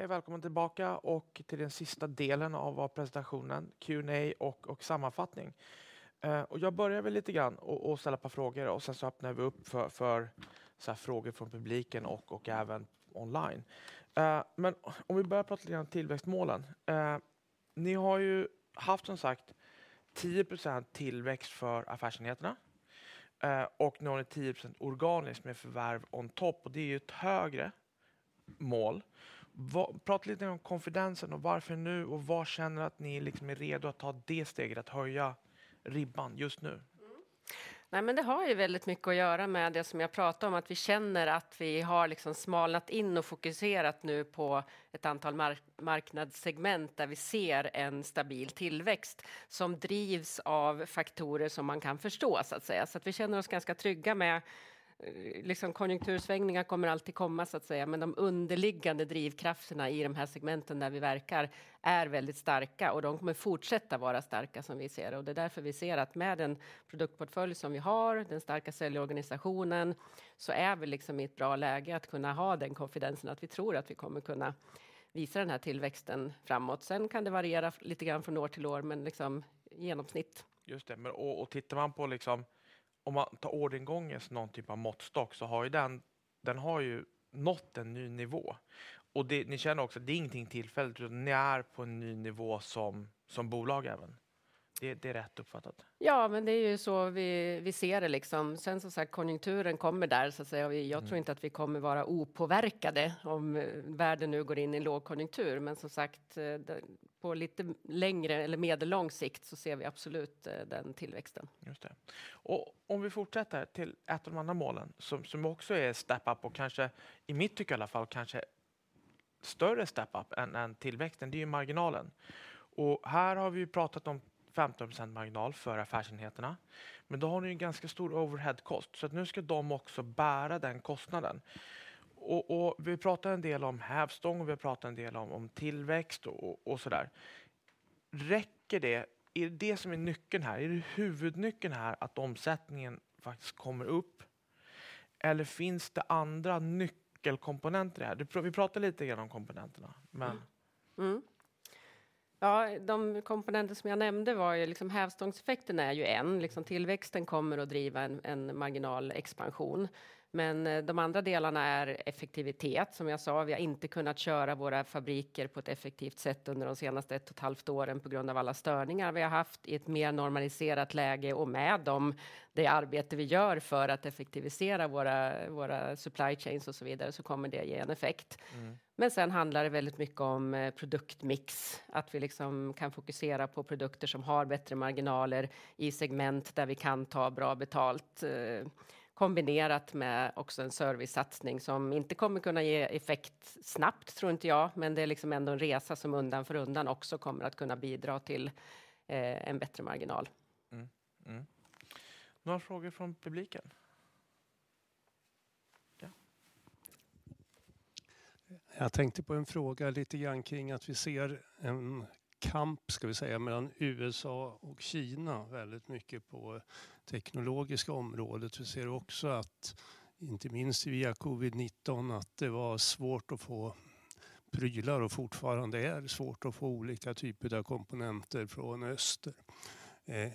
Hej välkommen tillbaka och till den sista delen av presentationen, Q&A och sammanfattning. Jag börjar väl lite grann att ställa ett par frågor och sen så öppnar vi upp för såhär frågor från publiken och även online. Om vi börjar prata lite grann om tillväxtmålen. Ni har ju haft som sagt 10% tillväxt för affärsenheterna. Ni har en 10% organiskt med förvärv on top och det är ju ett högre mål. Prata lite om konfidensen och varför nu och var känner att ni liksom är redo att ta det steget att höja ribban just nu? Nej det har ju väldigt mycket att göra med det som jag pratar om att vi känner att vi har liksom smalnat in och fokuserat nu på ett antal marknadssegment där vi ser en stabil tillväxt som drivs av faktorer som man kan förstå så att säga. Vi känner oss ganska trygga med, liksom konjunktursvängningar kommer alltid komma så att säga, men de underliggande drivkrafterna i de här segmenten där vi verkar är väldigt starka och de kommer fortsätta vara starka som vi ser det. Det är därför vi ser att med den produktportfölj som vi har, den starka säljorganisationen, så är vi liksom i ett bra läge att kunna ha den konfidensen. Vi tror att vi kommer kunna visa den här tillväxten framåt. Det kan det variera lite grann från år till år, men liksom genomsnitt. Just det. Tittar man på liksom, om man tar orderingången som någon typ av måttstock, så har ju den har ju nått en ny nivå. Det, ni känner också att det är ingenting tillfälligt, utan ni är på en ny nivå som bolag även. Det, det är rätt uppfattat? Det är ju så vi ser det liksom. Som sagt, konjunkturen kommer där så att säga. Jag tror inte att vi kommer vara opåverkade om världen nu går in i en lågkonjunktur. Som sagt, på lite längre eller medellång sikt så ser vi absolut den tillväxten. Just det. Om vi fortsätter till ett av de andra målen som också är step up och kanske i mitt tycke i alla fall kanske större step up än tillväxten, det är ju marginalen. Här har vi pratat om 15% marginal för affärsenheterna, men då har ni en ganska stor overhead cost. Nu ska de också bära den kostnaden. Vi pratar en del om hävstång och vi pratar en del om tillväxt och sådär. Räcker det? Är det som är nyckeln här? Är det huvudnyckeln här att omsättningen faktiskt kommer upp? Eller finns det andra nyckelkomponenter här? Vi pratar lite grann om komponenterna, men. De komponenter som jag nämnde var ju liksom hävstångseffekten är ju en, liksom tillväxten kommer att driva en marginalexpansion. De andra delarna är effektivitet. Som jag sa, vi har inte kunnat köra våra fabriker på ett effektivt sätt under de senaste ett och ett halvt åren på grund av alla störningar vi har haft i ett mer normaliserat läge. Med de, det arbete vi gör för att effektivisera våra supply chains och så vidare, så kommer det ge en effekt. Sen handlar det väldigt mycket om produktmix. Att vi liksom kan fokusera på produkter som har bättre marginaler i segment där vi kan ta bra betalt. Kombinerat med också en servicesatsning som inte kommer kunna ge effekt snabbt tror inte jag, men det är liksom ändå en resa som undan för undan också kommer att kunna bidra till en bättre marginal. Några frågor från publiken? Jag tänkte på en fråga lite grann kring att vi ser en kamp ska vi säga mellan USA och Kina väldigt mycket på teknologiska området. Vi ser också att inte minst via Covid-19 att det var svårt att få prylar och fortfarande är svårt att få olika typer av komponenter från öster.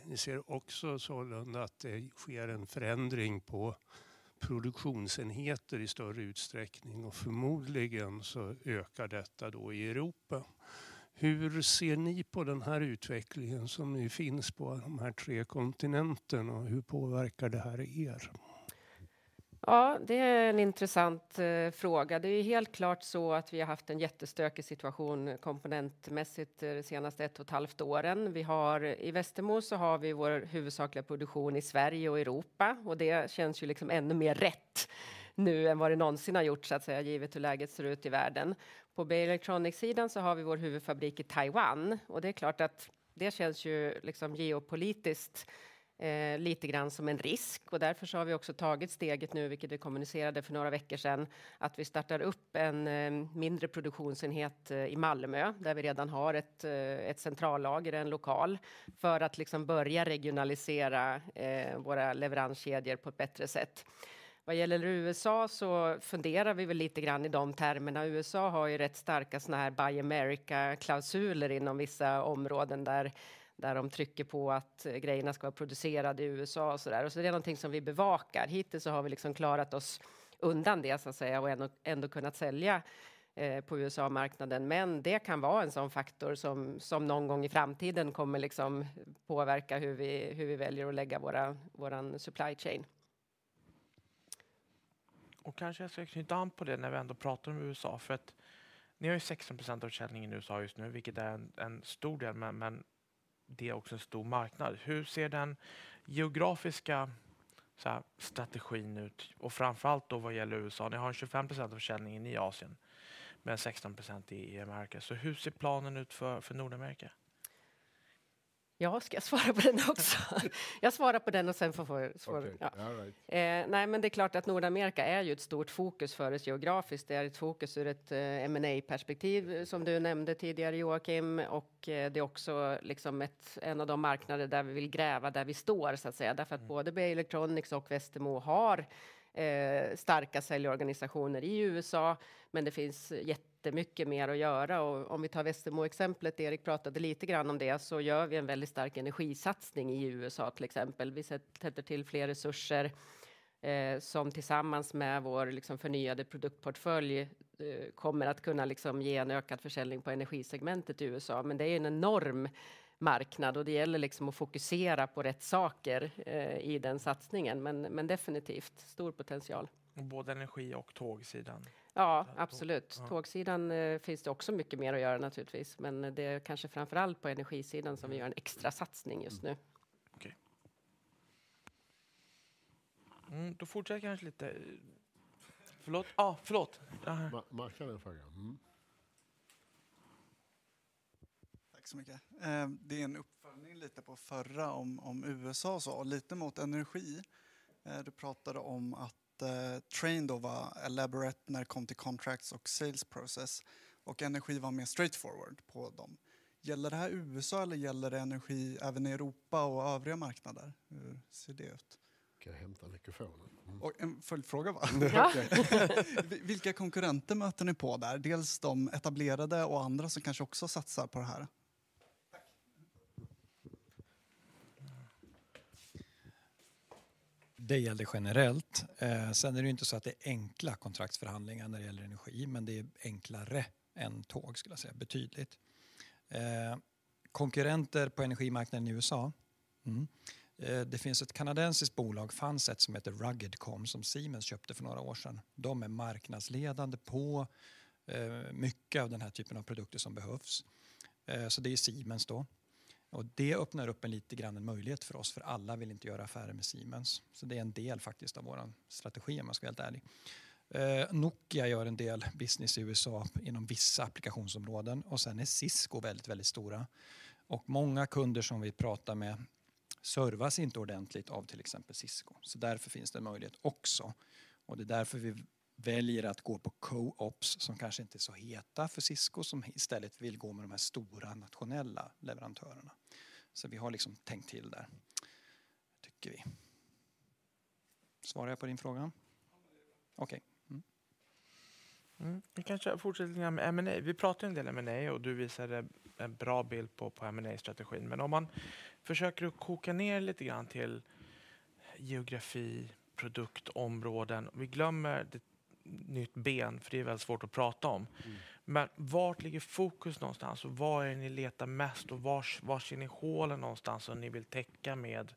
Vi ser också sålunda att det sker en förändring på produktionsenheter i större utsträckning och förmodligen så ökar detta då i Europa. Hur ser ni på den här utvecklingen som ju finns på de här tre kontinenten och hur påverkar det här er? Det är en intressant fråga. Det är helt klart så att vi har haft en jättestökig situation komponentmässigt det senaste 1.5 åren. Vi har i Westermo så har vi vår huvudsakliga produktion i Sverige och Europa och det känns ju liksom ännu mer rätt nu än vad det någonsin har gjort så att säga givet hur läget ser ut i världen. På Beijer Electronics sidan så har vi vår huvudfabrik i Taiwan och det är klart att det känns ju liksom geopolitiskt lite grann som en risk. Därför så har vi också tagit steget nu, vilket vi kommunicerade för några veckor sedan, att vi startar upp en mindre produktionsenhet i Malmö, där vi redan har ett centrallager, en lokal, för att liksom börja regionalisera våra leveranskedjor på ett bättre sätt. Vad gäller USA så funderar vi väl lite grann i de termerna. USA har ju rätt starka sådana här Buy America klausuler inom vissa områden där de trycker på att grejerna ska vara producerade i USA och så där. Det är någonting som vi bevakar. Hittills så har vi liksom klarat oss undan det så att säga och ändå kunnat sälja på USA-marknaden. Det kan vara en sådan faktor som någon gång i framtiden kommer liksom påverka hur vi, hur vi väljer att lägga våra, våran supply chain. Kanske jag ska knyta an på det när vi ändå pratar om USA. Ni har ju 16% av försäljningen i USA just nu, vilket är en stor del. Det är också en stor marknad. Hur ser den geografiska såhär strategin ut? Framför allt då vad gäller USA. Ni har ju 25% av försäljningen i Asia, men 16% i America. Hur ser planen ut för North America? Ja, ska jag svara på den också? Jag svarar på den och sen får... All right. Nej, men det är klart att Nordamerika är ju ett stort fokus för oss geografiskt. Det är ett fokus ur ett M&A-perspektiv som du nämnde tidigare, Joakim. Det är också en av de marknader där vi vill gräva där vi står så att säga. Både Beijer Electronics och Westermo har starka säljorganisationer i USA, men det finns jättemycket mer att göra. Om vi tar Westermo-exemplet, Erik pratade lite grann om det, så gör vi en väldigt stark energisatsning i USA till exempel. Vi sätter till fler resurser- Som tillsammans med vår liksom förnyade produktportfölj kommer att kunna liksom ge en ökad försäljning på energisegmentet i USA. Det är en enorm marknad och det gäller liksom att fokusera på rätt saker i den satsningen. Definitivt stor potential. Både energi och tågsidan. Ja, absolut. Tågsidan finns det också mycket mer att göra naturligtvis, men det är kanske framför allt på energisidan som vi gör en extra satsning just nu. Okej. Fortsätter jag kanske lite. Förlåt? Ja, förlåt. Markus har en fråga. Tack så mycket. Det är en uppföljning lite på förra om USA så lite mot energi. Du pratade om att train då var elaborate när det kom till contracts och sales process och energi var mer straightforward på dem. Gäller det här USA eller gäller det energi även i Europa och övriga marknader? Hur ser det ut? Kan jag hämta mikrofonen? En följdfråga bara. Vilka konkurrenter möter ni på där? Dels de etablerade och andra som kanske också satsar på det här. Tack! Det gäller generellt. Sen är det ju inte så att det är enkla kontraktsförhandlingar när det gäller energi, men det är enklare än tåg skulle jag säga, betydligt. Konkurrenter på energimarknaden i USA? Det finns ett kanadensiskt bolag, Funset, som heter RuggedCom som Siemens köpte för några år sedan. De är marknadsledande på mycket av den här typen av produkter som behövs. Det är Siemens då. Det öppnar upp en lite grann en möjlighet för oss, för alla vill inte göra affärer med Siemens. Det är en del faktiskt av vår strategi om man ska vara helt ärlig. Nokia gör en del business i USA inom vissa applikationsområden. Sen är Cisco väldigt stora. Många kunder som vi pratar med servas inte ordentligt av till exempel Cisco. Därför finns det en möjlighet också. Det är därför vi väljer att gå på co-ops som kanske inte är så heta för Cisco, som istället vill gå med de här stora nationella leverantörerna. Vi har liksom tänkt till där, tycker vi. Svarar jag på din fråga? Okej. Vi kanske fortsätter med M&A. Vi pratar en del M&A och du visade en bra bild på M&A-strategin. Om man försöker att koka ner lite grann till geografi, produktområden. Vi glömmer ett nytt ben för det är väldigt svårt att prata om. Vart ligger fokus någonstans? Var är ni letar mest och vars är ni hålen någonstans som ni vill täcka med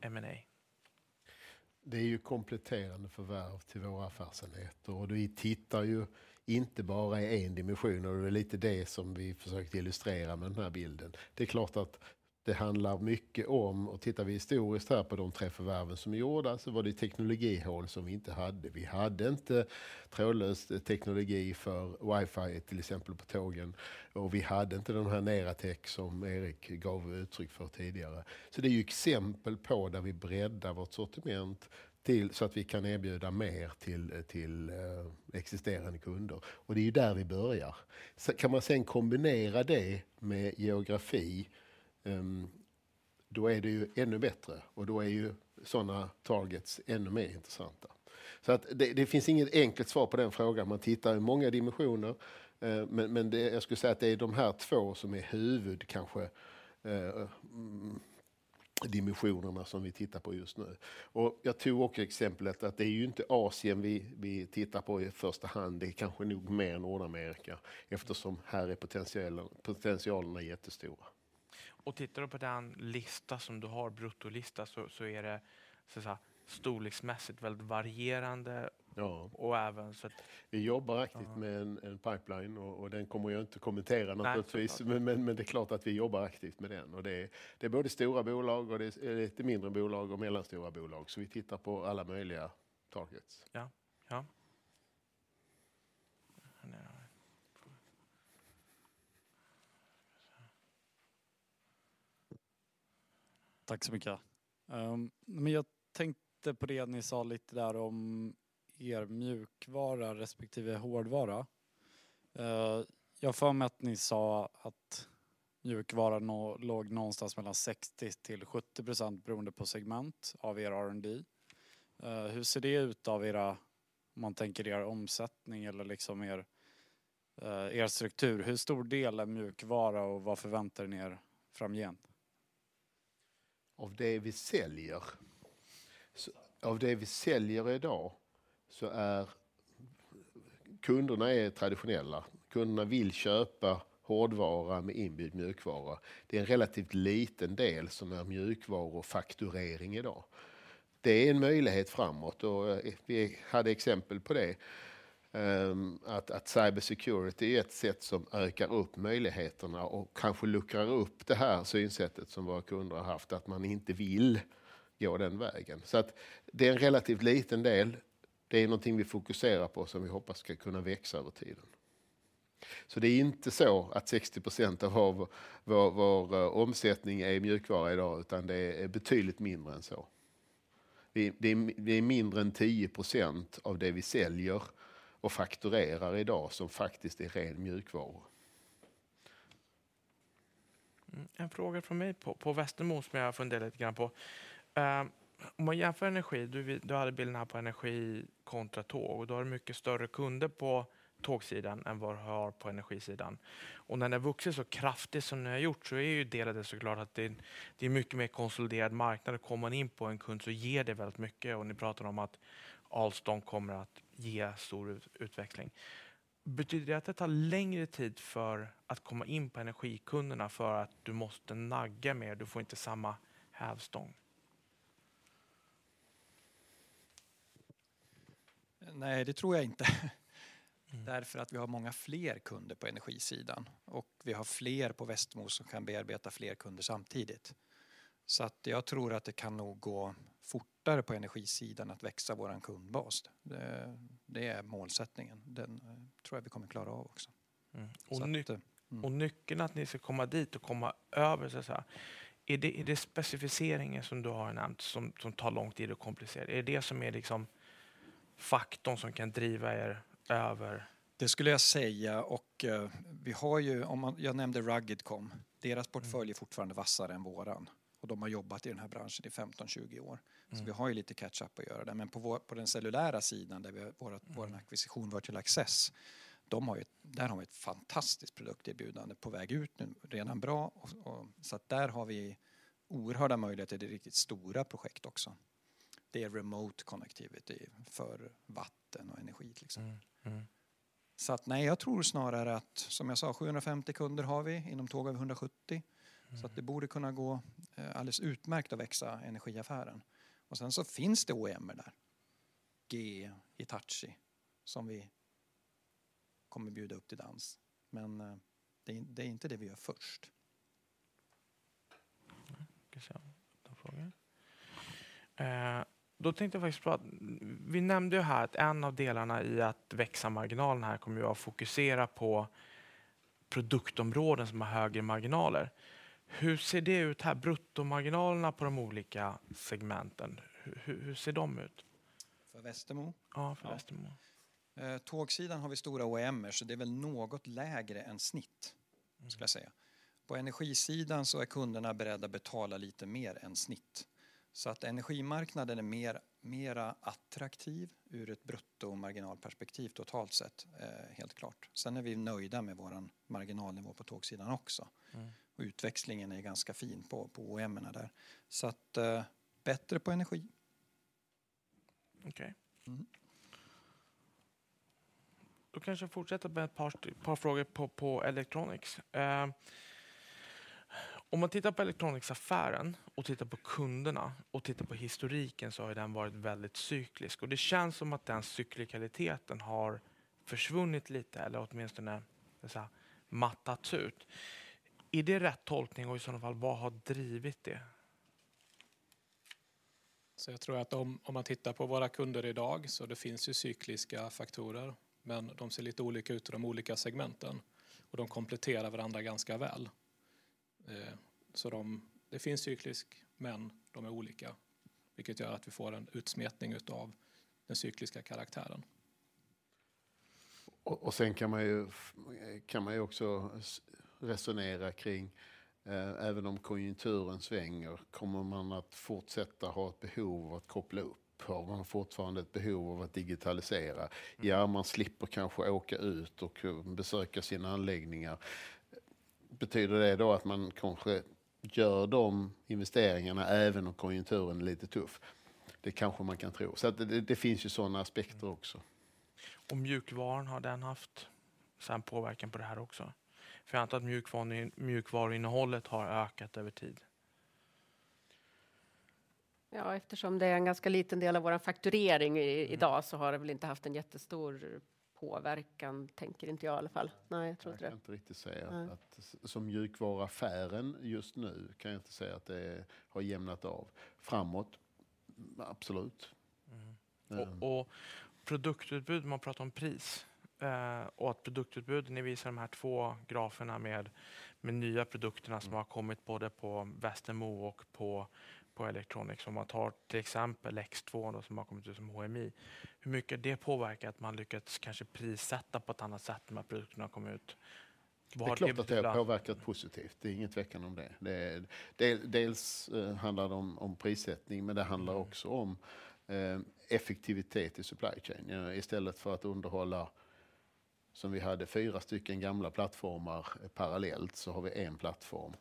M&A? Det är ju kompletterande förvärv till våra affärsenheter och vi tittar ju inte bara i en dimension och det är lite det som vi försökte illustrera med den här bilden. Det är klart att det handlar mycket om, och tittar vi historiskt här på de tre förvärven som är gjorda, så var det teknologihål som vi inte hade. Vi hade inte trådlöst teknologi för wifi, till exempel på tågen. Vi hade inte den här Neratec som Erik gav uttryck för tidigare. Det är ju exempel på där vi breddar vårt sortiment till, så att vi kan erbjuda mer till existerande kunder. Det är ju där vi börjar. Kan man sen kombinera det med geografi, då är det ju ännu bättre och då är ju sådana targets ännu mer intressanta. Det, det finns inget enkelt svar på den frågan. Man tittar i många dimensioner, men det, jag skulle säga att det är de här två som är huvud kanske dimensionerna som vi tittar på just nu. Jag tog också exemplet att det är ju inte Asia vi tittar på i första hand. Det är kanske nog mer North America eftersom här är potentialerna jättestora. Tittar du på den lista som du har, bruttolista, så är det så att säga storleksmässigt väldigt varierande. Ja. Och även så att. Vi jobbar aktivt med en pipeline och den kommer jag inte kommentera naturligtvis. Det är klart att vi jobbar aktivt med den. Det är både stora bolag och det är lite mindre bolag och mellanstora bolag. Vi tittar på alla möjliga targets. Ja, ja. Tack så mycket. Jag tänkte på det ni sa lite där om er mjukvara respektive hårdvara. Jag har för mig att ni sa att mjukvaran låg någonstans mellan 60%-70% beroende på segment av er R&D. Hur ser det ut av era, om man tänker er omsättning eller liksom er struktur? Hur stor del är mjukvara och vad förväntar ni er framgent? Av det vi säljer, av det vi säljer i dag så är kunderna är traditionella. Kunderna vill köpa hårdvara med inbyggd mjukvara. Det är en relativt liten del som är mjukvarufakturering i dag. Det är en möjlighet framåt och vi hade exempel på det. att cybersecurity är ett sätt som ökar upp möjligheterna och kanske luckrar upp det här synsättet som våra kunder har haft att man inte vill gå den vägen. Det är en relativt liten del. Det är någonting vi fokuserar på som vi hoppas ska kunna växa över tiden. Det är inte så att 60% av vår omsättning är mjukvara i dag, utan det är betydligt mindre än så. Det är mindre än 10% av det vi säljer och fakturerar i dag som faktiskt är ren mjukvara. En fråga från mig på Westermo som jag har funderat lite grann på. Om man jämför energi, du hade bilden här på energi kontra tåg och då har du mycket större kunder på tågsidan än vad du har på energisidan. Och när den vuxit så kraftigt som ni har gjort så är ju delar det så klart att det är mycket mer konsoliderad marknad. Kommer man in på en kund så ger det väldigt mycket och ni pratar om att Alstom kommer att ge stor utveckling. Betyder det att det tar längre tid för att komma in på energikunderna för att du måste nagga mer? Du får inte samma hävstång. Nej, det tror jag inte. Därför att vi har många fler kunder på energisidan och vi har fler på Westermo som kan bearbeta fler kunder samtidigt. Jag tror att det kan nog gå fortare på energisidan att växa vår kundbas. Det är målsättningen. Den tror jag vi kommer klara av också. Nyckeln att ni ska komma dit och komma över så att säga, är det specificeringen som du har nämnt som tar långt tid och komplicerar? Är det det som är liksom faktorn som kan driva er över? Det skulle jag säga och vi har ju, om man, jag nämnde RuggedCom. Deras portfölj är fortfarande vassare än våran och de har jobbat i den här branschen i 15, 20 år. Vi har ju lite catch up att göra där. På vår, på den cellulära sidan, där vi har våran ackvisition Virtual Access, de har ju, där har vi ett fantastiskt produkerbjudande på väg ut nu. Redan bra och, så att där har vi oerhörda möjligheter i de riktigt stora projekt också. Det är remote connectivity för vatten och energi liksom. Nej, jag tror snarare att, som jag sa, 750 kunder har vi, inom tåg över 170. Sen så finns det OEMs där, GE, Hitachi, som vi kommer bjuda upp till dans. Det, det är inte det vi gör först. tänkte jag faktiskt på att vi nämnde ju här att en av delarna i att växa marginalen här kommer vara att fokusera på produktområden som har högre marginaler. Hur ser det ut här? Bruttomarginalerna på de olika segmenten, hur ser de ut? För Westermo? Ja, för Westermo. Tågsidan har vi stora OEMs, det är väl något lägre än snitt skulle jag säga. På energisidan är kunderna beredda betala lite mer än snitt. Energimarknaden är mera attraktiv ur ett bruttomarginalperspektiv totalt sett, helt klart. Vi är nöjda med vår marginalnivå på tågsidan också. Utväxlingen är ganska fin på OEMs där. Bättre på energi. Okay. Då kanske jag fortsätter med ett par frågor på Electronics. Om man tittar på Electronicsaffären och tittar på kunderna och tittar på historiken så har ju den varit väldigt cyklisk. Det känns som att den cyklikaliteten har försvunnit lite eller åtminstone såhär mattat ut. Är det rätt tolkning och i sådana fall, vad har drivit det? Jag tror att om man tittar på våra kunder i dag så det finns ju cykliska faktorer, men de ser lite olika ut i de olika segmenten och de kompletterar varandra ganska väl. Det finns cyklisk, men de är olika, vilket gör att vi får en utsmetning utav den cykliska karaktären. Sen kan man ju också resonera kring, även om konjunkturen svänger, kommer man att fortsätta ha ett behov av att koppla upp? Har man fortfarande ett behov av att digitalisera? Man slipper kanske åka ut och besöka sina anläggningar. Betyder det då att man kanske gör de investeringarna även om konjunkturen är lite tuff? Det kanske man kan tro. Det finns ju sådana aspekter också. Mjukvaran, har den haft sådan påverkan på det här också? Jag antar att mjukvaran, mjukvaruinnehållet har ökat över tid. Eftersom det är en ganska liten del av vår fakturering idag så har det väl inte haft en jättestor påverkan, tänker inte jag i alla fall. Nej, jag tror inte det. Jag kan inte riktigt säga att, som mjukvaruaffären just nu kan jag inte säga att det har jämnat av. Framåt, absolut. Produktutbud, om man pratar om pris, och ett produktutbud. Ni visar de här två graferna med nya produkterna som har kommit både på Westermo och på Electronics. Om man tar till exempel X2 som har kommit ut som HMI. Hur mycket det påverkar att man lyckats kanske prissätta på ett annat sätt när de här produkterna har kommit ut? Det är klart att det har påverkat positivt. Det är ingen tvekan om det. Dels handlar det om prissättning, men det handlar också om effektivitet i supply chain. I stället för att underhålla, som vi hade four stycken gamla plattformar parallellt, så har vi one plattform.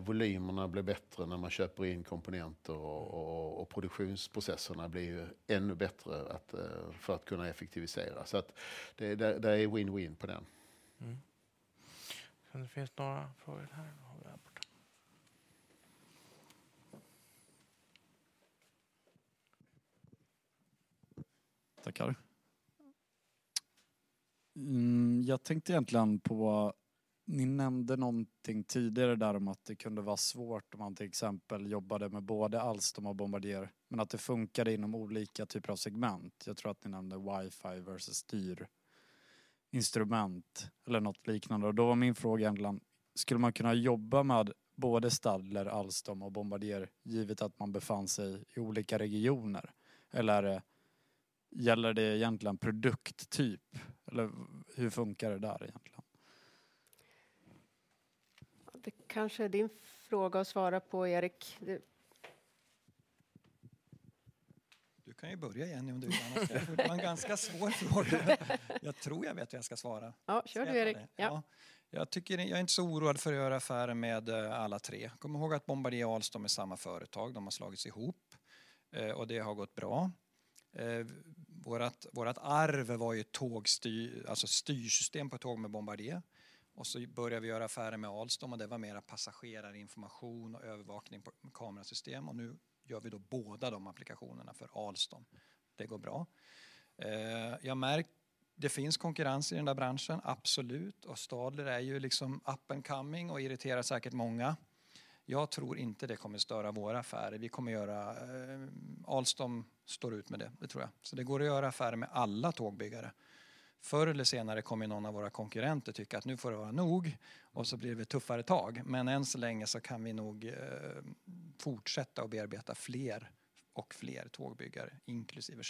Volymerna blir bättre när man köper in komponenter och produktionsprocesserna blir ännu bättre att, för att kunna effektivisera. Det är win-win på den. Jag ser om det finns några frågor här. Tackar. Jag tänkte egentligen på, ni nämnde någonting tidigare där om att det kunde vara svårt om man till exempel jobbade med både Alstom och Bombardier, men att det funkade inom olika typer av segment. Jag tror att ni nämnde wifi versus styrinstrument eller något liknande. Då var min fråga egentligen: Skulle man kunna jobba med både Stadler, Alstom och Bombardier givet att man befann sig i olika regioner? Eller är det, gäller det egentligen produkttyp? Eller hur funkar det där egentligen? Det kanske är din fråga att svara på, Erik. Du kan ju börja Jenny om du vill. Det var en ganska svår fråga. Jag tror jag vet vad jag ska svara. Ja, kör du Erik. Jag tycker, jag är inte så oroad för att göra affärer med alla tre. Kom ihåg att Bombardier och Alstom är samma företag. De har slagits ihop och det har gått bra. Vårat arv var ju tågstyr, alltså styrsystem på tåg med Bombardier. Vi började göra affärer med Alstom och det var mera passagerarinformation och övervakning på kamerasystem. Nu gör vi då båda de applikationerna för Alstom. Det går bra. Jag märkt det finns konkurrens i den där branschen, absolut. Stadler är ju liksom up and coming och irriterar säkert många. Jag tror inte det kommer störa våra affärer. Vi kommer göra, Alstom står ut med det. Det tror jag. Det går att göra affärer med alla tågbyggare. Förr eller senare kommer någon av våra konkurrenter tycka att nu får det vara nog och så blir det tuffare tag. Än så länge så kan vi nog fortsätta och bearbeta fler och fler tågbyggare, inklusive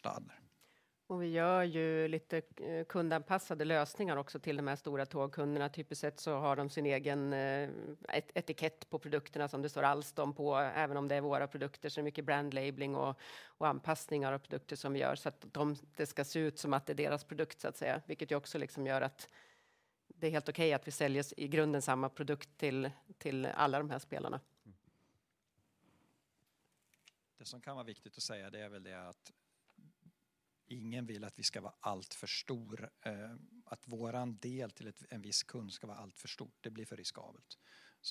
Stadler. Vi gör ju lite kundanpassade lösningar också till de här stora tågkunderna. Typiskt sett så har de sin egen etikett på produkterna som det står Alstom på, även om det är våra produkter. Det är mycket brand labeling och anpassningar av produkter som vi gör. Att det ska se ut som att det är deras produkt så att säga, vilket ju också liksom gör att det är helt okej att vi säljer i grunden samma produkt till alla de här spelarna. Det som kan vara viktigt att säga det är väl det att ingen vill att vi ska vara alltför stor, att vår del till en viss kund ska vara alltför stort. Det blir för riskabelt.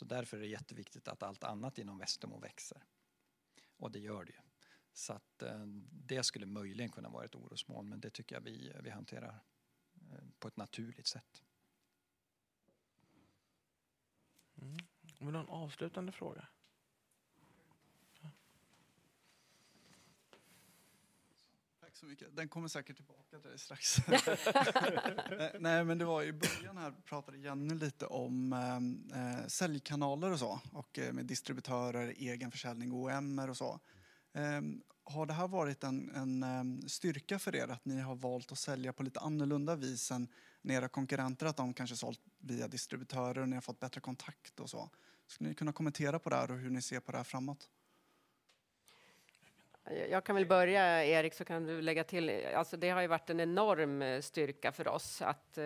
Därför är det jätteviktigt att allt annat inom Westermo växer. Det gör det ju. Att det skulle möjligen kunna vara ett orosmoln, men det tycker jag vi hanterar på ett naturligt sätt. Någon avslutande fråga? Tack så mycket. Den kommer säkert tillbaka till dig strax. Men det var i början här pratade Jenny lite om säljkanaler och så, och med distributörer, egen försäljning, OEM:er och så. Har det här varit en styrka för er att ni har valt att sälja på lite annorlunda vis än era konkurrenter? Att de kanske sålt via distributörer och ni har fått bättre kontakt och så. Skulle ni kunna kommentera på det här och hur ni ser på det här framåt? Jag kan väl börja Erik, så kan du lägga till. Det har ju varit en enorm styrka för oss att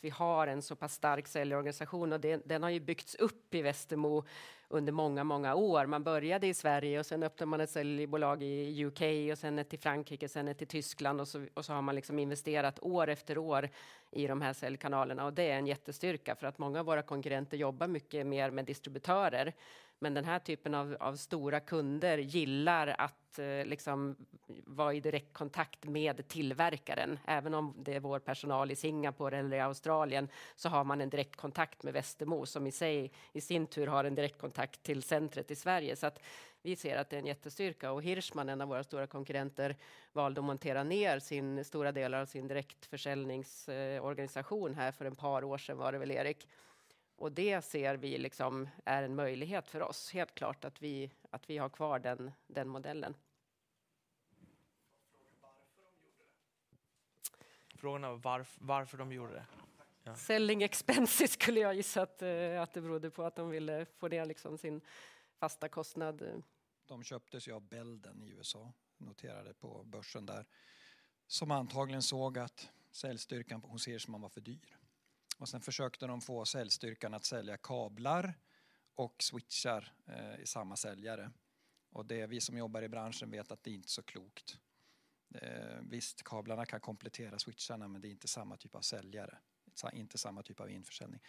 vi har en så pass stark säljorganisation och den har ju byggts upp i Westermo under många år. Man började i Sverige och sen öppnade man ett säljbolag i UK och sen ett i Frankrike, sen ett i Tyskland och så har man liksom investerat år efter år i de här säljkanalerna. Det är en jättestyrka för att många av våra konkurrenter jobbar mycket mer med distributörer. Den här typen av stora kunder gillar att liksom vara i direktkontakt med tillverkaren. Även om det är vår personal i Singapore eller i Australien så har man en direktkontakt med Westermo som i sig i sin tur har en direktkontakt till centret i Sverige. Vi ser att det är en jättestyrka. Hirschmann, en av våra stora konkurrenter, valde att montera ner sin stora del av sin direktförsäljningsorganisation här för ett par år sedan var det väl Erik. Det ser vi liksom är en möjlighet för oss helt klart att vi, att vi har kvar den modellen. Frågan är varför de gjorde det? Selling expenses skulle jag gissa att det berodde på att de ville få ner liksom sin fasta kostnad. De köptes ju av Belden i USA, noterade på börsen där, som antagligen såg att säljstyrkan hos Hirschmann var för dyr. De försökte de få säljstyrkan att sälja kablar och switchar i samma säljare. Vi som jobbar i branschen vet att det är inte så klokt. Visst, kablarna kan komplettera switcharna, men det är inte samma typ av säljare, inte samma typ av införsäljning.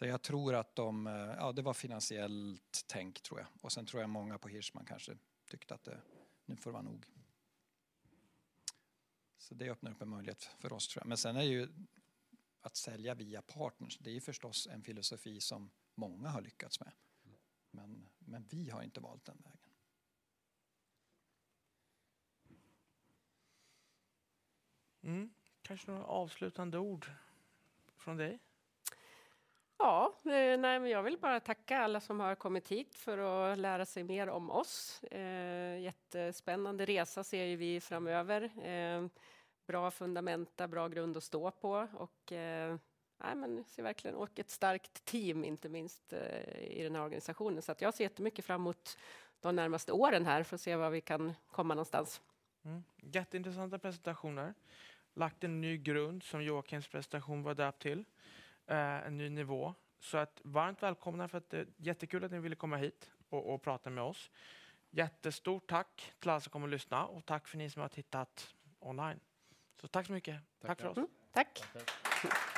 Jag tror att ja det var finansiellt tänk tror jag. Jag tror många på Hirschmann kanske tyckte att nu får det vara nog. Det öppnar upp en möjlighet för oss tror jag. Är ju att sälja via partners, det är förstås en filosofi som många har lyckats med. Men vi har inte valt den vägen. Kanske några avslutande ord från dig? Ja, nej men jag vill bara tacka alla som har kommit hit för att lära sig mer om oss. Jättespännande resa ser vi framöver. Bra fundamenta, bra grund att stå på och nej men ser verkligen, och ett starkt team, inte minst i den här organisationen. Jag ser jättemycket fram emot de närmaste åren här för att se var vi kan komma någonstans. Jätteintressanta presentationer. Lagt en ny grund som Joakims presentation var döpt till, en ny nivå. Varmt välkomna för att det är jättekul att ni ville komma hit och prata med oss. Jättestort tack till alla som kom och lyssna och tack för ni som har tittat online. Tack så mycket. Tack för oss. Tack!